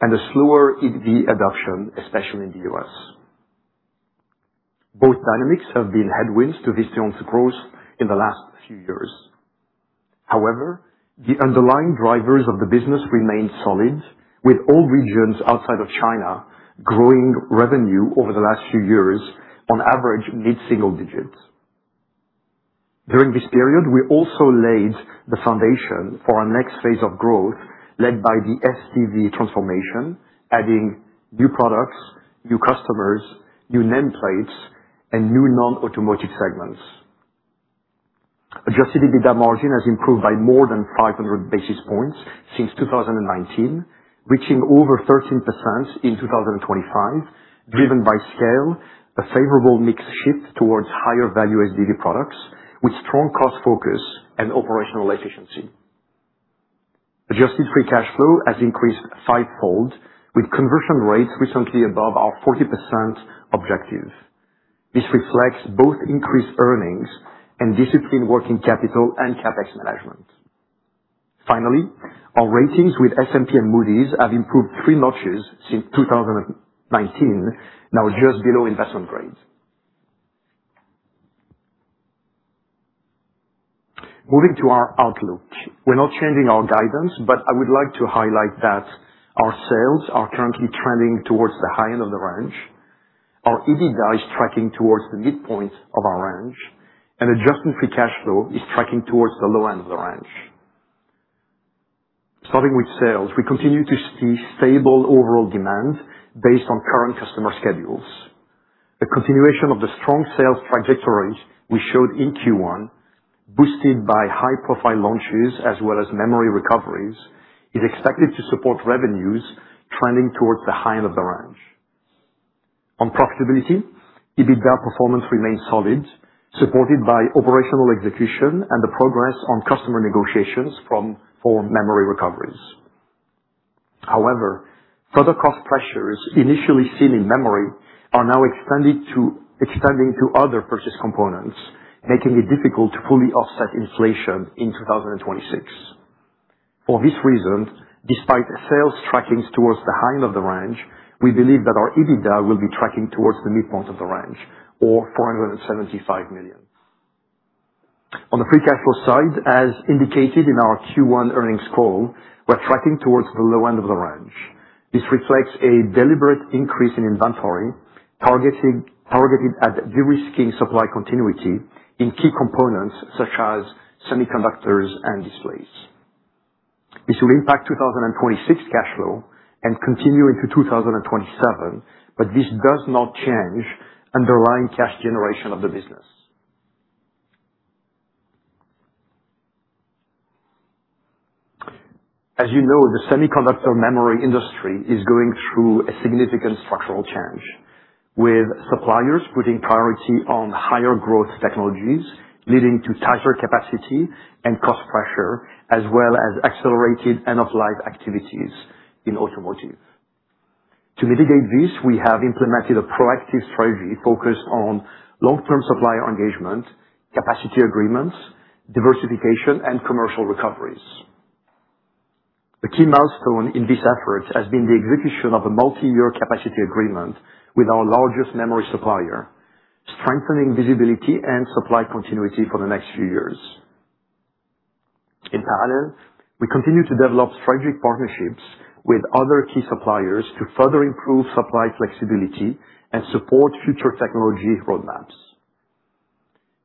and a slower EV adoption, especially in the U.S. Both dynamics have been headwinds to Visteon's growth in the last few years. However, the underlying drivers of the business remain solid, with all regions outside of China growing revenue over the last few years on average mid-single digits. During this period, we also laid the foundation for our next phase of growth, led by the SDV transformation, adding new products, new customers, new nameplates, and new non-automotive segments. Adjusted EBITDA margin has improved by more than 500 basis points since 2019, reaching over 13% in 2025, driven by scale, a favorable mix shift towards higher value SDV products with strong cost focus and operational efficiency. Adjusted free cash flow has increased fivefold with conversion rates recently above our 40% objective. This reflects both increased earnings and discipline working capital and CapEx management. Finally, our ratings with S&P and Moody's have improved three notches since 2019. Now just below investment grade. Moving to our outlook. We're not changing our guidance. I would like to highlight that our sales are currently trending towards the high end of the range. Our EBITDA is tracking towards the midpoint of our range. Adjustment free cash flow is tracking towards the low end of the range. Starting with sales, we continue to see stable overall demand based on current customer schedules. The continuation of the strong sales trajectories we showed in Q1, boosted by high-profile launches as well as memory recoveries, is expected to support revenues trending towards the high end of the range. On profitability, EBITDA performance remains solid, supported by operational execution and the progress on customer negotiations from memory recoveries. However, further cost pressures initially seen in memory are now extending to other purchase components, making it difficult to fully offset inflation in 2026. For this reason, despite sales tracking towards the high end of the range, we believe that our EBITDA will be tracking towards the midpoint of the range or $475 million. On the free cash flow side, as indicated in our Q1 earnings call, we're tracking towards the low end of the range. This reflects a deliberate increase in inventory targeted at de-risking supply continuity in key components such as semiconductors and displays. This will impact 2026 cash flow and continue into 2027. This does not change underlying cash generation of the business. As you know, the semiconductor memory industry is going through a significant structural change, with suppliers putting priority on higher growth technologies, leading to tighter capacity and cost pressure, as well as accelerated end-of-life activities in automotive. To mitigate this, we have implemented a proactive strategy focused on long-term supplier engagement, capacity agreements, diversification, and commercial recoveries. The key milestone in this effort has been the execution of a multi-year capacity agreement with our largest memory supplier, strengthening visibility and supply continuity for the next few years. In parallel, we continue to develop strategic partnerships with other key suppliers to further improve supply flexibility and support future technology roadmaps.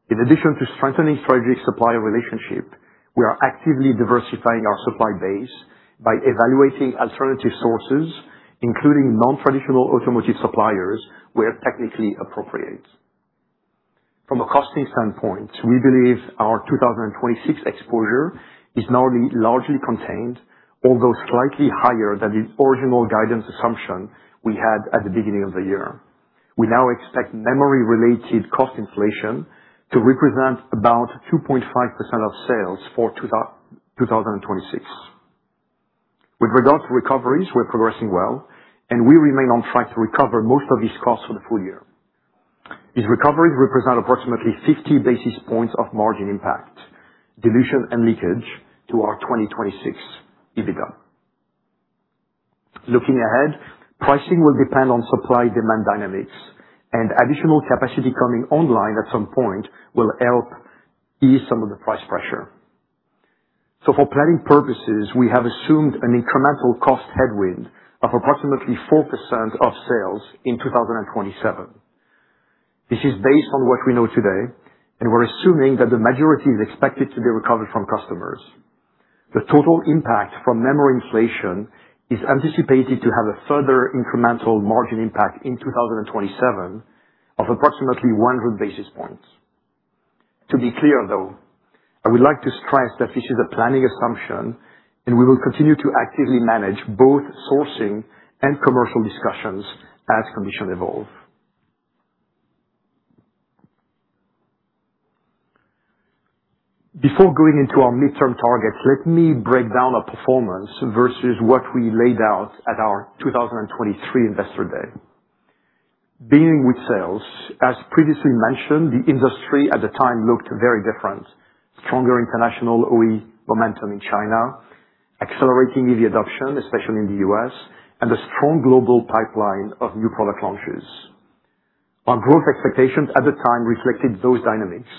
In addition to strengthening strategic supplier relationship, we are actively diversifying our supply base by evaluating alternative sources, including non-traditional automotive suppliers, where technically appropriate. From a costing standpoint, we believe our 2026 exposure is now largely contained, although slightly higher than the original guidance assumption we had at the beginning of the year. We now expect memory-related cost inflation to represent about 2.5% of sales for 2026. With regard to recoveries, we're progressing well. We remain on track to recover most of these costs for the full year. These recoveries represent approximately 50 basis points of margin impact, dilution, and leakage to our 2026 EBITDA. Looking ahead, pricing will depend on supply-demand dynamics. Additional capacity coming online at some point will help ease some of the price pressure. For planning purposes, we have assumed an incremental cost headwind of approximately 4% of sales in 2027. This is based on what we know today. We're assuming that the majority is expected to be recovered from customers. The total impact from memory inflation is anticipated to have a further incremental margin impact in 2027 of approximately 100 basis points. To be clear, though, I would like to stress that this is a planning assumption. We will continue to actively manage both sourcing and commercial discussions as conditions evolve. Before going into our midterm targets, let me break down our performance versus what we laid out at our 2023 Investor Day. Beginning with sales, as previously mentioned, the industry at the time looked very different. Stronger international OE momentum in China, accelerating EV adoption, especially in the U.S., and a strong global pipeline of new product launches. Our growth expectations at the time reflected those dynamics.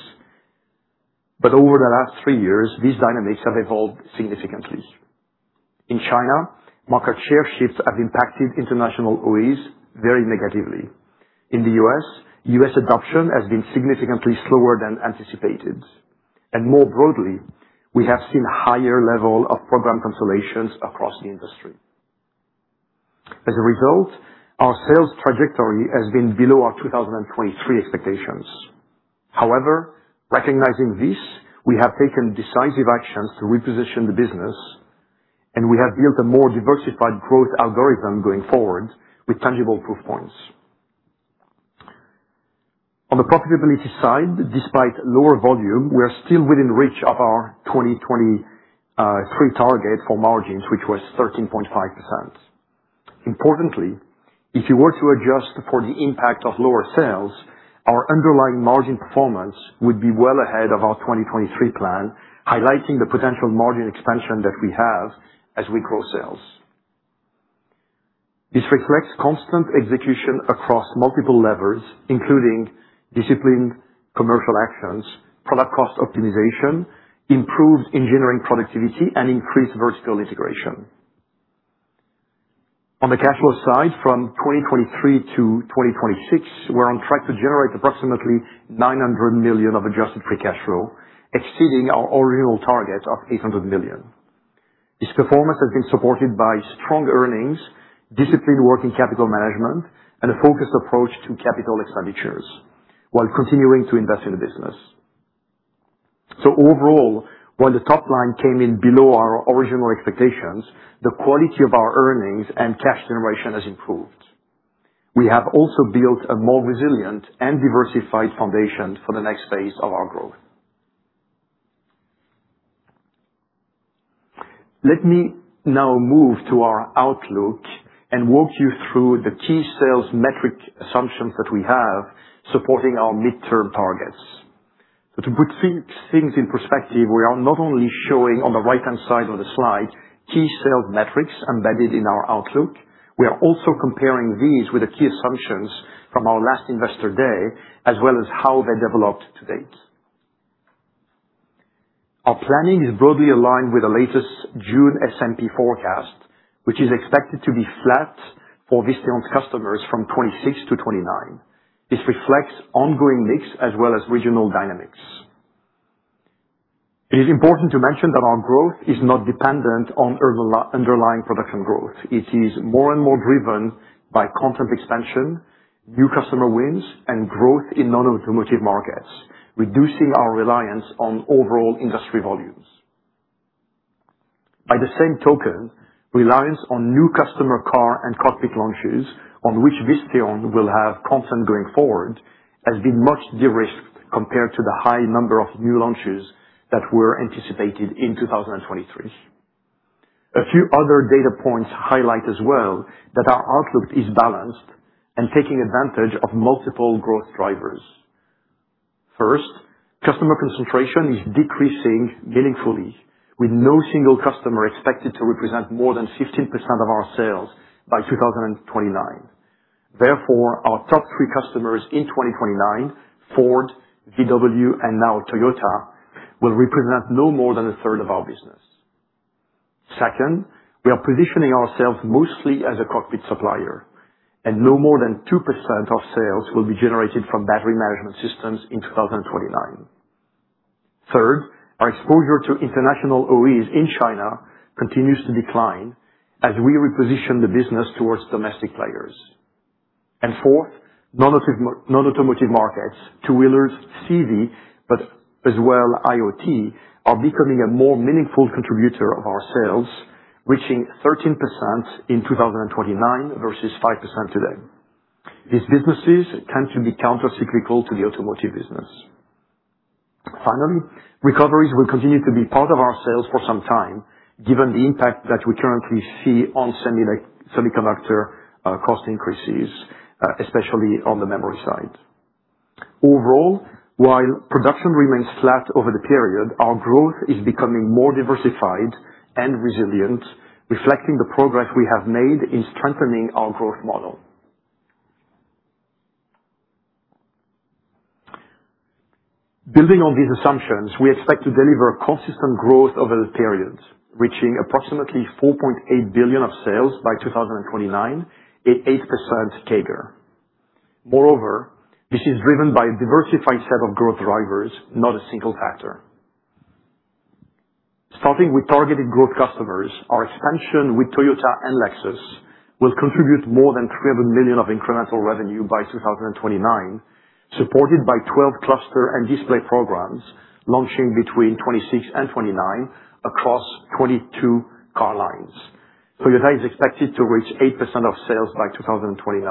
Over the last three years, these dynamics have evolved significantly. In China, market share shifts have impacted international OEs very negatively. In the U.S., U.S. adoption has been significantly slower than anticipated. More broadly, we have seen higher level of program cancellations across the industry. As a result, our sales trajectory has been below our 2023 expectations. However, recognizing this, we have taken decisive actions to reposition the business, and we have built a more diversified growth algorithm going forward with tangible proof points. On the profitability side, despite lower volume, we are still within reach of our 2023 target for margins, which was 13.5%. Importantly, if you were to adjust for the impact of lower sales, our underlying margin performance would be well ahead of our 2023 plan, highlighting the potential margin expansion that we have as we grow sales. This reflects constant execution across multiple levers, including disciplined commercial actions, product cost optimization, improved engineering productivity, and increased vertical integration. On the cash flow side, from 2023 to 2026, we are on track to generate approximately $900 million of adjusted free cash flow, exceeding our original target of $800 million. This performance has been supported by strong earnings, disciplined working capital management, and a focused approach to capital expenditures while continuing to invest in the business. Overall, while the top line came in below our original expectations, the quality of our earnings and cash generation has improved. We have also built a more resilient and diversified foundation for the next phase of our growth. Let me now move to our outlook and walk you through the key sales metric assumptions that we have supporting our midterm targets. To put things in perspective, we are not only showing on the right-hand side of the slide key sales metrics embedded in our outlook, we are also comparing these with the key assumptions from our last Investor Day, as well as how they developed to date. Our planning is broadly aligned with the latest June S&P forecast, which is expected to be flat for Visteon's customers from 2026 to 2029. This reflects ongoing mix as well as regional dynamics. It is important to mention that our growth is not dependent on underlying production growth. It is more and more driven by content expansion, new customer wins, and growth in non-automotive markets, reducing our reliance on overall industry volumes. By the same token, reliance on new customer car and cockpit launches, on which Visteon will have content going forward, has been much de-risked compared to the high number of new launches that were anticipated in 2023. A few other data points highlight as well that our outlook is balanced and taking advantage of multiple growth drivers. First, customer concentration is decreasing meaningfully, with no single customer expected to represent more than 15% of our sales by 2029. Our top three customers in 2029, Ford, VW, and now Toyota, will represent no more than a third of our business. Second, we are positioning ourselves mostly as a cockpit supplier, and no more than 2% of sales will be generated from battery management systems in 2029. Third, our exposure to international OEs in China continues to decline as we reposition the business towards domestic players. Fourth, non-automotive markets, two-wheelers, CV, but as well, IoT, are becoming a more meaningful contributor of our sales, reaching 13% in 2029 versus 5% today. These businesses tend to be counter-cyclical to the automotive business. Finally, recoveries will continue to be part of our sales for some time, given the impact that we currently see on semiconductor cost increases, especially on the memory side. Overall, while production remains flat over the period, our growth is becoming more diversified and resilient, reflecting the progress we have made in strengthening our growth model. Building on these assumptions, we expect to deliver consistent growth over the period, reaching approximately $4.8 billion of sales by 2029 at 8% CAGR. This is driven by a diversified set of growth drivers, not a single factor. Starting with targeted growth customers, our expansion with Toyota and Lexus will contribute more than $300 million of incremental revenue by 2029, supported by 12 cluster and display programs launching between 2026 and 2029 across 22 car lines. Toyota is expected to reach 8% of sales by 2029.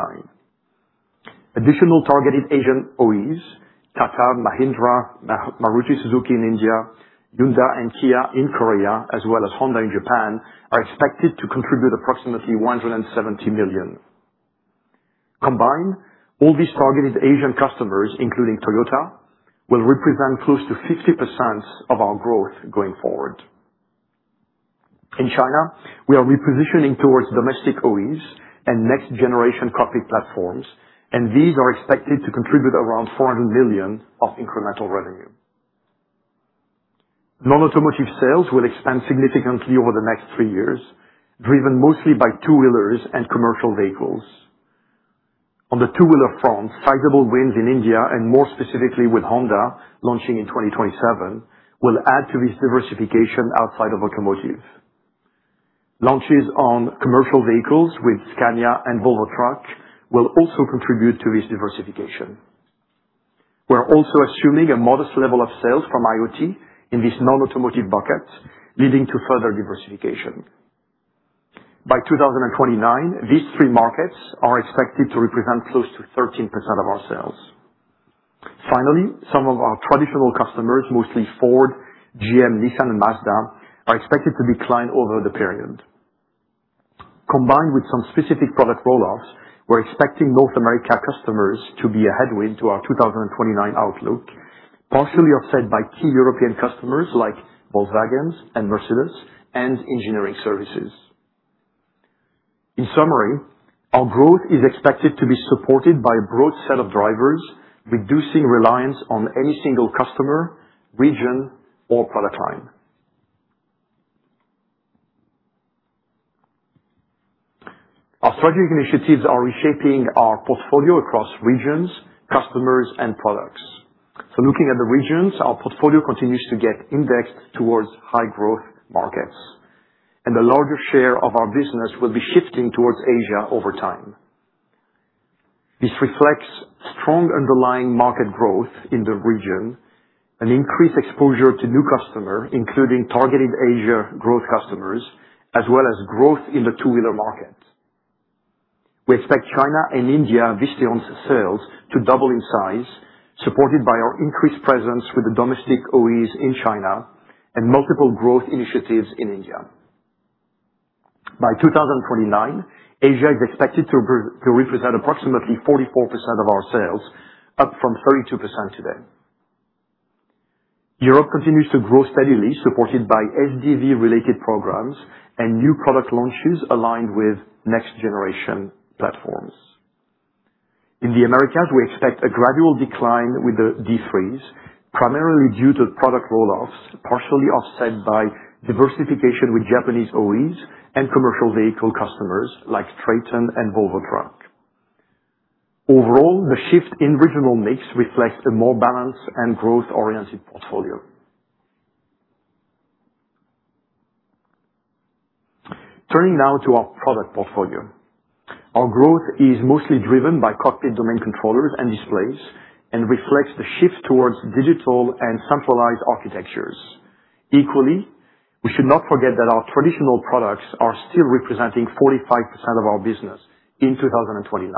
Additional targeted Asian OEs, Tata, Mahindra, Maruti Suzuki in India, Hyundai and Kia in Korea, as well as Honda in Japan, are expected to contribute approximately $170 million. Combined, all these targeted Asian customers, including Toyota, will represent close to 50% of our growth going forward. In China, we are repositioning towards domestic OEs and next-generation cockpit platforms, these are expected to contribute around $400 million of incremental revenue. Non-automotive sales will expand significantly over the next three years, driven mostly by two-wheelers and commercial vehicles. On the two-wheeler front, sizable wins in India, and more specifically with Honda launching in 2027, will add to this diversification outside of automotive. Launches on commercial vehicles with Scania and Volvo Trucks will also contribute to this diversification. We're also assuming a modest level of sales from IoT in this non-automotive bucket, leading to further diversification. By 2029, these three markets are expected to represent close to 13% of our sales. Finally, some of our traditional customers, mostly Ford, GM, Nissan, and Mazda, are expected to decline over the period. Combined with some specific product roll-offs, we're expecting North America customers to be a headwind to our 2029 outlook, partially offset by key European customers like Volkswagen and Mercedes-Benz and engineering services. Our growth is expected to be supported by a broad set of drivers, reducing reliance on any single customer, region, or product line. Our strategic initiatives are reshaping our portfolio across regions, customers, and products. Looking at the regions, our portfolio continues to get indexed towards high-growth markets, the larger share of our business will be shifting towards Asia over time. This reflects strong underlying market growth in the region and increased exposure to new customer, including targeted Asia growth customers, as well as growth in the two-wheeler market. We expect China and India Visteon sales to double in size, supported by our increased presence with the domestic OEs in China and multiple growth initiatives in India. By 2029, Asia is expected to represent approximately 44% of our sales, up from 32% today. Europe continues to grow steadily, supported by SDV-related programs and new product launches aligned with next-generation platforms. In the Americas, we expect a gradual decline with the D3S, primarily due to product roll-offs, partially offset by diversification with Japanese OEs and commercial vehicle customers like Traton and Volvo Truck. Overall, the shift in regional mix reflects a more balanced and growth-oriented portfolio. Turning now to our product portfolio. Our growth is mostly driven by cockpit domain controllers and displays and reflects the shift towards digital and centralized architectures. Equally, we should not forget that our traditional products are still representing 45% of our business in 2029.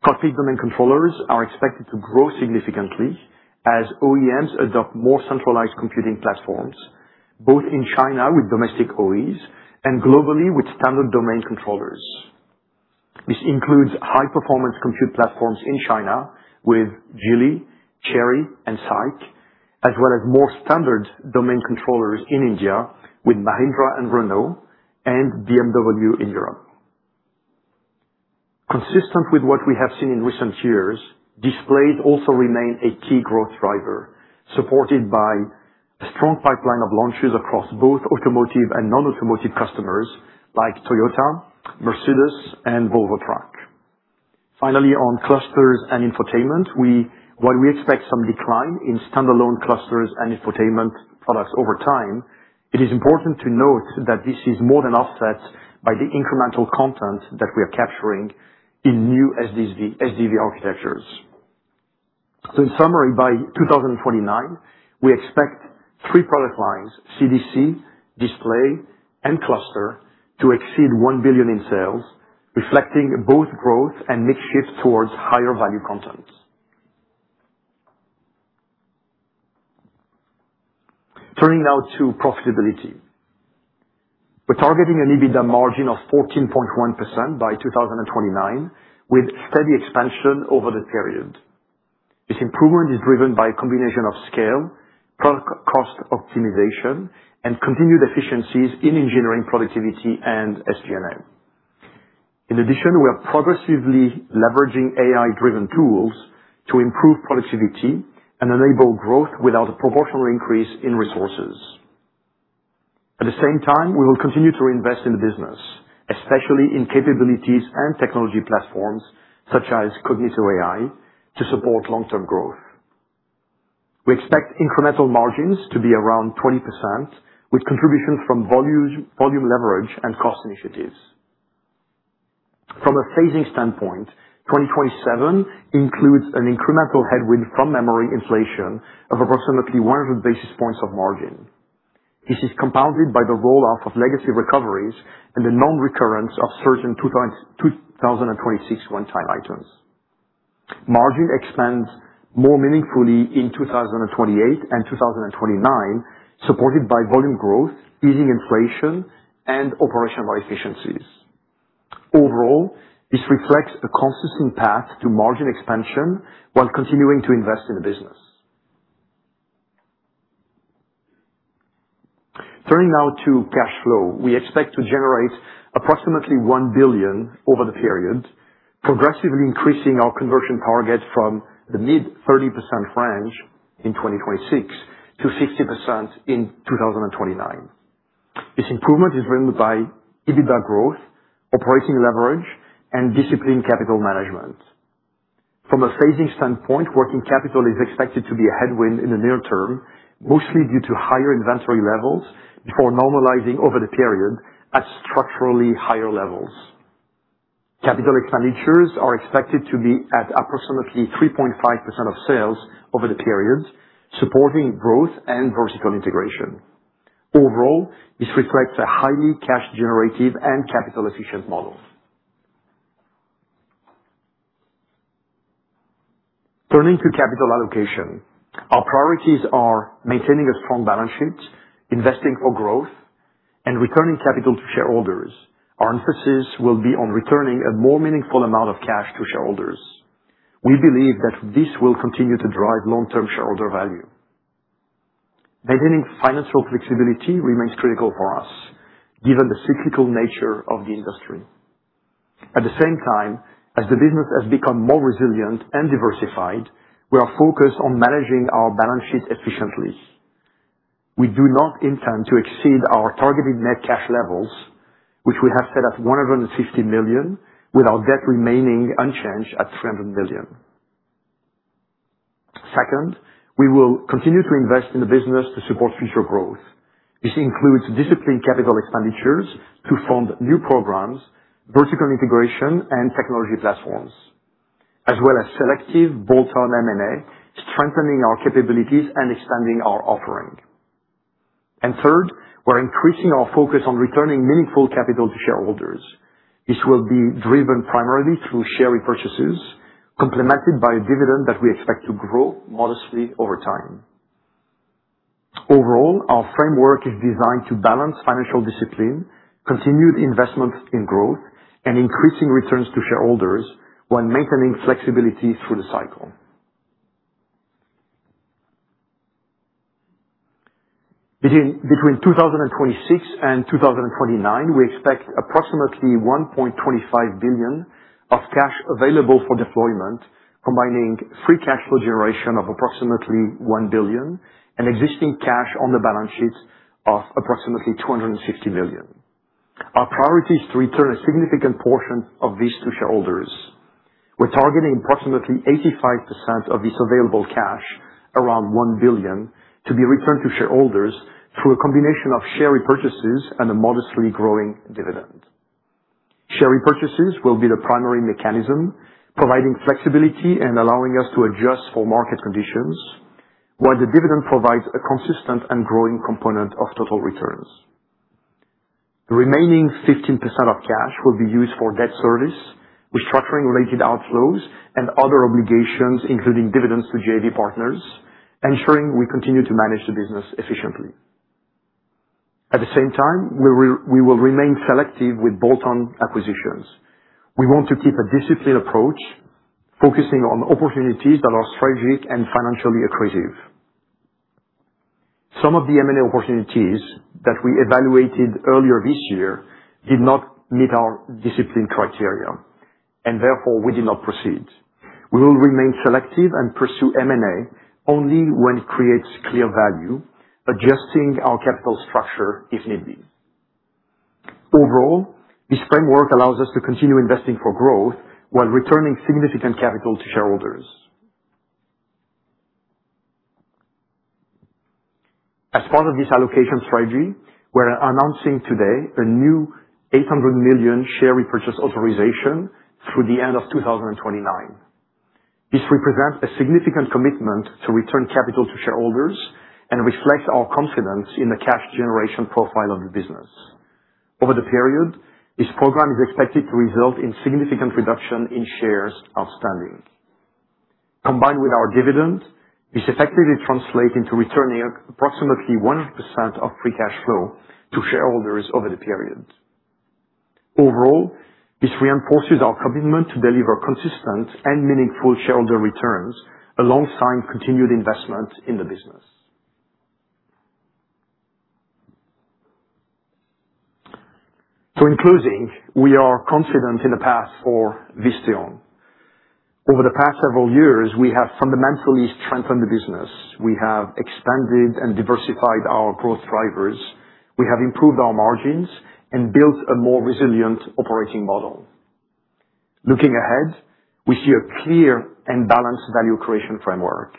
Cockpit domain controllers are expected to grow significantly as OEMs adopt more centralized computing platforms, both in China with domestic OEs and globally with standard domain controllers. This includes high-performance compute platforms in China with Geely, Chery, and SAIC, as well as more standard domain controllers in India with Mahindra and Renault and BMW in Europe. Consistent with what we have seen in recent years, displays also remain a key growth driver, supported by a strong pipeline of launches across both automotive and non-automotive customers like Toyota, Mercedes, and Volvo Truck. Finally, on clusters and infotainment, while we expect some decline in standalone clusters and infotainment products over time, it is important to note that this is more than offset by the incremental content that we are capturing in new SDV architectures. In summary, by 2029, we expect three product lines, CDC, display, and cluster, to exceed $1 billion in sales, reflecting both growth and mix shift towards higher value content. Turning now to profitability. We're targeting an EBITDA margin of 14.1% by 2029, with steady expansion over the period. This improvement is driven by a combination of scale, product cost optimization, and continued efficiencies in engineering productivity and SG&A. In addition, we are progressively leveraging AI-driven tools to improve productivity and enable growth without a proportional increase in resources. At the same time, we will continue to invest in the business, especially in capabilities and technology platforms such as cognitoAI to support long-term growth. We expect incremental margins to be around 20%, with contributions from volume leverage and cost initiatives. From a phasing standpoint, 2027 includes an incremental headwind from memory inflation of approximately 100 basis points of margin. This is compounded by the rollout of legacy recoveries and the non-recurrence of certain 2026 one-time items. Margin expands more meaningfully in 2028 and 2029, supported by volume growth, easing inflation, and operational efficiencies. Overall, this reflects a consistent path to margin expansion while continuing to invest in the business. Turning now to cash flow. We expect to generate approximately $1 billion over the period, progressively increasing our conversion target from the mid 30% range in 2026 to 60% in 2029. This improvement is driven by EBITDA growth, operating leverage, and disciplined capital management. From a phasing standpoint, working capital is expected to be a headwind in the near term, mostly due to higher inventory levels before normalizing over the period at structurally higher levels. Capital expenditures are expected to be at approximately 3.5% of sales over the period, supporting growth and vertical integration. Overall, this reflects a highly cash-generative and capital-efficient model. Turning to capital allocation, our priorities are maintaining a strong balance sheet, investing for growth, and returning capital to shareholders. Our emphasis will be on returning a more meaningful amount of cash to shareholders. We believe that this will continue to drive long-term shareholder value. Maintaining financial flexibility remains critical for us, given the cyclical nature of the industry. At the same time, as the business has become more resilient and diversified, we are focused on managing our balance sheet efficiently. We do not intend to exceed our targeted net cash levels, which we have set at $150 million, with our debt remaining unchanged at $300 million. Second, we will continue to invest in the business to support future growth. This includes disciplined capital expenditures to fund new programs, vertical integration, and technology platforms, as well as selective bolt-on M&A, strengthening our capabilities and expanding our offering. Third, we're increasing our focus on returning meaningful capital to shareholders. This will be driven primarily through share repurchases, complemented by a dividend that we expect to grow modestly over time. Overall, our framework is designed to balance financial discipline, continued investment in growth, and increasing returns to shareholders while maintaining flexibility through the cycle. Between 2026 and 2029, we expect approximately $1.25 billion of cash available for deployment, combining free cash flow generation of approximately $1 billion and existing cash on the balance sheet of approximately $260 million. Our priority is to return a significant portion of this to shareholders. We're targeting approximately 85% of this available cash, around $1 billion, to be returned to shareholders through a combination of share repurchases and a modestly growing dividend. Share repurchases will be the primary mechanism, providing flexibility and allowing us to adjust for market conditions, while the dividend provides a consistent and growing component of total returns. The remaining 15% of cash will be used for debt service, restructuring related outflows, and other obligations, including dividends to JV partners, ensuring we continue to manage the business efficiently. At the same time, we will remain selective with bolt-on acquisitions. We want to keep a disciplined approach, focusing on opportunities that are strategic and financially accretive. Some of the M&A opportunities that we evaluated earlier this year did not meet our discipline criteria, and therefore we did not proceed. We will remain selective and pursue M&A only when it creates clear value, adjusting our capital structure if need be. Overall, this framework allows us to continue investing for growth while returning significant capital to shareholders. As part of this allocation strategy, we're announcing today a new $800 million share repurchase authorization through the end of 2029. This represents a significant commitment to return capital to shareholders and reflects our confidence in the cash generation profile of the business. Over the period, this program is expected to result in significant reduction in shares outstanding. Combined with our dividend, this effectively translates into returning approximately 100% of free cash flow to shareholders over the period. Overall, this reinforces our commitment to deliver consistent and meaningful shareholder returns, alongside continued investment in the business. In closing, we are confident in the path for Visteon. Over the past several years, we have fundamentally strengthened the business. We have expanded and diversified our growth drivers. We have improved our margins and built a more resilient operating model. Looking ahead, we see a clear and balanced value creation framework.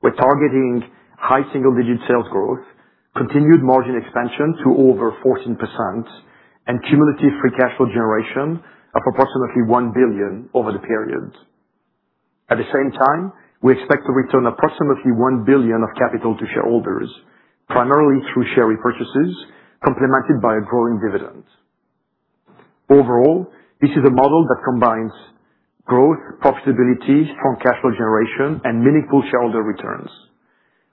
We're targeting high single-digit sales growth, continued margin expansion to over 14%, and cumulative free cash flow generation of approximately $1 billion over the period. At the same time, we expect to return approximately $1 billion of capital to shareholders, primarily through share repurchases, complemented by a growing dividend. Overall, this is a model that combines growth, profitability, strong cash flow generation, and meaningful shareholder returns.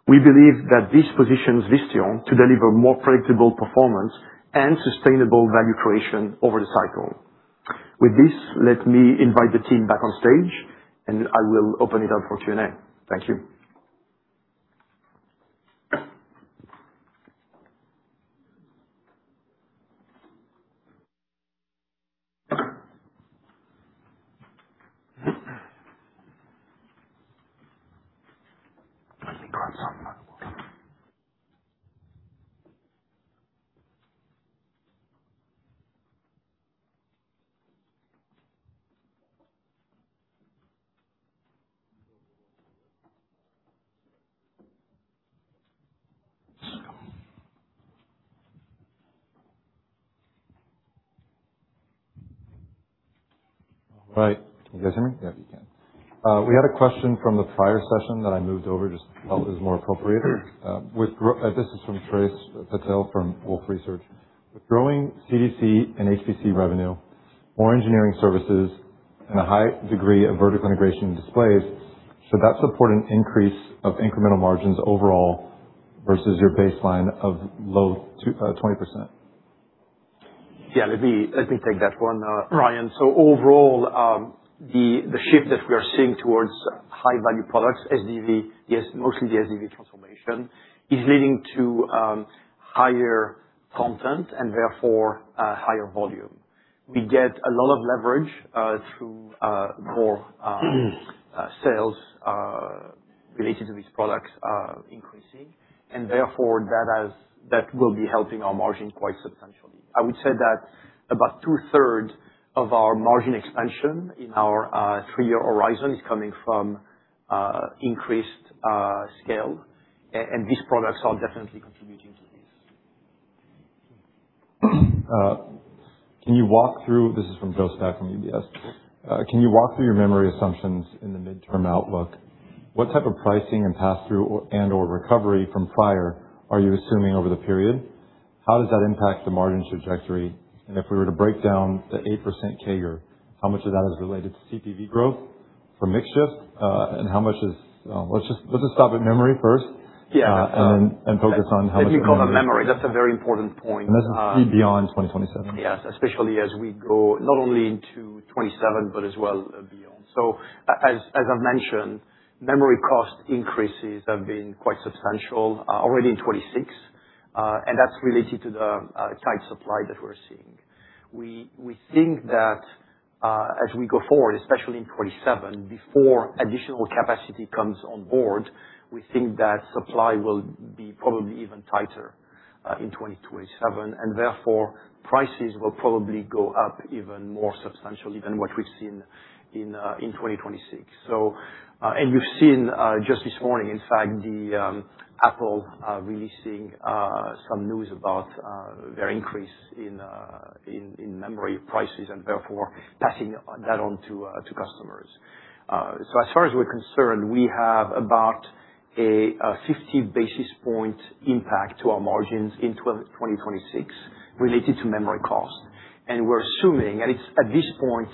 We believe that this positions Visteon to deliver more predictable performance and sustainable value creation over the cycle. With this, let me invite the team back on stage, and I will open it up for Q&A. Thank you. I think Ryan's on now. All right. Can you guys hear me? Yeah, you can. We had a question from the prior session that I moved over, just felt it was more appropriate. This is from Kalpit Patel from Wolfe Research. With growing CDC and HPC revenue or engineering services and a high degree of vertical integration in displays, should that support an increase of incremental margins overall versus your baseline of low 20%? Yeah. Let me take that one, Ryan. Overall, the shift that we are seeing towards high-value products, SDV, yes, mostly the SDV transformation, is leading to higher content and therefore higher volume. We get a lot of leverage through more sales related to these products increasing. Therefore, that will be helping our margin quite substantially. I would say that about two-thirds of our margin expansion in our three-year horizon is coming from increased scale. These products are definitely contributing to this. This is from Joe Spak from UBS. Can you walk through your memory assumptions in the midterm outlook? What type of pricing and pass-through and/or recovery from prior are you assuming over the period? How does that impact the margin trajectory? If we were to break down the 8% CAGR, how much of that is related to CPV growth from mix shift, and how much? Let's just stop at memory first. Yeah. focus on how much- Let me cover memory. That's a very important point. This is beyond 2027. Yes, especially as we go not only into 2027, but as well beyond. As I've mentioned, memory cost increases have been quite substantial already in 2026, and that's related to the tight supply that we're seeing. We think that as we go forward, especially in 2027, before additional capacity comes on board, we think that supply will be probably even tighter in 2027, and therefore, prices will probably go up even more substantially than what we've seen in 2026. You've seen just this morning, in fact, Apple releasing some news about their increase in memory prices, and therefore passing that on to customers. As far as we're concerned, we have about a 50 basis point impact to our margins in 2026 related to memory cost. We're assuming, and it's at this point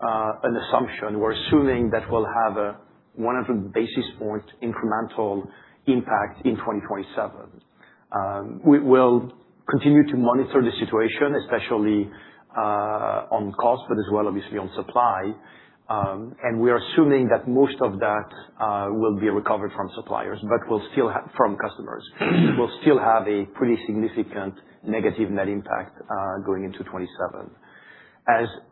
an assumption, we're assuming that we'll have a 100 basis point incremental impact in 2027. We will continue to monitor the situation, especially on cost, but as well, obviously on supply. We are assuming that most of that will be recovered from suppliers, but from customers. We'll still have a pretty significant negative net impact going into 2027.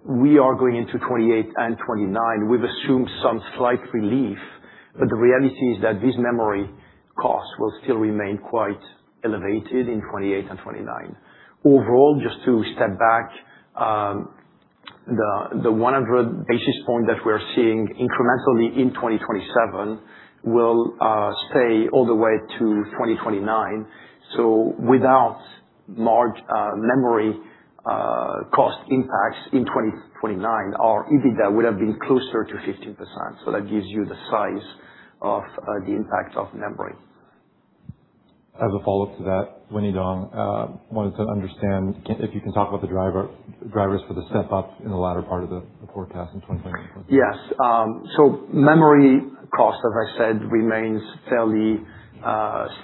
We are going into 2028 and 2029, we've assumed some slight relief, but the reality is that this memory cost will still remain quite elevated in 2028 and 2029. Overall, just to step back, the 100 basis point that we are seeing incrementally in 2027 will stay all the way to 2029. Without large memory cost impacts in 2029, our EBITDA would have been closer to 15%. That gives you the size of the impact of memory. As a follow-up to that, Winnie Dong wanted to understand if you can talk about the drivers for the step up in the latter part of the forecast in 2029. Yes. Memory cost, as I said, remains fairly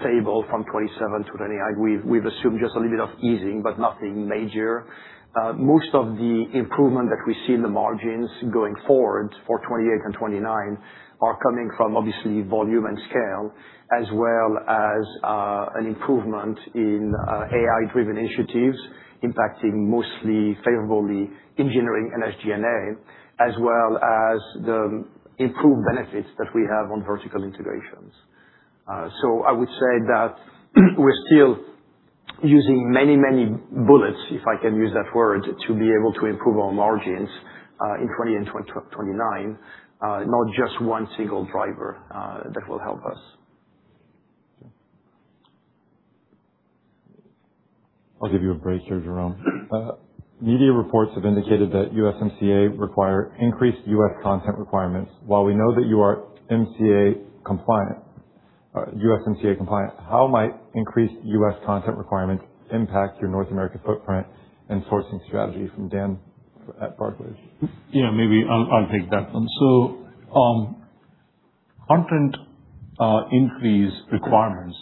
stable from 2027 to 2029. We've assumed just a little bit of easing, but nothing major. Most of the improvement that we see in the margins going forward for 2028 and 2029 are coming from obviously volume and scale, as well as an improvement in AI-driven initiatives impacting mostly favorably engineering and SG&A, as well as the improved benefits that we have on vertical integrations. I would say that we're still using many bullets, if I can use that word, to be able to improve our margins, in 2028 and 2029, not just one single driver that will help us. I'll give you a break here, Jerome. Media reports have indicated that USMCA require increased U.S. content requirements. While we know that you are USMCA compliant, how might increased U.S. content requirements impact your North American footprint and sourcing strategy from Dan at Barclays? Yeah, maybe I'll take that one. Content increase requirements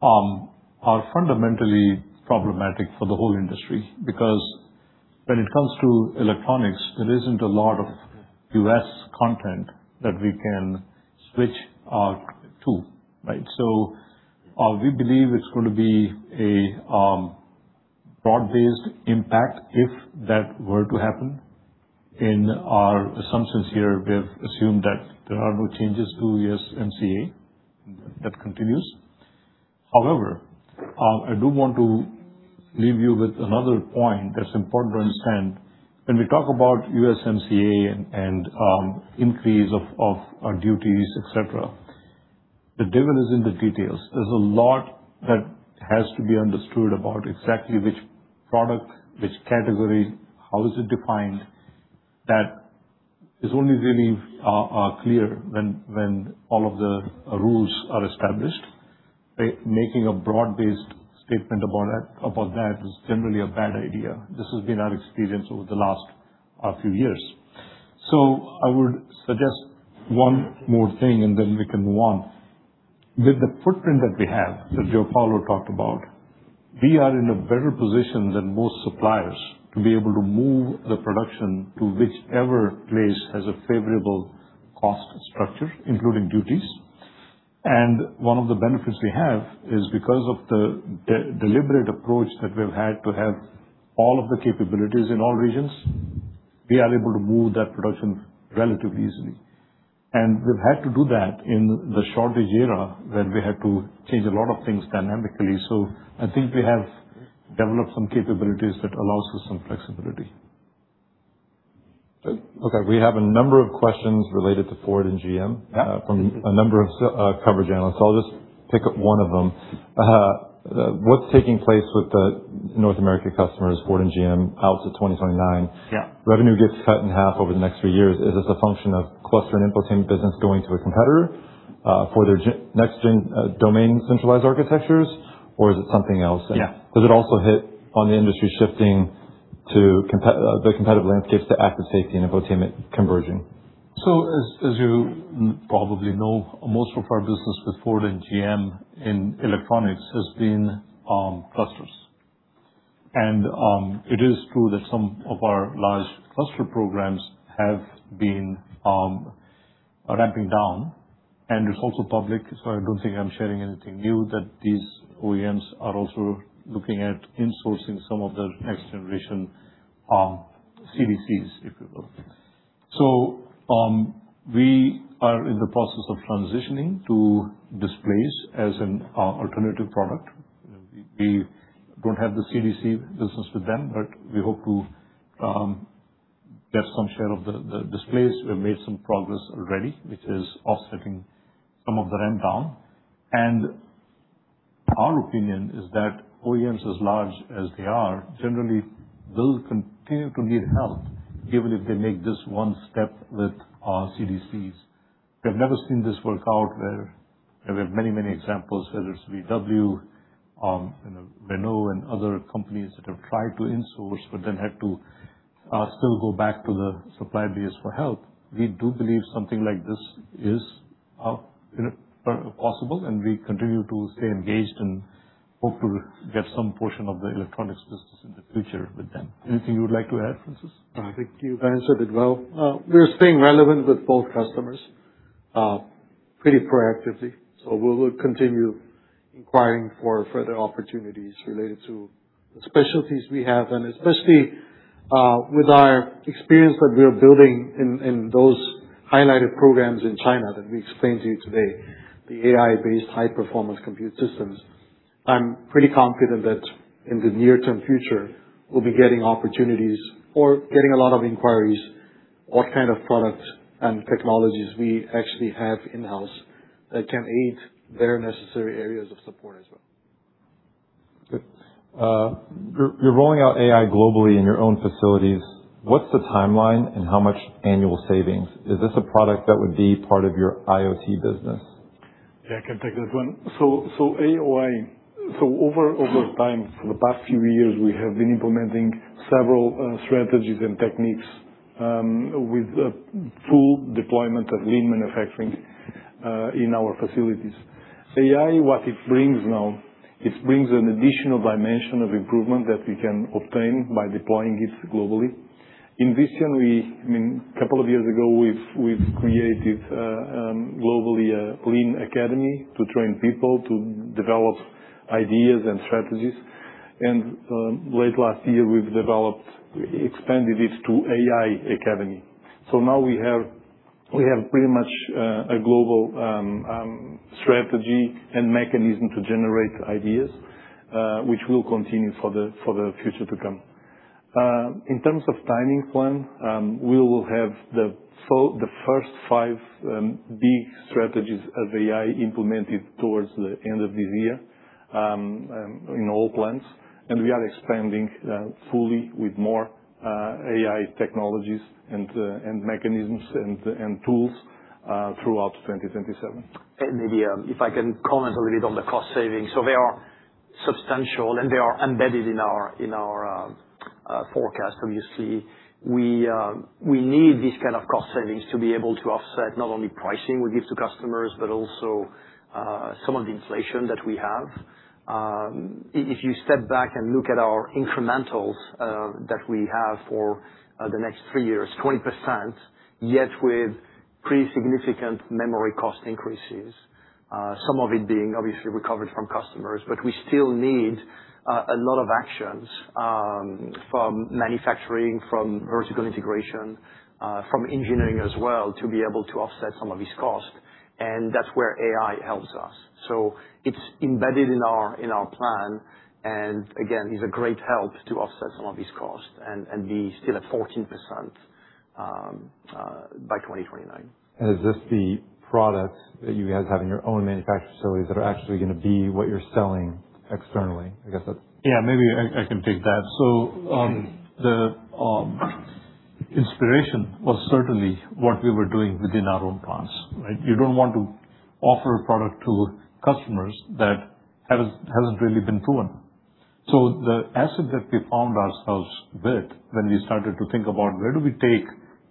are fundamentally problematic for the whole industry because when it comes to electronics, there isn't a lot of U.S. content that we can switch our tool. We believe it's going to be a broad-based impact if that were to happen. In our assumptions here, we have assumed that there are no changes to USMCA. That continues. However, I do want to leave you with another point that's important to understand. When we talk about USMCA and increase of our duties, et cetera, the devil is in the details. There's a lot that has to be understood about exactly which product, which category, how is it defined, that is only really clear when all of the rules are established, right? Making a broad-based statement about that is generally a bad idea. This has been our experience over the last few years. I would suggest one more thing, and then we can move on. With the footprint that we have, that Paolo talked about, we are in a better position than most suppliers to be able to move the production to whichever place has a favorable cost structure, including duties. One of the benefits we have is because of the deliberate approach that we've had to have all of the capabilities in all regions, we are able to move that production relatively easily. We've had to do that in the shortage era, where we had to change a lot of things dynamically. I think we have developed some capabilities that allows us some flexibility. Okay. We have a number of questions related to Ford and GM from a number of coverage analysts. I'll just pick up one of them. What's taking place with the North American customers, Ford and GM, out to 2029? Yeah. Revenue gets cut in half over the next few years. Is this a function of cluster and infotainment business going to a competitor, for their next-gen domain centralized architectures, or is it something else? Yeah. Does it also hit on the industry shifting the competitive landscapes to active safety and infotainment converging? As you probably know, most of our business with Ford and GM in electronics has been clusters. It is true that some of our large cluster programs have been ramping down, and it's also public, I don't think I'm sharing anything new that these OEMs are also looking at insourcing some of their next generation CDCs, if you will. We are in the process of transitioning to displays as an alternative product. We don't have the CDC business with them, but we hope to get some share of the displays. We have made some progress already, which is offsetting some of the ramp down. Our opinion is that OEMs as large as they are, generally will continue to need help, even if they make just one step with our CDCs. We have never seen this work out where we have many examples, whether it's VW, Renault, and other companies that have tried to insource but then had to still go back to the supply base for help. We do believe something like this is possible, and we continue to stay engaged and hope to get some portion of the electronics business in the future with them. Anything you would like to add, Francis? I think you've answered it well. We're staying relevant with both customers pretty proactively. We will continue inquiring for further opportunities related to the specialties we have, and especially with our experience that we are building in those highlighted programs in China that we explained to you today, the AI-based High-Performance Compute systems. I'm pretty confident that in the near-term future, we'll be getting opportunities or getting a lot of inquiries, what kind of products and technologies we actually have in-house that can aid their necessary areas of support as well. Good. You're rolling out AI globally in your own facilities. What's the timeline and how much annual savings? Is this a product that would be part of your IoT business? Yeah, I can take this one. Over time, for the past few years, we have been implementing several strategies and techniques, with full deployment of lean manufacturing in our facilities. AI, what it brings now, it brings an additional dimension of improvement that we can obtain by deploying it globally. In Visteon, a couple of years ago, we've created globally a lean academy to train people to develop ideas and strategies. Late last year, we've expanded this to AI academy. Now we have pretty much a global strategy and mechanism to generate ideas, which will continue for the future to come. In terms of timing plan, we will have the first five big strategies of AI implemented towards the end of this year in all plants. We are expanding fully with more AI technologies and mechanisms and tools throughout 2027. Maybe if I can comment a little bit on the cost savings. They are substantial, and they are embedded in our forecast. Obviously, we need these kind of cost savings to be able to offset not only pricing we give to customers, but also some of the inflation that we have. If you step back and look at our incrementals that we have for the next three years, 20%, yet with pretty significant memory cost increases, some of it being obviously recovered from customers. We still need a lot of actions from manufacturing, from vertical integration, from engineering as well, to be able to offset some of these costs, and that's where AI helps us. It's embedded in our plan, and again, is a great help to offset some of these costs and be still at 14% by 2029. Is this the products that you guys have in your own manufacturing facilities that are actually going to be what you're selling externally? I guess. Yeah, maybe I can take that. The inspiration was certainly what we were doing within our own plants, right? You don't want to offer a product to customers that hasn't really been proven. The asset that we found ourselves with when we started to think about where do we take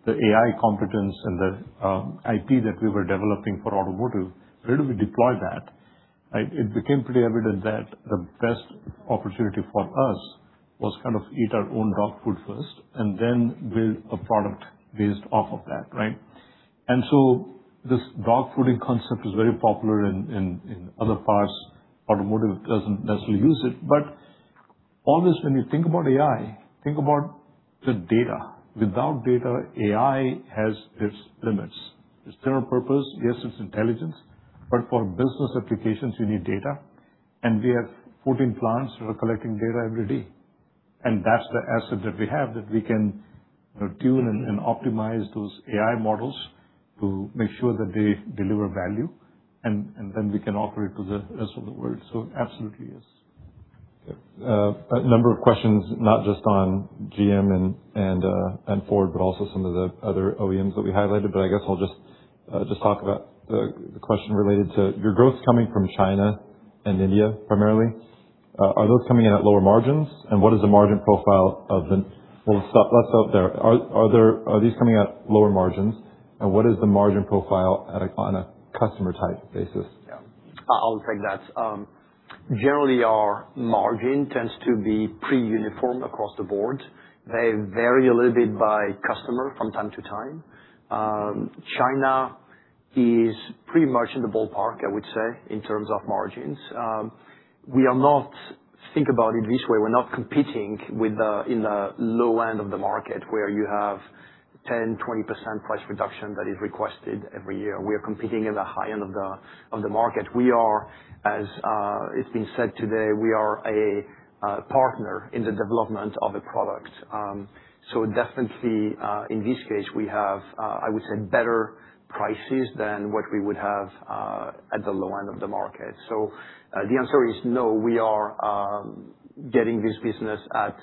the AI competence and the IP that we were developing for automotive, where do we deploy that? It became pretty evident that the best opportunity for us was kind of eat our own dog food first and then build a product based off of that, right? This dog fooding concept is very popular in other parts. Automotive doesn't necessarily use it. Always when you think about AI, think about the data. Without data, AI has its limits. It's general purpose, yes, it's intelligence, but for business applications, you need data. We have 14 plants who are collecting data every day. That's the asset that we have that we can tune and optimize those AI models to make sure that they deliver value, and then we can offer it to the rest of the world. It absolutely is. Okay. A number of questions, not just on GM and Ford, also some of the other OEMs that we highlighted. I guess I'll just talk about the question related to your growth coming from China and India primarily. Are those coming in at lower margins? Well, let's start there. Are these coming at lower margins? What is the margin profile on a customer type basis? Yeah. I'll take that. Generally, our margin tends to be pretty uniform across the board. They vary a little bit by customer from time to time. China is pretty much in the ballpark, I would say, in terms of margins. Think about it this way, we are not competing in the low end of the market where you have 10%-20% price reduction that is requested every year. We are competing at the high end of the market. As it has been said today, we are a partner in the development of a product. Definitely, in this case, we have, I would say, better prices than what we would have at the low end of the market. The answer is no. We are getting this business at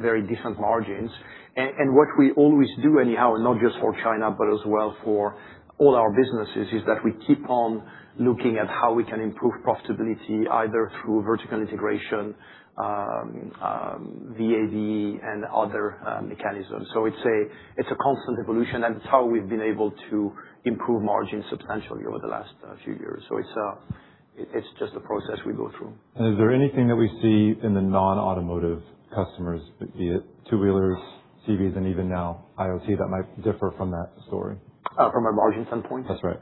very different margins. What we always do anyhow, not just for China but as well for all our businesses, is that we keep on looking at how we can improve profitability, either through vertical integration, VAVE and other mechanisms. It is a constant evolution, and it is how we have been able to improve margin substantially over the last few years. It is just a process we go through. Is there anything that we see in the non-automotive customers, be it two-wheelers, CVs, and even now IoT, that might differ from that story? From a margin standpoint? That's right.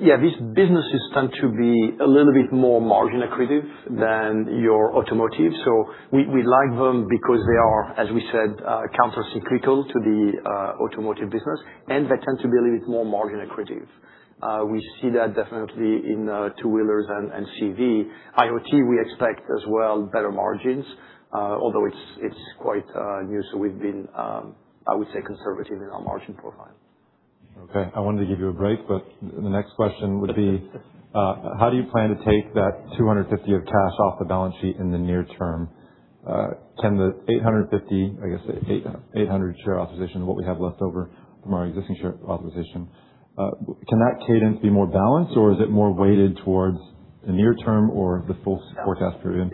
Yeah. These businesses tend to be a little bit more margin accretive than your automotive. We like them because they are, as we said, counter cyclical to the automotive business, and they tend to be a little bit more margin accretive. We see that definitely in two-wheelers and CV. IoT, we expect as well better margins. It's quite new, so we've been, I would say, conservative in our margin profile. Okay. I wanted to give you a break, the next question would be, how do you plan to take that $250 of cash off the balance sheet in the near term? Can the 850, I guess 800 share authorization, what we have left over from our existing share authorization, can that cadence be more balanced, or is it more weighted towards the near term or the full forecast period?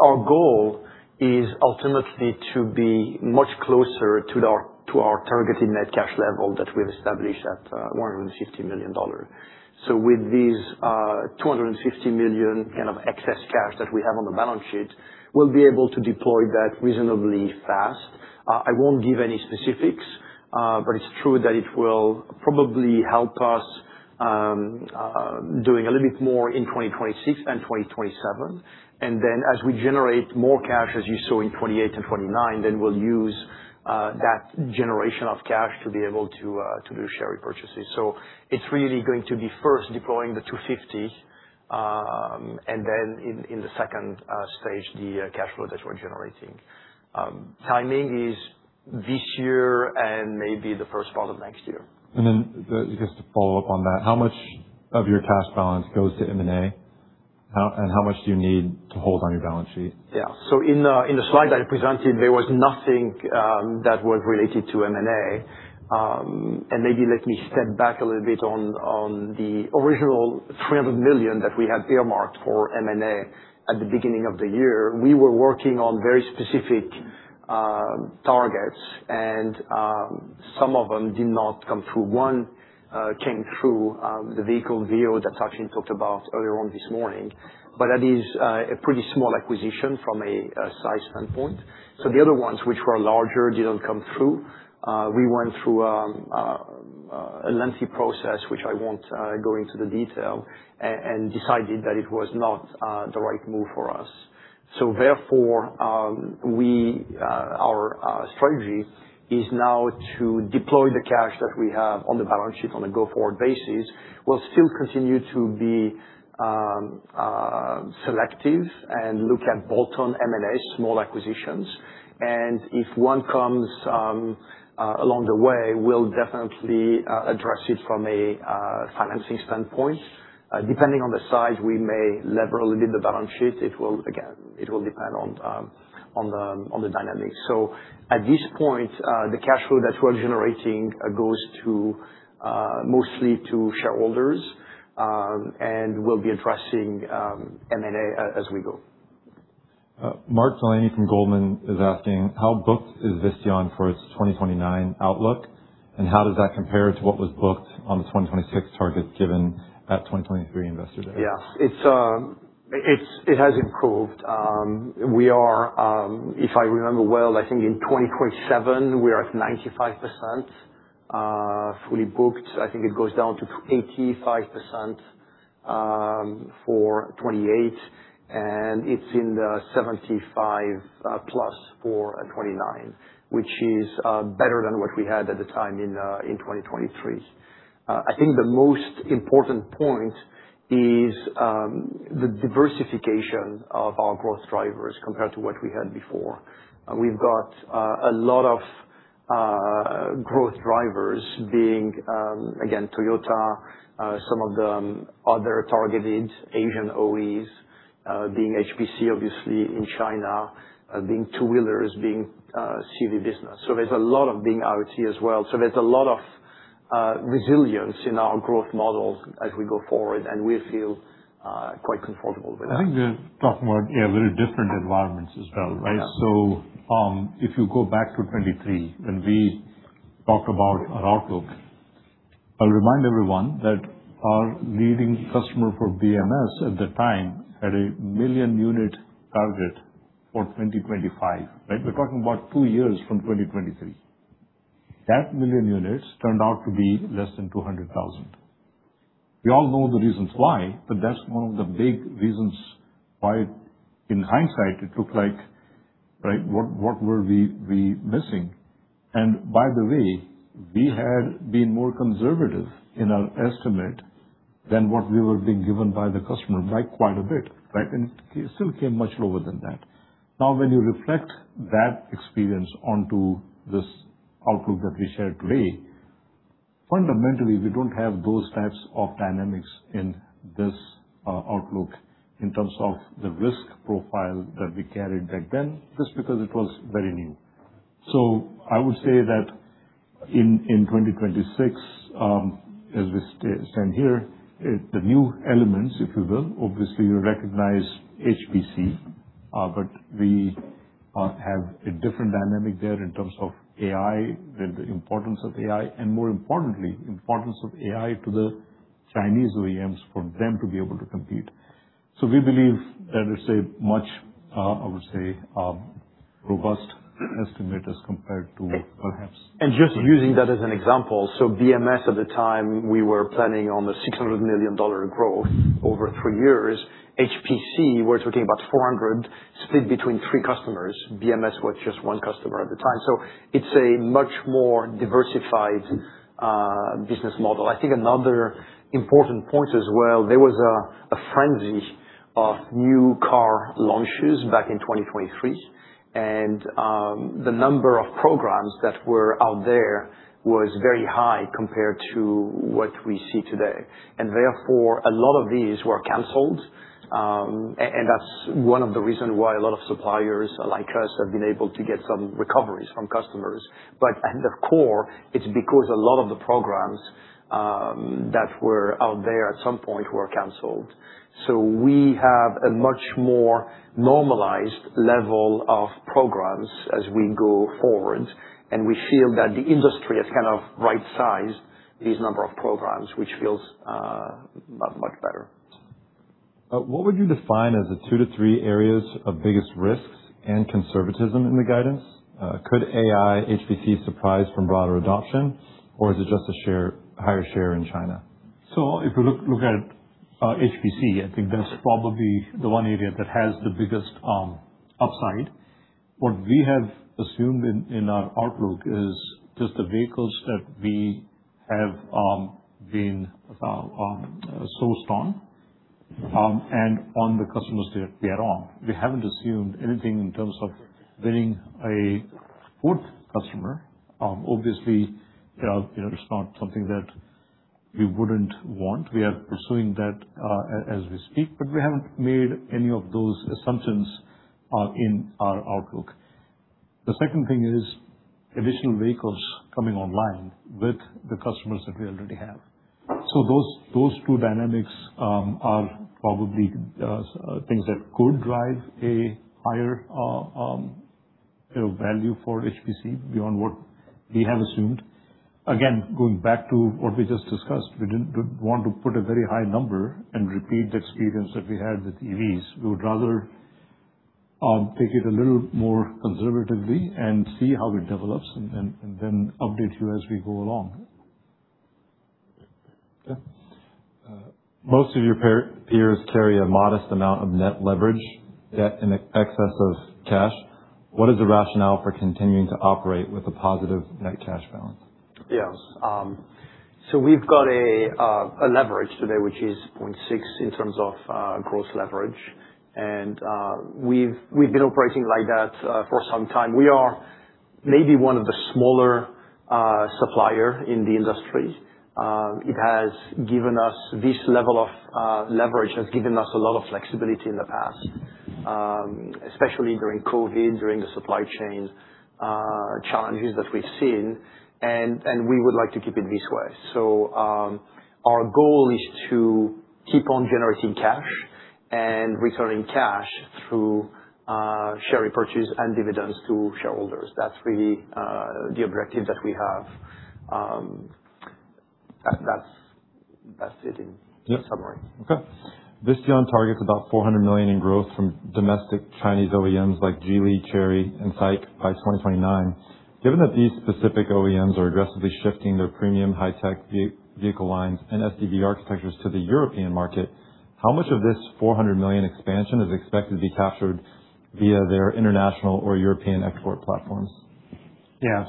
Our goal is ultimately to be much closer to our targeted net cash level that we've established at $150 million. With these $250 million kind of excess cash that we have on the balance sheet, we'll be able to deploy that reasonably fast. I won't give any specifics, but it's true that it will probably help us doing a little bit more in 2026 than 2027. As we generate more cash, as you saw in 2028 and 2029, we'll use that generation of cash to be able to do share repurchases. It's really going to be first deploying the $250, and then in the second stage, the cash flow that we're generating. Timing is this year and maybe the first quarter of next year. Just to follow up on that, how much of your cash balance goes to M&A? How much do you need to hold on your balance sheet? Yeah. In the slide that I presented, there was nothing that was related to M&A. Maybe let me step back a little bit on the original $300 million that we had earmarked for M&A at the beginning of the year. We were working on very specific targets, and some of them did not come through. One came through, the Vehicle VO that Sachin talked about earlier on this morning, but that is a pretty small acquisition from a size standpoint. The other ones, which were larger, didn't come through. We went through a lengthy process, which I won't go into the detail, and decided that it was not the right move for us. Our strategy is now to deploy the cash that we have on the balance sheet on a go-forward basis. We'll still continue to be selective and look at bolt-on M&A small acquisitions. If one comes along the way, we'll definitely address it from a financing standpoint. Depending on the size, we may lever a little bit the balance sheet. Again, it will depend on the dynamics. At this point, the cash flow that we're generating goes mostly to shareholders, and we'll be addressing M&A as we go. Mark Delaney from Goldman is asking, how booked is Visteon for its 2029 outlook, and how does that compare to what was booked on the 2026 targets given at 2023 Investor Day? Yeah. It has improved. If I remember well, I think in 2027, we are at 95% fully booked. I think it goes down to 85% for 2028, and it's in the 75+ for 2029, which is better than what we had at the time in 2023. I think the most important point is the diversification of our growth drivers compared to what we had before. We've got a lot of growth drivers being, again, Toyota, some of the other targeted Asian OEs, being HPC, obviously in China, being two-wheelers, being CV business. There's a lot of being IoT as well. There's a lot of resilience in our growth models as we go forward, and we feel quite comfortable with that. I think we're talking about very different environments as well, right? Yeah. If you go back to 2023 and we talked about our outlook, I'll remind everyone that our leading customer for BMS at the time had a million unit target for 2025, right? We're talking about two years from 2023. That million units turned out to be less than 200,000. We all know the reasons why, but that's one of the big reasons why, in hindsight, it looked like what were we missing? By the way, we had been more conservative in our estimate than what we were being given by the customer by quite a bit, right? It still came much lower than that. Now, when you reflect that experience onto this outlook that we shared today, fundamentally, we don't have those types of dynamics in this outlook in terms of the risk profile that we carried back then, just because it was very new. I would say that in 2026, as we stand here, the new elements, if you will, obviously you recognize SmartCore HPC. We have a different dynamic there in terms of AI, with the importance of AI, and more importantly, importance of AI to the Chinese OEMs for them to be able to compete. We believe that it's a much, I would say, robust estimate as compared to perhaps. Just using that as an example, BMS, at the time, we were planning on the $600 million growth over three years. SmartCore HPC, we're talking about $400 million split between three customers. BMS was just one customer at the time. It's a much more diversified business model. I think another important point as well, there was a frenzy of new car launches back in 2023, the number of programs that were out there was very high compared to what we see today. Therefore, a lot of these were canceled. That's one of the reason why a lot of suppliers like us have been able to get some recoveries from customers. At the core, it's because a lot of the programs that were out there at some point were canceled. We have a much more normalized level of programs as we go forward, we feel that the industry has kind of right-sized this number of programs, which feels much better. What would you define as the two to three areas of biggest risks and conservatism in the guidance? Could AI SmartCore HPC surprise from broader adoption, or is it just a higher share in China? If you look at HPC, I think that's probably the one area that has the biggest upside. What we have assumed in our outlook is just the vehicles that we have been sourced on, and on the customers that we are on. We haven't assumed anything in terms of winning a fourth customer. Obviously, it's not something that we wouldn't want. We are pursuing that, as we speak, but we haven't made any of those assumptions in our outlook. The second thing is additional vehicles coming online with the customers that we already have. Those two dynamics are probably things that could drive a higher value for HPC beyond what we have assumed. Again, going back to what we just discussed, we didn't want to put a very high number and repeat the experience that we had with EVs. We would rather take it a little more conservatively and see how it develops and then update you as we go along. Yeah. Most of your peers carry a modest amount of net leverage debt in excess of cash. What is the rationale for continuing to operate with a positive net cash balance? We've got a leverage today, which is 0.6 in terms of gross leverage. We've been operating like that for some time. We are maybe one of the smaller supplier in the industry. This level of leverage has given us a lot of flexibility in the past, especially during COVID, during the supply chain challenges that we've seen, and we would like to keep it this way. Our goal is to keep on generating cash and returning cash through share repurchase and dividends to shareholders. That's really the objective that we have. That's it in summary. Yeah. Okay. Visteon targets about $400 million in growth from domestic Chinese OEMs like Geely, Chery, and SAIC by 2029. Given that these specific OEMs are aggressively shifting their premium high-tech vehicle lines and SDV architectures to the European market, how much of this $400 million expansion is expected to be captured via their international or European export platforms? Yeah.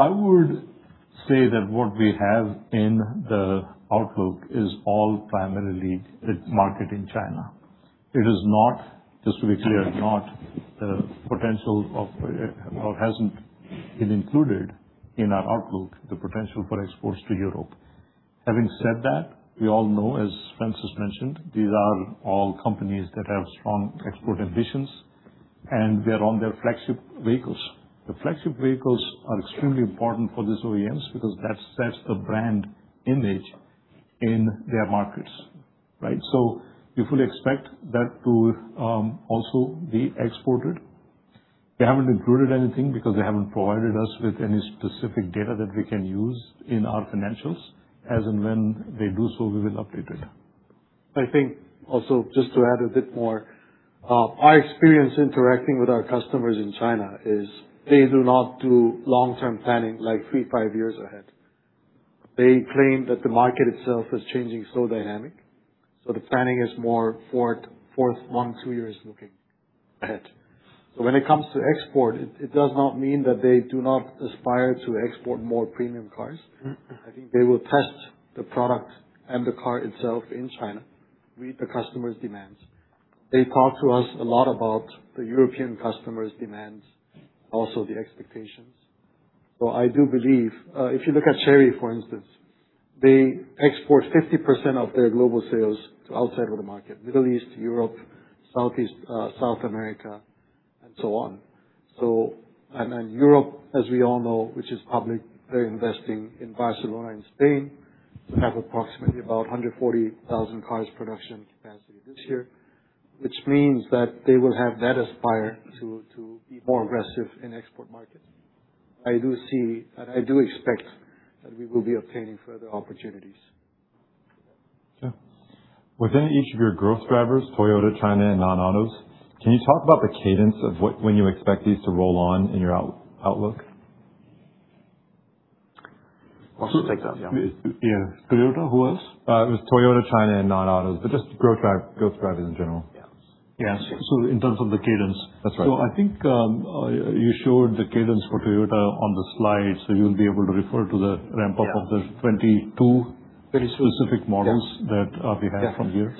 I would say that what we have in the outlook is all primarily the market in China. Just to be clear, it hasn't been included in our outlook, the potential for exports to Europe. Having said that, we all know, as Francis mentioned, these are all companies that have strong export ambitions, and they're on their flagship vehicles. The flagship vehicles are extremely important for these OEMs because that's the brand image in their markets, right? You fully expect that to also be exported. They haven't included anything because they haven't provided us with any specific data that we can use in our financials. As and when they do so, we will update it. I think also, just to add a bit more, our experience interacting with our customers in China is they do not do long-term planning like three, five years ahead. They claim that the market itself is changing, so dynamic. The planning is more for one, two years looking ahead. When it comes to export, it does not mean that they do not aspire to export more premium cars. I think they will test the product and the car itself in China, read the customer's demands. They talk to us a lot about the European customer's demands, also the expectations. I do believe, if you look at Chery, for instance, they export 50% of their global sales to outside of the market, Middle East, Europe, South America. And so on. Europe, as we all know, which is public, they're investing in Barcelona, in Spain, to have approximately about 140,000 cars production capacity this year, which means that they will have that aspire to be more aggressive in export markets. I do see, and I do expect that we will be obtaining further opportunities. Yeah. Within each of your growth drivers, Toyota, China, and non-autos, can you talk about the cadence of when you expect these to roll on in your outlook? Why don't you take that, Jerome? Yeah. Toyota, who else? It was Toyota, China, and non-autos, but just growth drivers in general. Yeah. Yeah. In terms of the cadence- That's right I think you showed the cadence for Toyota on the slide, you'll be able to refer to the ramp-up of the 22 very specific models that we have from here.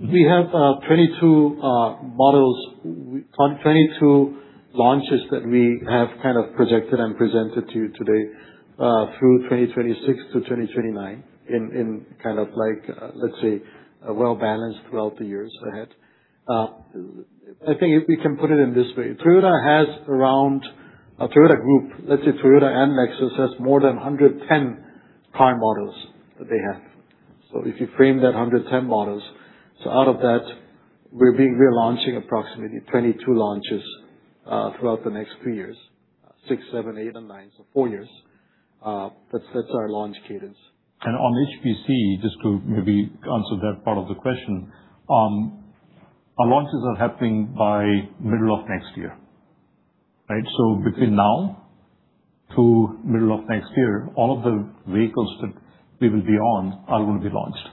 We have 22 models on 22 launches that we have projected and presented to you today, through 2026 to 2029 in let's say a well-balanced 12 years ahead. I think if we can put it in this way: Toyota group, let's say Toyota and Lexus, has more than 110 car models that they have. If you frame that 110 models, out of that, we're relaunching approximately 22 launches throughout the next three years. Six, seven, eight, and nine, four years. That's our launch cadence. On HPC, just to maybe answer that part of the question, our launches are happening by middle of next year, right? Between now to middle of next year, all of the vehicles that we will be on are going to be launched.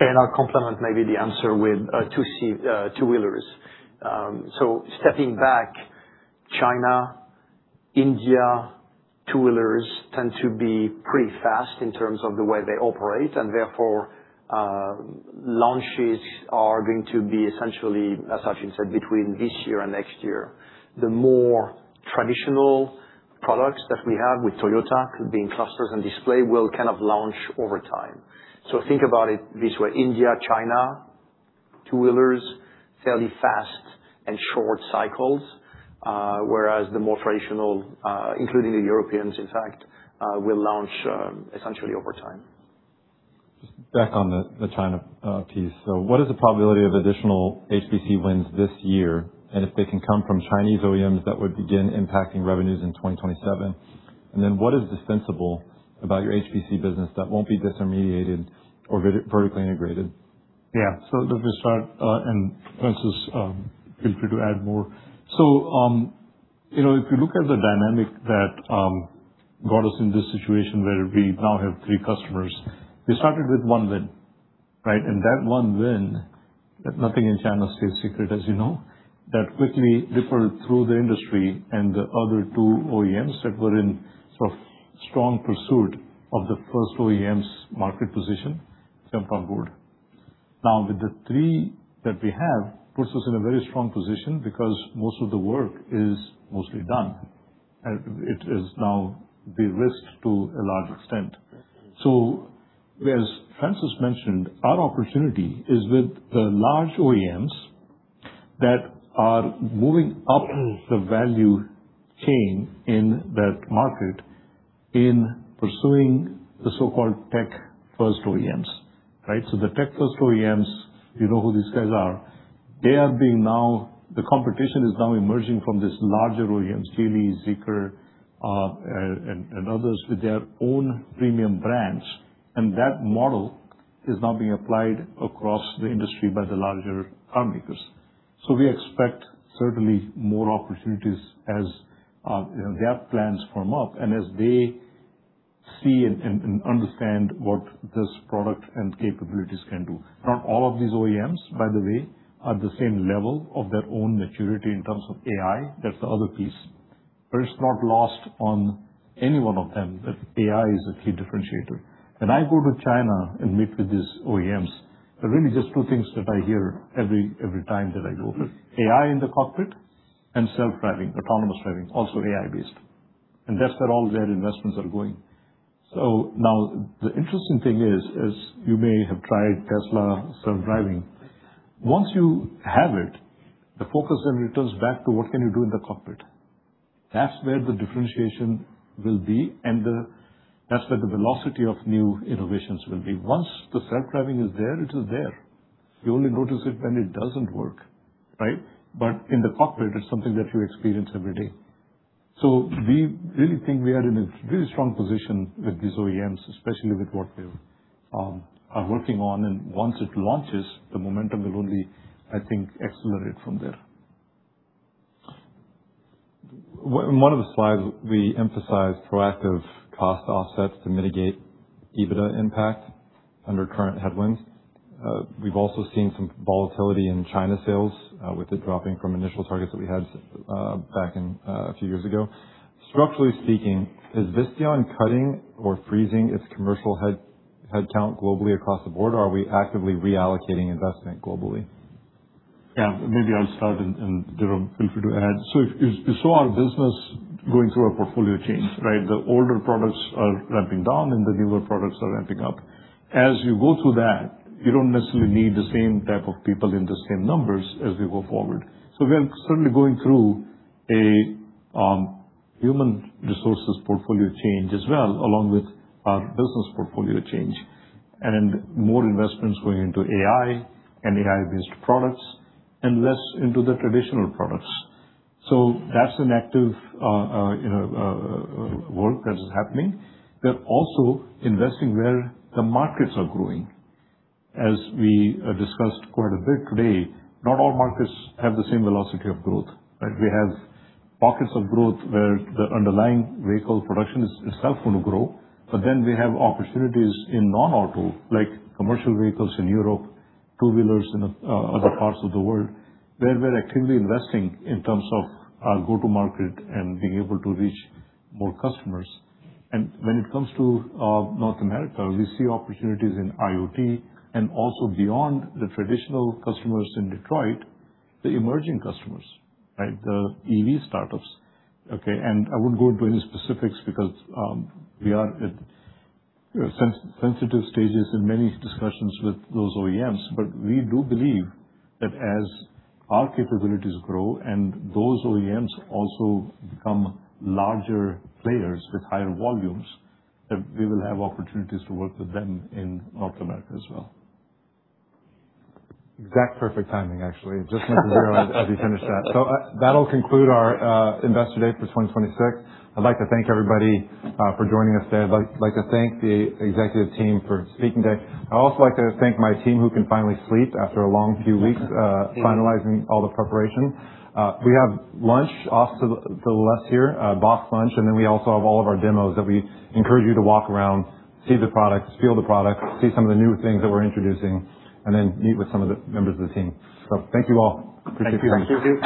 I'll complement maybe the answer with two-wheelers. Stepping back, China, India, two-wheelers tend to be pretty fast in terms of the way they operate and therefore, launches are going to be essentially, as Sachin said, between this year and next year. The more traditional products that we have with Toyota could be in clusters and display will kind of launch over time. Think about it this way, India, China, two-wheelers, fairly fast and short cycles. Whereas the more traditional, including the Europeans, in fact, will launch essentially over time. Just back on the China piece. What is the probability of additional HPC wins this year, and if they can come from Chinese OEMs that would begin impacting revenues in 2027? What is dispensable about your HPC business that won't be disintermediated or vertically integrated? Yeah. Let me start, and Francis, feel free to add more. If you look at the dynamic that got us in this situation where we now have three customers, we started with one win, right? That one win, nothing in China stays secret as you know, that quickly rippled through the industry and the other two OEMs that were in sort of strong pursuit of the first OEM's market position, jumped on board. Now with the three that we have, puts us in a very strong position because most of the work is mostly done. It is now de-risked to a large extent. As Francis mentioned, our opportunity is with the large OEMs that are moving up the value chain in that market in pursuing the so-called tech first OEMs, right? The tech first OEMs, you know who these guys are. The competition is now emerging from these larger OEMs, Geely, Zeekr, and others with their own premium brands. That model is now being applied across the industry by the larger car makers. We expect certainly more opportunities as their plans firm up and as they see and understand what this product and capabilities can do. Not all of these OEMs, by the way, are at the same level of their own maturity in terms of AI, that's the other piece. It's not lost on any one of them that AI is a key differentiator. When I go to China and meet with these OEMs, there are really just two things that I hear every time that I go there. AI in the cockpit and self-driving, autonomous driving, also AI based. That's where all their investments are going. Now, the interesting thing is, as you may have tried Tesla self-driving. Once you have it, the focus then returns back to what can you do in the cockpit. That's where the differentiation will be and that's where the velocity of new innovations will be. Once the self-driving is there, it is there. You only notice it when it doesn't work, right? In the cockpit, it's something that you experience every day. We really think we are in a really strong position with these OEMs, especially with what they are working on, and once it launches, the momentum will only, I think, accelerate from there. One of the slides we emphasized proactive cost offsets to mitigate EBITDA impact under current headwinds. We've also seen some volatility in China sales, with it dropping from initial targets that we had back a few years ago. Structurally speaking, is Visteon cutting or freezing its commercial headcount globally across the board, or are we actively reallocating investment globally? Yeah. Maybe I'll start and, Jerome, feel free to add. You saw our business going through a portfolio change, right? The older products are ramping down and the newer products are ramping up. As you go through that, you don't necessarily need the same type of people in the same numbers as we go forward. We are certainly going through a human resources portfolio change as well, along with our business portfolio change, and more investments going into AI and AI-based products and less into the traditional products. That's an active work that is happening. We're also investing where the markets are growing. As we discussed quite a bit today, not all markets have the same velocity of growth, right? We have pockets of growth where the underlying vehicle production is itself going to grow. We have opportunities in non-auto, like commercial vehicles in Europe, two-wheelers in other parts of the world, where we're actively investing in terms of our go-to market and being able to reach more customers. When it comes to North America, we see opportunities in IoT and also beyond the traditional customers in Detroit, the emerging customers, right? The EV startups, okay? I won't go into any specifics because we are at sensitive stages in many discussions with those OEMs. We do believe that as our capabilities grow and those OEMs also become larger players with higher volumes, that we will have opportunities to work with them in North America as well. Exact perfect timing, actually. Just went to zero as you finished that. That'll conclude our Investor Day for 2026. I'd like to thank everybody for joining us today. I'd like to thank the executive team for speaking today. I'd also like to thank my team who can finally sleep after a long few weeks finalizing all the preparation. We have lunch off to the left here, box lunch, and then we also have all of our demos that we encourage you to walk around, see the products, feel the products, see some of the new things that we're introducing, and then meet with some of the members of the team. Thank you all. Appreciate you.